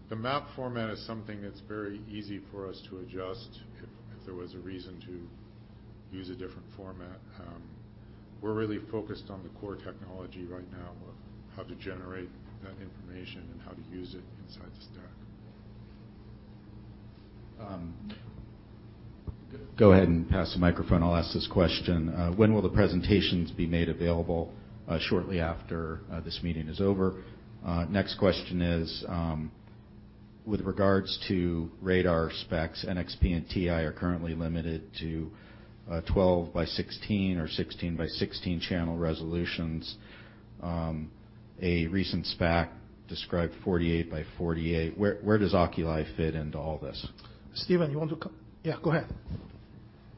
the map format is something that's very easy for us to adjust if there was a reason to use a different format. We're really focused on the core technology right now of how to generate that information and how to use it inside the stack. Go ahead and pass the microphone. I'll ask this question. When will the presentations be made available? Shortly after this meeting is over. Next question is, with regards to radar specs, NXP and TI are currently limited to 12 by 16 or 16 by 16 channel resolutions. A recent spec described 48 by 48. Where does Oculii fit into all this? Steven, yeah, go ahead.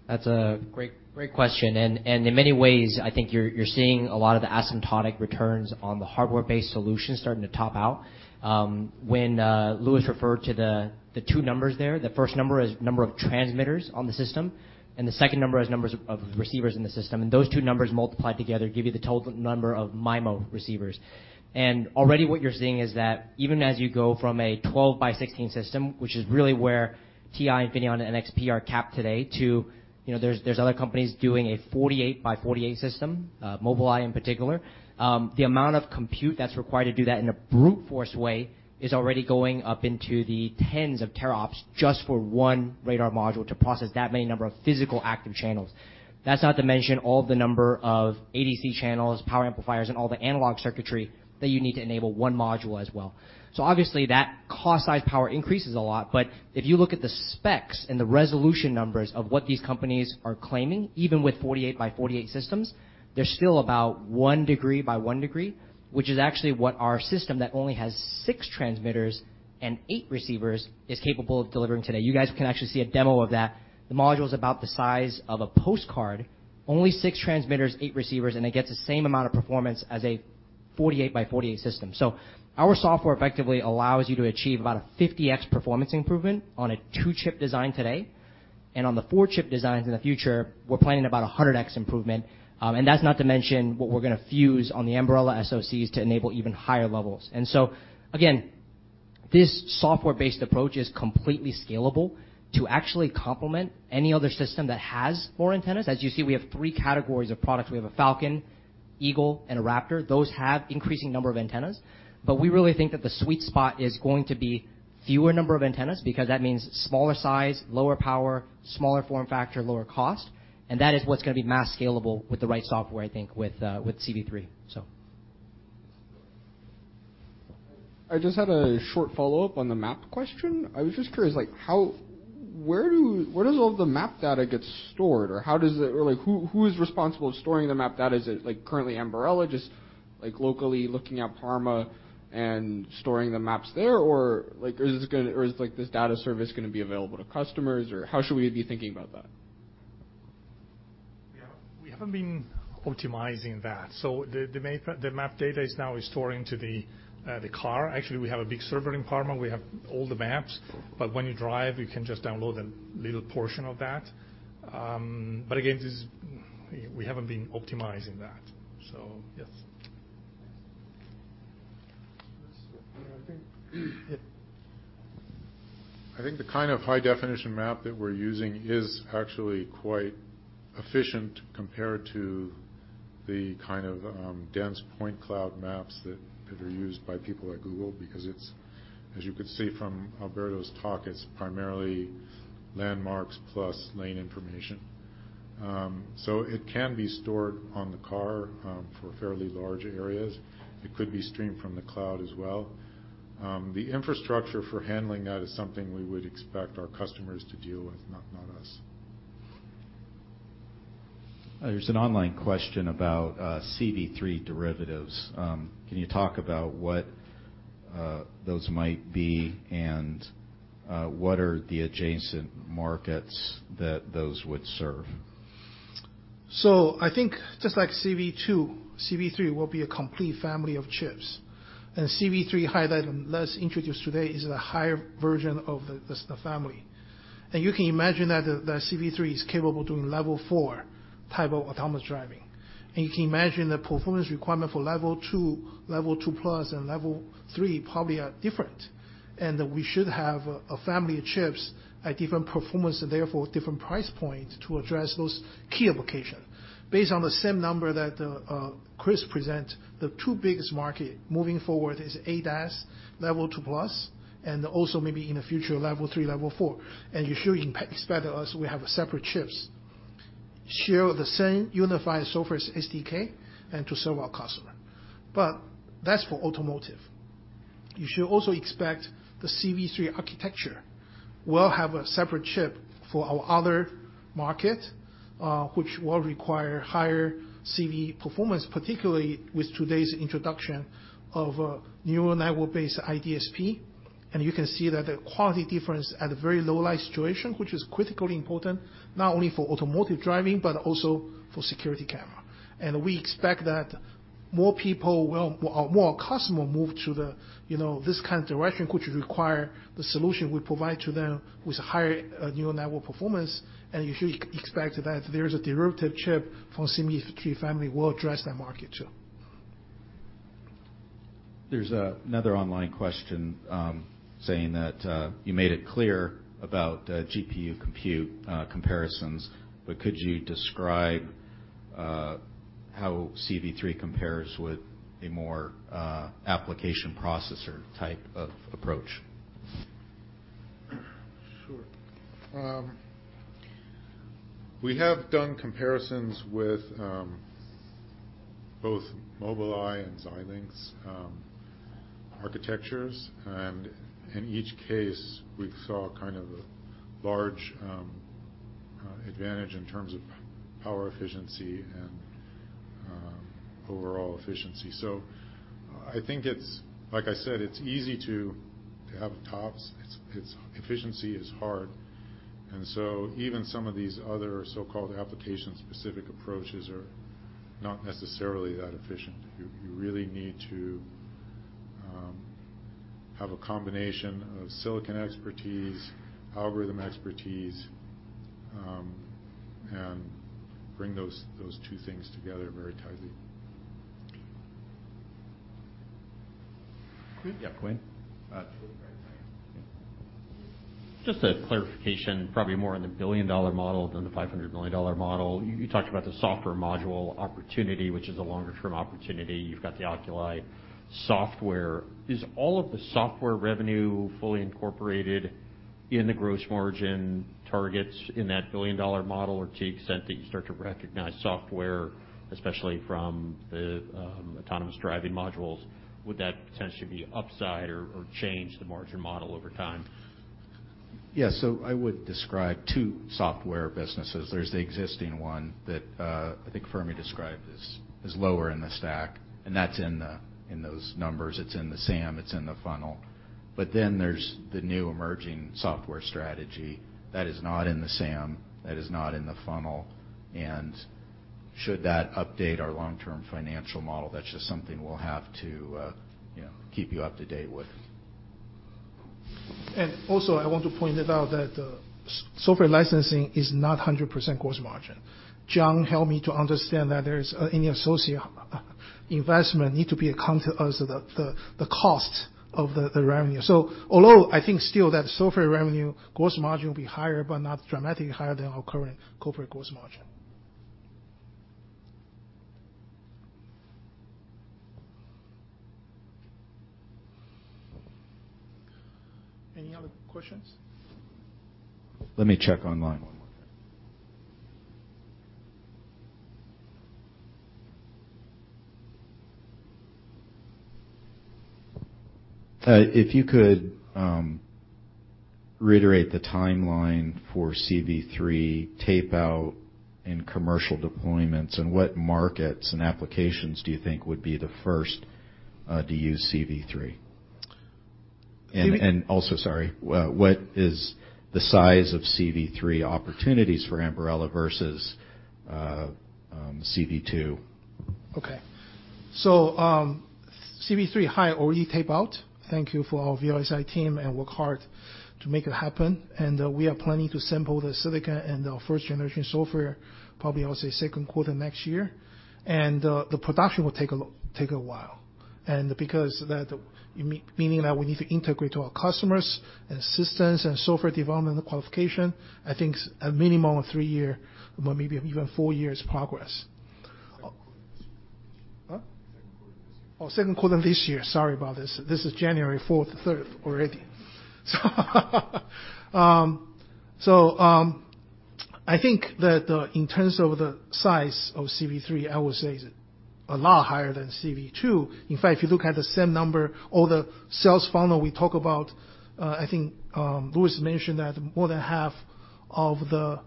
That's a great question. In many ways, I think you're seeing a lot of the asymptotic returns on the hardware-based solutions starting to top out. When Louis referred to the two numbers there, the first number is number of transmitters on the system, and the second number is number of receivers in the system. Those two numbers multiplied together give you the total number of MIMO receivers. Already what you're seeing is that even as you go from a 12 by 16 system, which is really where TI, NVIDIA, and NXP are capped today to you know there's other companies doing a 48 by 48 system, Mobileye in particular. The amount of compute that's required to do that in a brute force way is already going up into the tens of teraops just for one radar module to process that many number of physical active channels. That's not to mention all the number of ADC channels, power amplifiers, and all the analog circuitry that you need to enable one module as well. Obviously, that cost, size, power increases a lot, but if you look at the specs and the resolution numbers of what these companies are claiming, even with 48 by 48 systems, they're still about one degree by one degree, which is actually what our system that only has six transmitters and eight receivers is capable of delivering today. You guys can actually see a demo of that. The module is about the size of a postcard, only six transmitters, eight receivers, and it gets the same amount of performance as a 48 by 48 system. Our software effectively allows you to achieve about a 50x performance improvement on a two-chip design today. On the four-chip designs in the future, we're planning about a 100x improvement. That's not to mention what we're gonna fuse on the Ambarella SoCs to enable even higher levels. This software-based approach is completely scalable to actually complement any other system that has more antennas. As you see, we have three categories of products. We have a Falcon, Eagle, and a Raptor. Those have increasing number of antennas. We really think that the sweet spot is going to be fewer number of antennas because that means smaller size, lower power, smaller form factor, lower cost, and that is what's gonna be mass scalable with the right software, I think, with CV3. So. I just had a short follow-up on the map question. I was just curious, like, where does all the map data get stored, or who is responsible for storing the map data? Is it, like, currently Ambarella just, like, locally looking at Parma and storing the maps there, or is this data service gonna be available to customers, or how should we be thinking about that? We haven't been optimizing that. The main map data is now streaming to the car. Actually, we have a big server in Parma. We have all the maps. When you drive, you can just download a little portion of that. Again, this is. We haven't been optimizing that. Yes. I think- Yeah. I think the kind of high definition map that we're using is actually quite efficient compared to the kind of dense point cloud maps that are used by people at Google because it's, as you could see from Alberto's talk, it's primarily landmarks plus lane information. So it can be stored on the car for fairly large areas. It could be streamed from the cloud as well. The infrastructure for handling that is something we would expect our customers to deal with, not us. There's an online question about CV3 derivatives. Can you talk about what those might be and what are the adjacent markets that those would serve? I think just like CV2, CV3 will be a complete family of chips. CV3-High that Les introduced today is the higher version of the family. You can imagine that CV3 is capable of doing level four type of autonomous driving. You can imagine the performance requirement for level two, level two plus, and level three probably are different. We should have a family of chips at different performance and therefore different price points to address those key application. Based on the same number that Chris present, the two biggest market moving forward is ADAS level two plus, and also maybe in the future, level three, level four. You should expect us, we have separate chips. Share the same unified software SDK and to serve our customer. That's for automotive. You should also expect the CV3 architecture will have a separate chip for our other market, which will require higher CV performance, particularly with today's introduction of a neural network-based ISP. You can see that the quality difference at a very low light situation, which is critically important, not only for automotive driving but also for security camera. We expect that more customer move to the, you know, this kind of direction which require the solution we provide to them with higher neural network performance. You should expect that there is a derivative chip from CV3 family will address that market too. There's another online question saying that you made it clear about GPU compute comparisons, but could you describe how CV3 compares with a more application processor type of approach? Sure. We have done comparisons with both Mobileye and Xilinx architectures. In each case, we saw kind of a large advantage in terms of power efficiency and overall efficiency. I think it's like I said, it's easy to have tops. It's efficiency is hard. Even some of these other so-called application-specific approaches are not necessarily that efficient. You really need to have a combination of silicon expertise, algorithm expertise, and bring those two things together very tightly. Yeah, Quinn? Just a clarification, probably more on the billion-dollar model than the $500 million dollar model. You talked about the software module opportunity, which is a longer-term opportunity. You've got the Oculii software. Is all of the software revenue fully incorporated in the gross margin targets in that billion-dollar model? Or to the extent that you start to recognize software, especially from the autonomous driving modules, would that potentially be upside or change the margin model over time? Yeah. I would describe two software businesses. There's the existing one that I think Fermi described as lower in the stack, and that's in those numbers. It's in the SAM, it's in the funnel. But then there's the new emerging software strategy that is not in the SAM, that is not in the funnel. Should that update our long-term financial model? That's just something we'll have to, you know, keep you up to date with. I want to point it out that software licensing is not 100% gross margin. John helped me to understand that there's any associated investment needs to be accounted as the cost of the revenue. Although I think still that software revenue gross margin will be higher, but not dramatically higher than our current corporate gross margin. Any other questions? Let me check online. If you could reiterate the timeline for CV3 tape-out and commercial deployments, and what markets and applications do you think would be the first to use CV3? Sorry. What is the size of CV3 opportunities for Ambarella versus CV2? Okay. CV3-High already tape out. Thank you to our VLSI team and work hard to make it happen. We are planning to sample the silicon and our first generation software, probably I'll say second quarter next year. The production will take a while. Because meaning that we need to integrate to our customers and systems and software development qualification, I think a minimum of three years, but maybe even four years process. Second quarter this year. Sorry about this. This is January 4th, 3rd already. I think that in terms of the size of CV3, I would say is a lot higher than CV2. In fact, if you look at the same number or the sales funnel we talk about, I think Louis mentioned that more than half of the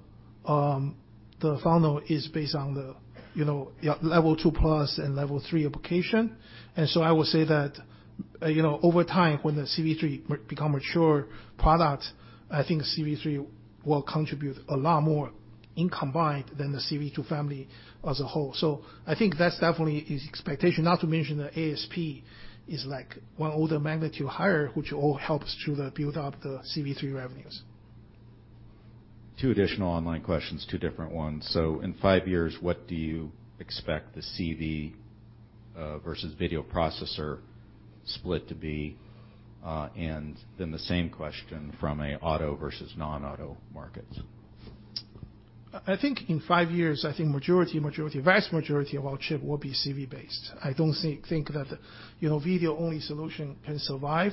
funnel is based on the you know level two plus and level three application. I would say that you know over time, when the CV3 become mature product, I think CV3 will contribute a lot more in combined than the CV2 family as a whole. I think that's definitely is expectation. Not to mention the ASP is like one order of magnitude higher, which all helps to build out the CV3 revenues. Two additional online questions, two different ones. In five years, what do you expect the CV versus video processor split to be? The same question from a auto versus non-auto markets. I think in five years, vast majority of our chip will be CV based. I don't think that, you know, video-only solution can survive,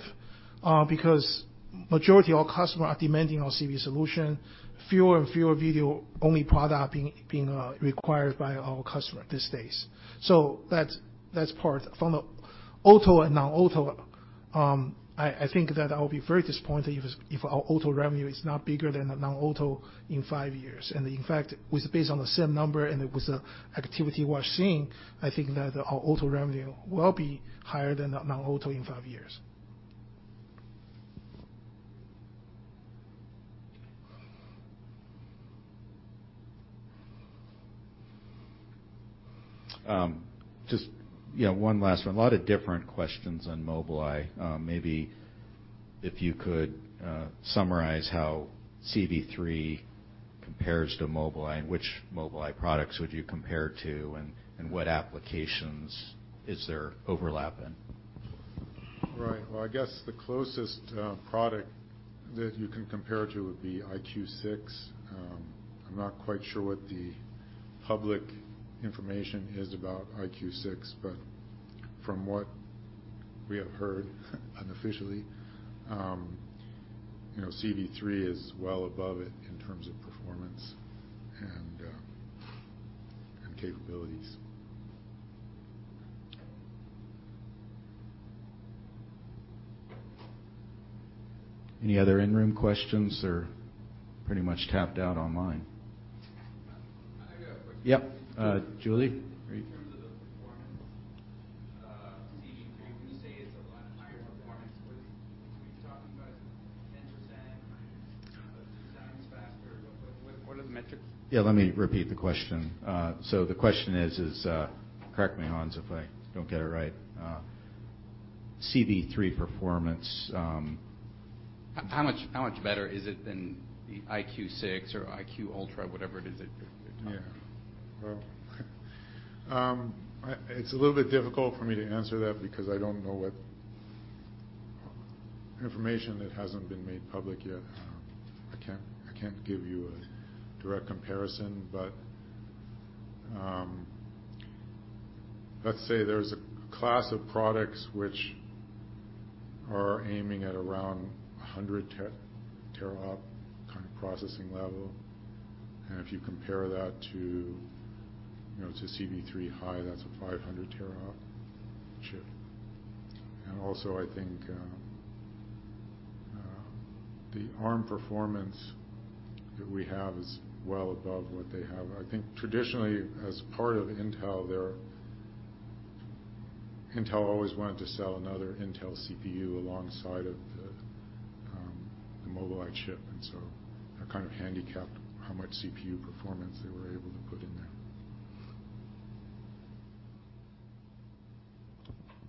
because majority of our customer are demanding our CV solution. Fewer and fewer video-only product being required by our customer these days. So that's part. From the auto and non-auto, I think that I'll be very disappointed if our auto revenue is not bigger than the non-auto in five years. In fact, based on the same number and with the activity we're seeing, I think that our auto revenue will be higher than the non-auto in five years. Just, you know, one last one. A lot of different questions on Mobileye. Maybe if you could summarize how CV3 compares to Mobileye and which Mobileye products would you compare to and what applications is there overlap in? Right. Well, I guess the closest product that you can compare it to would be EyeQ6. I'm not quite sure what the public information is about EyeQ6, but from what we have heard unofficially, you know, CV3 is well above it in terms of performance and capabilities. Any other in-room questions or pretty much tapped out online? I got a question. Yep. Julie? In terms of the performance of CV3, you say it's a lot higher performance. Are you talking about 10%, 20% faster? What are the metrics? Yeah, let me repeat the question. So the question is, correct me, Hans, if I don't get it right. CV3 performance, How much better is it than the EyeQ6 or EyeQ Ultra, whatever it is that you're talking about? Yeah. Well, it's a little bit difficult for me to answer that because I don't know what information that hasn't been made public yet. I can't give you a direct comparison. Let's say there's a class of products which are aiming at around 100 teraop kind of processing level. If you compare that to, you know, to CV3-High, that's a 500 teraop chip. Also, I think the Arm performance that we have is well above what they have. I think traditionally, as part of Intel, they're Intel always wanted to sell another Intel CPU alongside of the Mobileye chip, and so that kind of handicapped how much CPU performance they were able to put in there.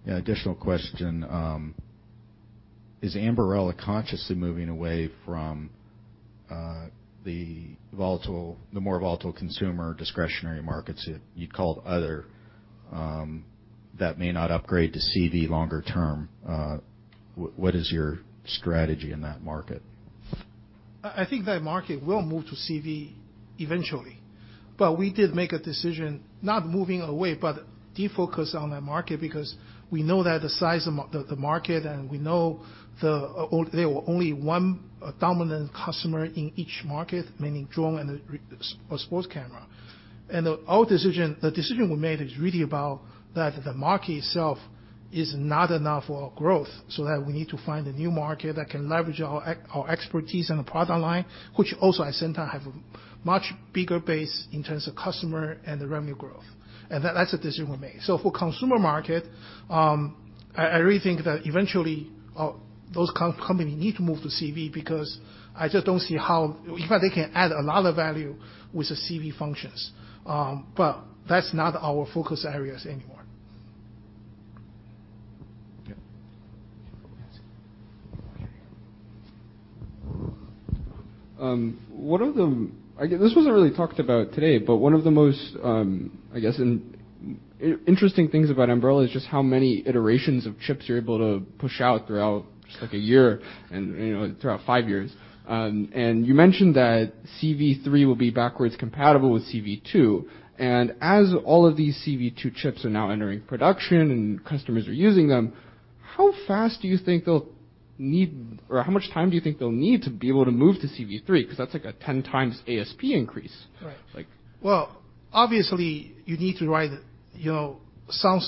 Additional question. Is Ambarella consciously moving away from the more volatile consumer discretionary markets that you'd call other, that may not upgrade to CV longer term? What is your strategy in that market? I think that market will move to CV eventually, but we did make a decision not moving away but defocus on that market because we know that the size of the market and we know there were only one dominant customer in each market, meaning drone and a sports camera. The decision we made is really about that the market itself is not enough for our growth, so that we need to find a new market that can leverage our expertise and the product line, which also at the same time have a much bigger base in terms of customer and the revenue growth. That's the decision we made. For consumer market, I really think that eventually, those companies need to move to CV because I just don't see. In fact, they can add a lot of value with the CV functions, but that's not our focus areas anymore. Yeah. I guess this wasn't really talked about today, but one of the most interesting things about Ambarella is just how many iterations of chips you're able to push out throughout just like a year and, you know, throughout five years. You mentioned that CV3 will be backwards compatible with CV2. As all of these CV2 chips are now entering production and customers are using them, how fast do you think they'll need or how much time do you think they'll need to be able to move to CV3? Because that's like a 10 times ASP increase. Right. Like- Well, obviously you need to write, you know, some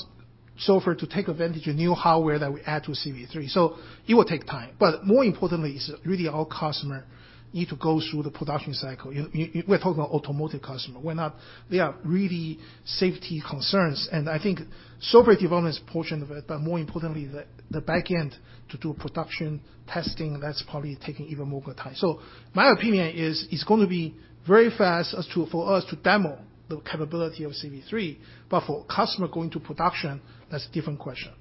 software to take advantage of new hardware that we add to CV3, so it will take time. More importantly is really our customer need to go through the production cycle. We're talking about automotive customer. There are really safety concerns. I think software development is a portion of it, but more importantly, the back end to do production testing, that's probably taking even more good time. My opinion is it's going to be very fast for us to demo the capability of CV3, but for customer going to production, that's different question.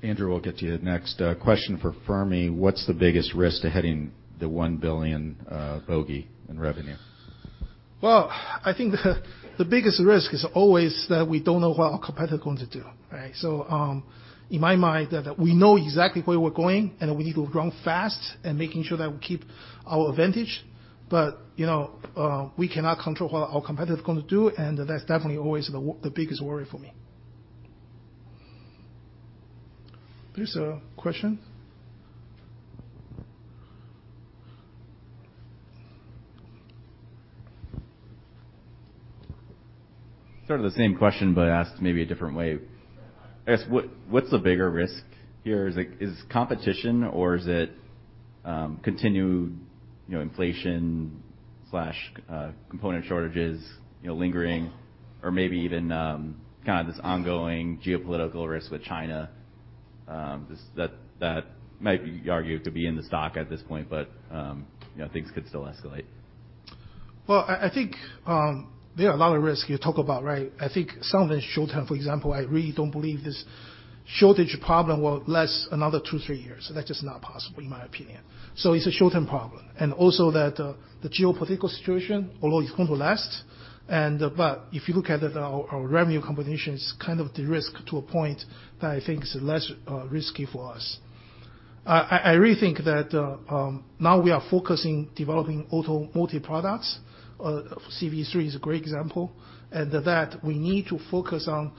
Andrew, we'll get to you next. Question for Fermi Wang. What's the biggest risk to hitting the $1 billion bogey in revenue? Well, I think the biggest risk is always that we don't know what our competitor going to do, right? In my mind, that we know exactly where we're going and we need to run fast and making sure that we keep our advantage. You know, we cannot control what our competitor is going to do, and that's definitely always the biggest worry for me. There's a question. Sort of the same question, but asked maybe a different way. I guess what's the bigger risk here? Is it competition or is it continued, you know, inflation/component shortages, you know, lingering or maybe even kind of this ongoing geopolitical risk with China, just that that might be argued to be in the stock at this point, but you know, things could still escalate. Well, I think there are a lot of risks you talk about, right? I think some of the short-term, for example, I really don't believe this shortage problem will last another two to three years. That's just not possible in my opinion. It's a short-term problem. Also that, the geopolitical situation, although it's going to last, but if you look at it, our revenue combination is kind of de-risk to a point that I think is less risky for us. I really think that, now we are focusing developing automotive products. CV3 is a great example. That we need to focus on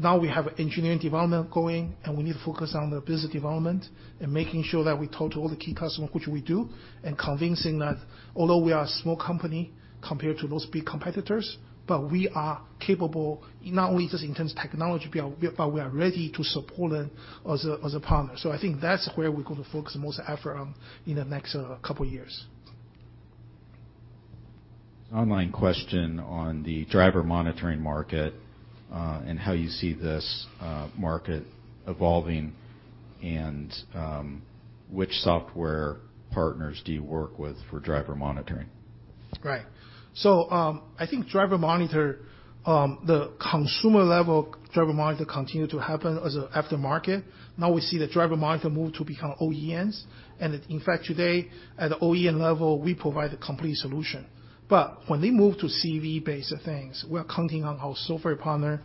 now we have engineering development going, and we need to focus on the business development and making sure that we talk to all the key customers, which we do, and convincing that although we are a small company compared to those big competitors, but we are capable not only just in terms of technology, but we are ready to support them as a partner. I think that's where we're gonna focus most effort on in the next couple of years. Online question on the driver monitoring market, and how you see this market evolving, and which software partners do you work with for driver monitoring? Right. I think driver monitor, the consumer level driver monitor continued to happen as a aftermarket. Now we see the driver monitor move to become OEMs, and in fact, today at the OEM level, we provide a complete solution. When they move to CV-based things, we are counting on our software partner.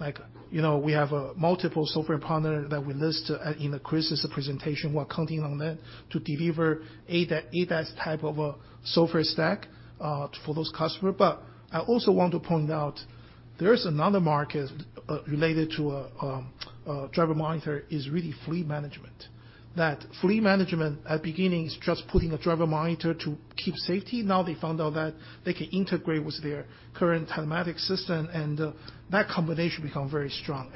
Like, you know, we have a multiple software partner that we list in the Chris's presentation. We're counting on them to deliver ADAS type of a software stack for those customers. I also want to point out there is another market related to a driver monitor is really fleet management. That fleet management at beginning is just putting a driver monitor to keep safety. Now they found out that they can integrate with their current telematics system, and that combination become very strong.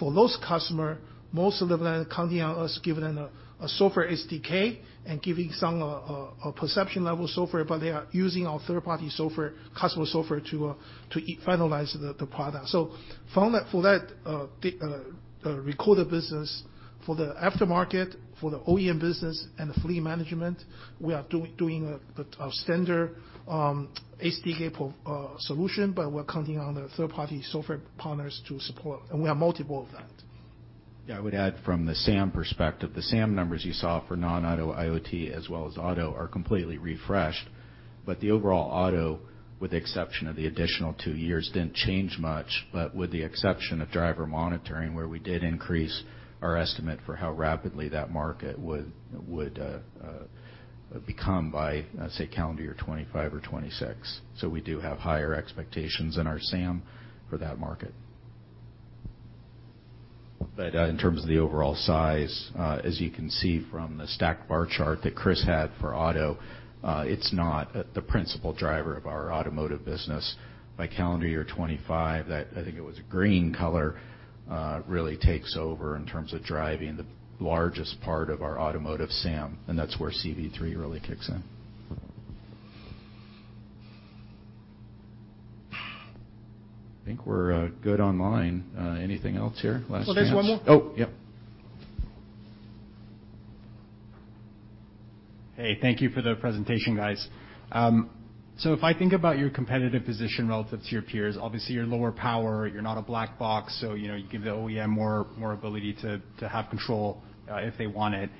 For those customers, most of them are counting on us giving them a software SDK and giving some perception level software, but they are using their third-party software, custom software to finalize the product. For that recorder business, for the aftermarket, for the OEM business and the fleet management, we are doing our standard SDK solution, but we're counting on the third-party software partners to support, and we have multiple of that. Yeah. I would add from the SAM perspective, the SAM numbers you saw for non-auto IoT as well as auto are completely refreshed. The overall auto, with the exception of the additional two years, didn't change much. With the exception of driver monitoring, where we did increase our estimate for how rapidly that market would become by, let's say, calendar year 2025 or 2026. We do have higher expectations in our SAM for that market. In terms of the overall size, as you can see from the stacked bar chart that Chris had for auto, it's not the principal driver of our automotive business. By calendar year 2025, that I think it was green color, really takes over in terms of driving the largest part of our automotive SAM, and that's where CV3 really kicks in. I think we're good online. Anything else here? Last chance. Well, there's one more. Oh, yep. Hey, thank you for the presentation, guys. If I think about your competitive position relative to your peers, obviously you're lower power, you're not a black box, so you know, you give the OEM more ability to have control if they want it.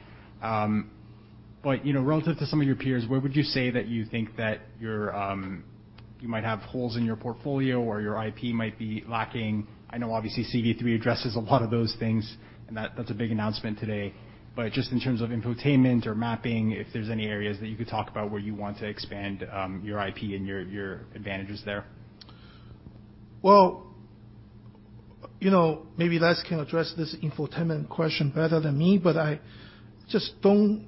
You know, relative to some of your peers, where would you say that you think that you might have holes in your portfolio or your IP might be lacking? I know obviously CV3 addresses a lot of those things and that's a big announcement today. Just in terms of infotainment or mapping, if there's any areas that you could talk about where you want to expand your IP and your advantages there. Well, you know, maybe Les can address this infotainment question better than me, but I just don't.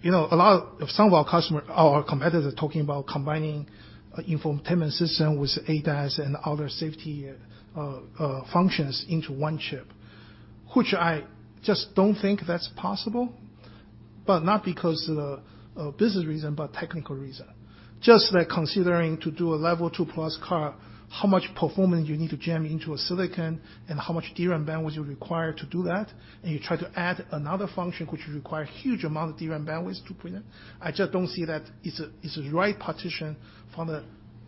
You know, a lot of our customer or our competitors are talking about combining infotainment system with ADAS and other safety functions into one chip, which I just don't think that's possible, but not because of the business reason, but technical reason. Just like considering to do a level two-plus car, how much performance you need to jam into a silicon and how much DRAM bandwidth you require to do that, and you try to add another function which require huge amount of DRAM bandwidth to put in. I just don't see that it's a right partition from a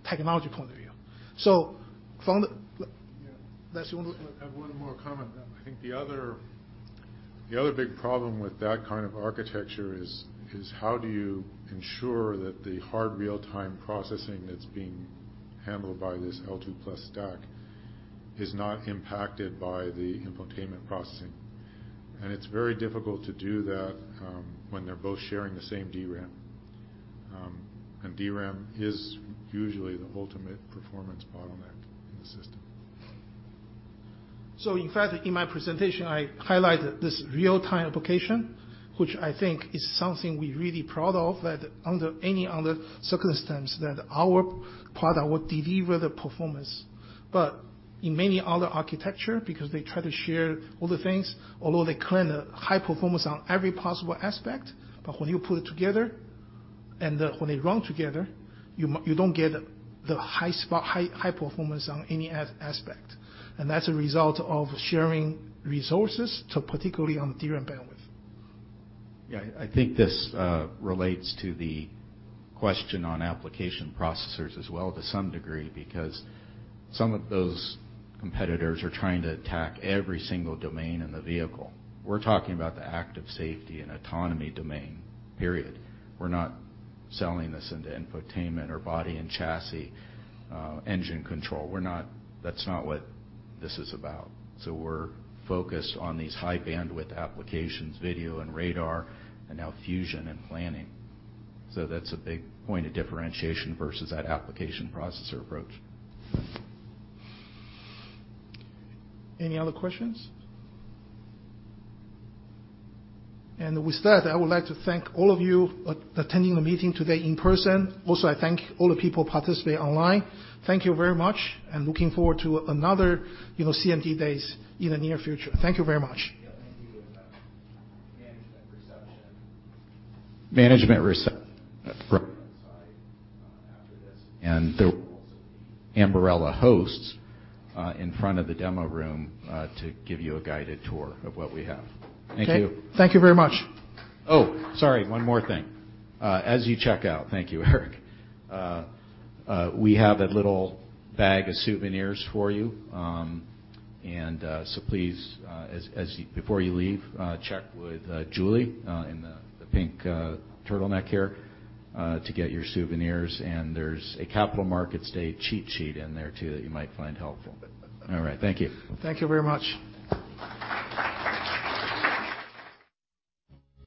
technology point of view. Les, you wanna- I have one more comment. I think the other big problem with that kind of architecture is how do you ensure that the hard real-time processing that's being handled by this L2+ stack is not impacted by the infotainment processing? It's very difficult to do that, when they're both sharing the same DRAM. DRAM is usually the ultimate performance bottleneck in the system. In fact, in my presentation, I highlighted this real-time application, which I think is something we're really proud of, that under any other circumstance that our product would deliver the performance. In many other architecture, because they try to share all the things, although they claim a high performance on every possible aspect, but when you put it together and when they run together, you don't get the high spot high performance on any aspect. That's a result of sharing resources too particularly on DRAM bandwidth. I think this relates to the question on application processors as well to some degree, because some of those competitors are trying to attack every single domain in the vehicle. We're talking about the active safety and autonomy domain, period. We're not selling this into infotainment or body and chassis, engine control. That's not what this is about. We're focused on these high bandwidth applications, video and radar and now fusion and planning. That's a big point of differentiation versus that application processor approach. Any other questions? With that, I would like to thank all of you attending the meeting today in person. Also, I thank all the people participate online. Thank you very much, and looking forward to another, you know, CMD Days in the near future. Thank you very much. Yeah. Thank you. We have management reception right outside after this. There will also be Ambarella hosts in front of the demo room to give you a guided tour of what we have. Thank you. Okay. Thank you very much. Oh, sorry. One more thing. As you check out. Thank you, Eric. We have a little bag of souvenirs for you, and so please, before you leave, check with Julie in the pink turtleneck here to get your souvenirs. There's a Capital Markets Day cheat sheet in there too that you might find helpful. All right. Thank you. Thank you very much.